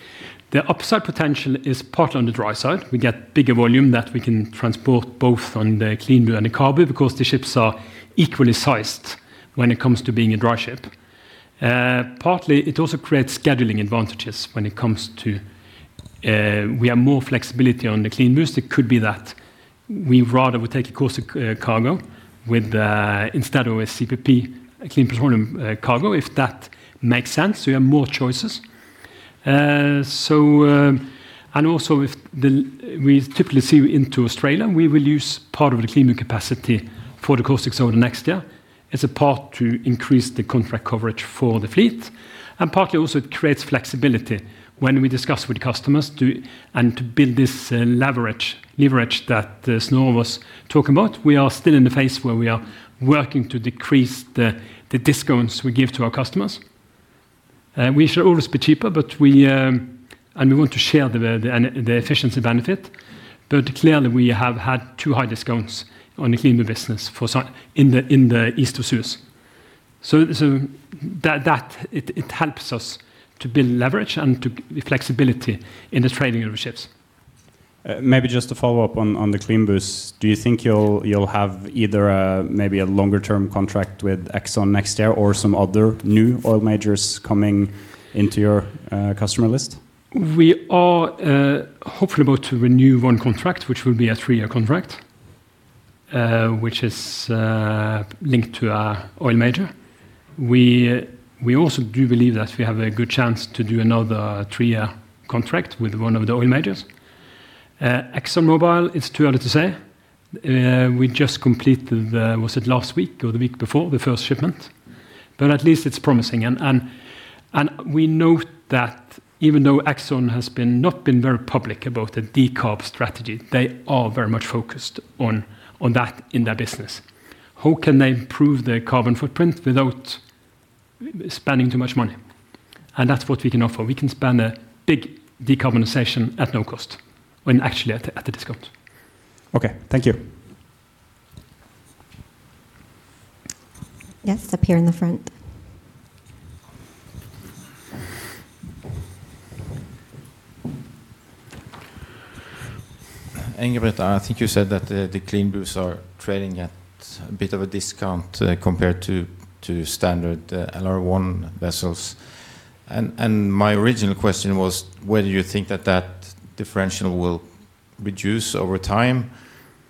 the upside potential is partly on the dry side. We get bigger volume that we can transport both on the CLEANBU and the CABU because the ships are equally sized when it comes to being a dry ship. Partly, it also creates scheduling advantages when it comes to, we have more flexibility on the CLEANBUs. It could be that we rather would take a caustic cargo instead of a CPP, a clean petroleum cargo, if that makes sense. So you have more choices. And also we typically see into Australia, we will use part of the CLEANBU capacity for the caustic exposure next year. It's a part to increase the contract coverage for the fleet. And partly also it creates flexibility when we discuss with customers and to build this leverage that Snorre was talking about. We are still in the phase where we are working to decrease the discounts we give to our customers. We should always be cheaper, and we want to share the efficiency benefit. But clearly, we have had too high discounts on the CLEANBU business in the East of Suez. So it helps us to build leverage and to flexibility in the trading of the ships. Maybe just to follow up on the CLEANBUs, do you think you'll have either maybe a longer-term contract with Exxon next year or some other new oil majors coming into your customer list? We are hopefully about to renew one contract, which will be a three-year contract, which is linked to our oil major. We also do believe that we have a good chance to do another three-year contract with one of the oil majors. ExxonMobil, it's too early to say. We just completed (was it last week or the week before) the first shipment, but at least it's promising, and we know that even though Exxon has not been very public about the decarb strategy, they are very much focused on that in their business. How can they improve the carbon footprint without spending too much money, and that's what we can offer. We can see a big decarbonization at no cost, when actually at a discount. Okay, thank you. Yes, up here in the front. Engebret, I think you said that the CLEANBUs are trading at a bit of a discount compared to standard LR1 vessels. And my original question was, whether you think that that differential will reduce over time.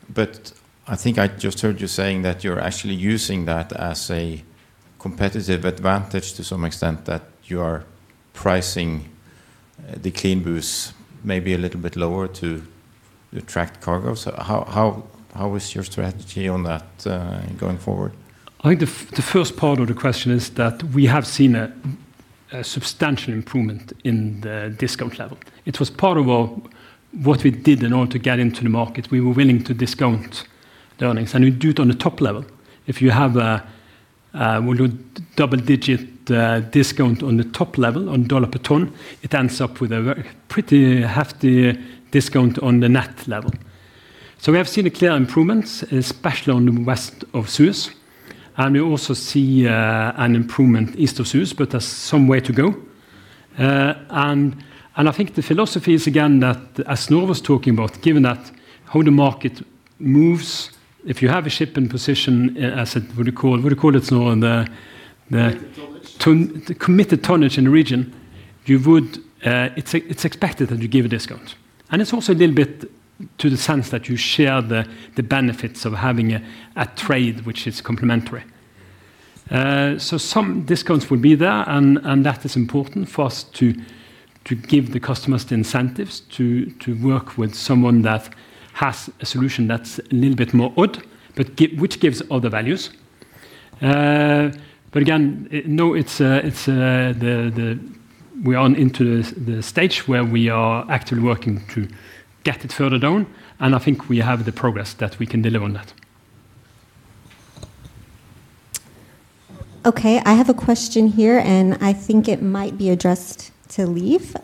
But I think I just heard you saying that you're actually using that as a competitive advantage to some extent, that you are pricing the CLEANBUs maybe a little bit lower to attract cargoes. How is your strategy on that going forward? I think the first part of the question is that we have seen a substantial improvement in the discount level. It was part of what we did in order to get into the market. We were willing to discount the earnings. And we do it on the top level. If you have a double-digit discount on the top level, on dollar per ton, it ends up with a pretty hefty discount on the net level. So we have seen a clear improvement, especially on the West of Suez. And we also see an improvement East of Suez, but there's some way to go. And I think the philosophy is again that, as Snorre was talking about, given that how the market moves, if you have a ship in position, what do you call it, Snorre, the committed tonnage in the region, it's expected that you give a discount. And it's also a little bit to the sense that you share the benefits of having a trade which is complementary. So some discounts will be there, and that is important for us to give the customers the incentives to work with someone that has a solution that's a little bit more odd, but which gives other values. But again, no, we are into the stage where we are actually working to get it further down. And I think we have the progress that we can deliver on that. Okay, I have a question here, and I think it might be addressed to Liv.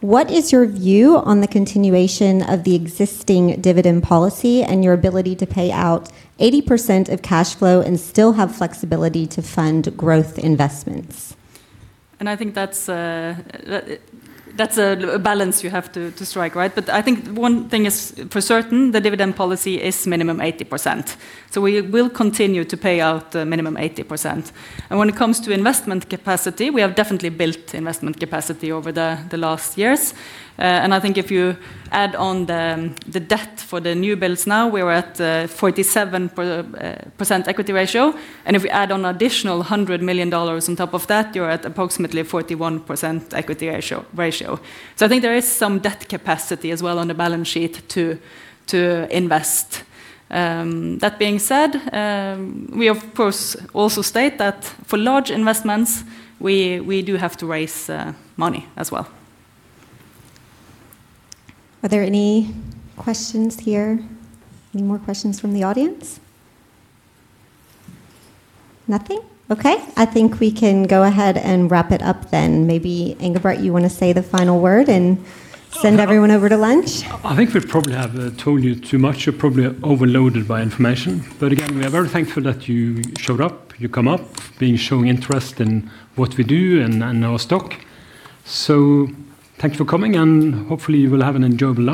What is your view on the continuation of the existing dividend policy and your ability to pay out 80% of cash flow and still have flexibility to fund growth investments? And I think that's a balance you have to strike, right? But I think one thing is for certain, the dividend policy is minimum 80%. So we will continue to pay out the minimum 80%. And when it comes to investment capacity, we have definitely built investment capacity over the last years. And I think if you add on the debt for the new builds now, we are at 47% equity ratio. And if we add on an additional $100 million on top of that, you're at approximately 41% equity ratio. So I think there is some debt capacity as well on the balance sheet to invest. That being said, we of course also state that for large investments, we do have to raise money as well. Are there any questions here? Any more questions from the audience? Nothing? Okay, I think we can go ahead and wrap it up then. Maybe Engebret, you want to say the final word and send everyone over to lunch? I think we probably have told you too much. You're probably overloaded by information. But again, we are very thankful that you showed up, you come up, being showing interest in what we do and our stock. So thank you for coming, and hopefully you will have an enjoyable.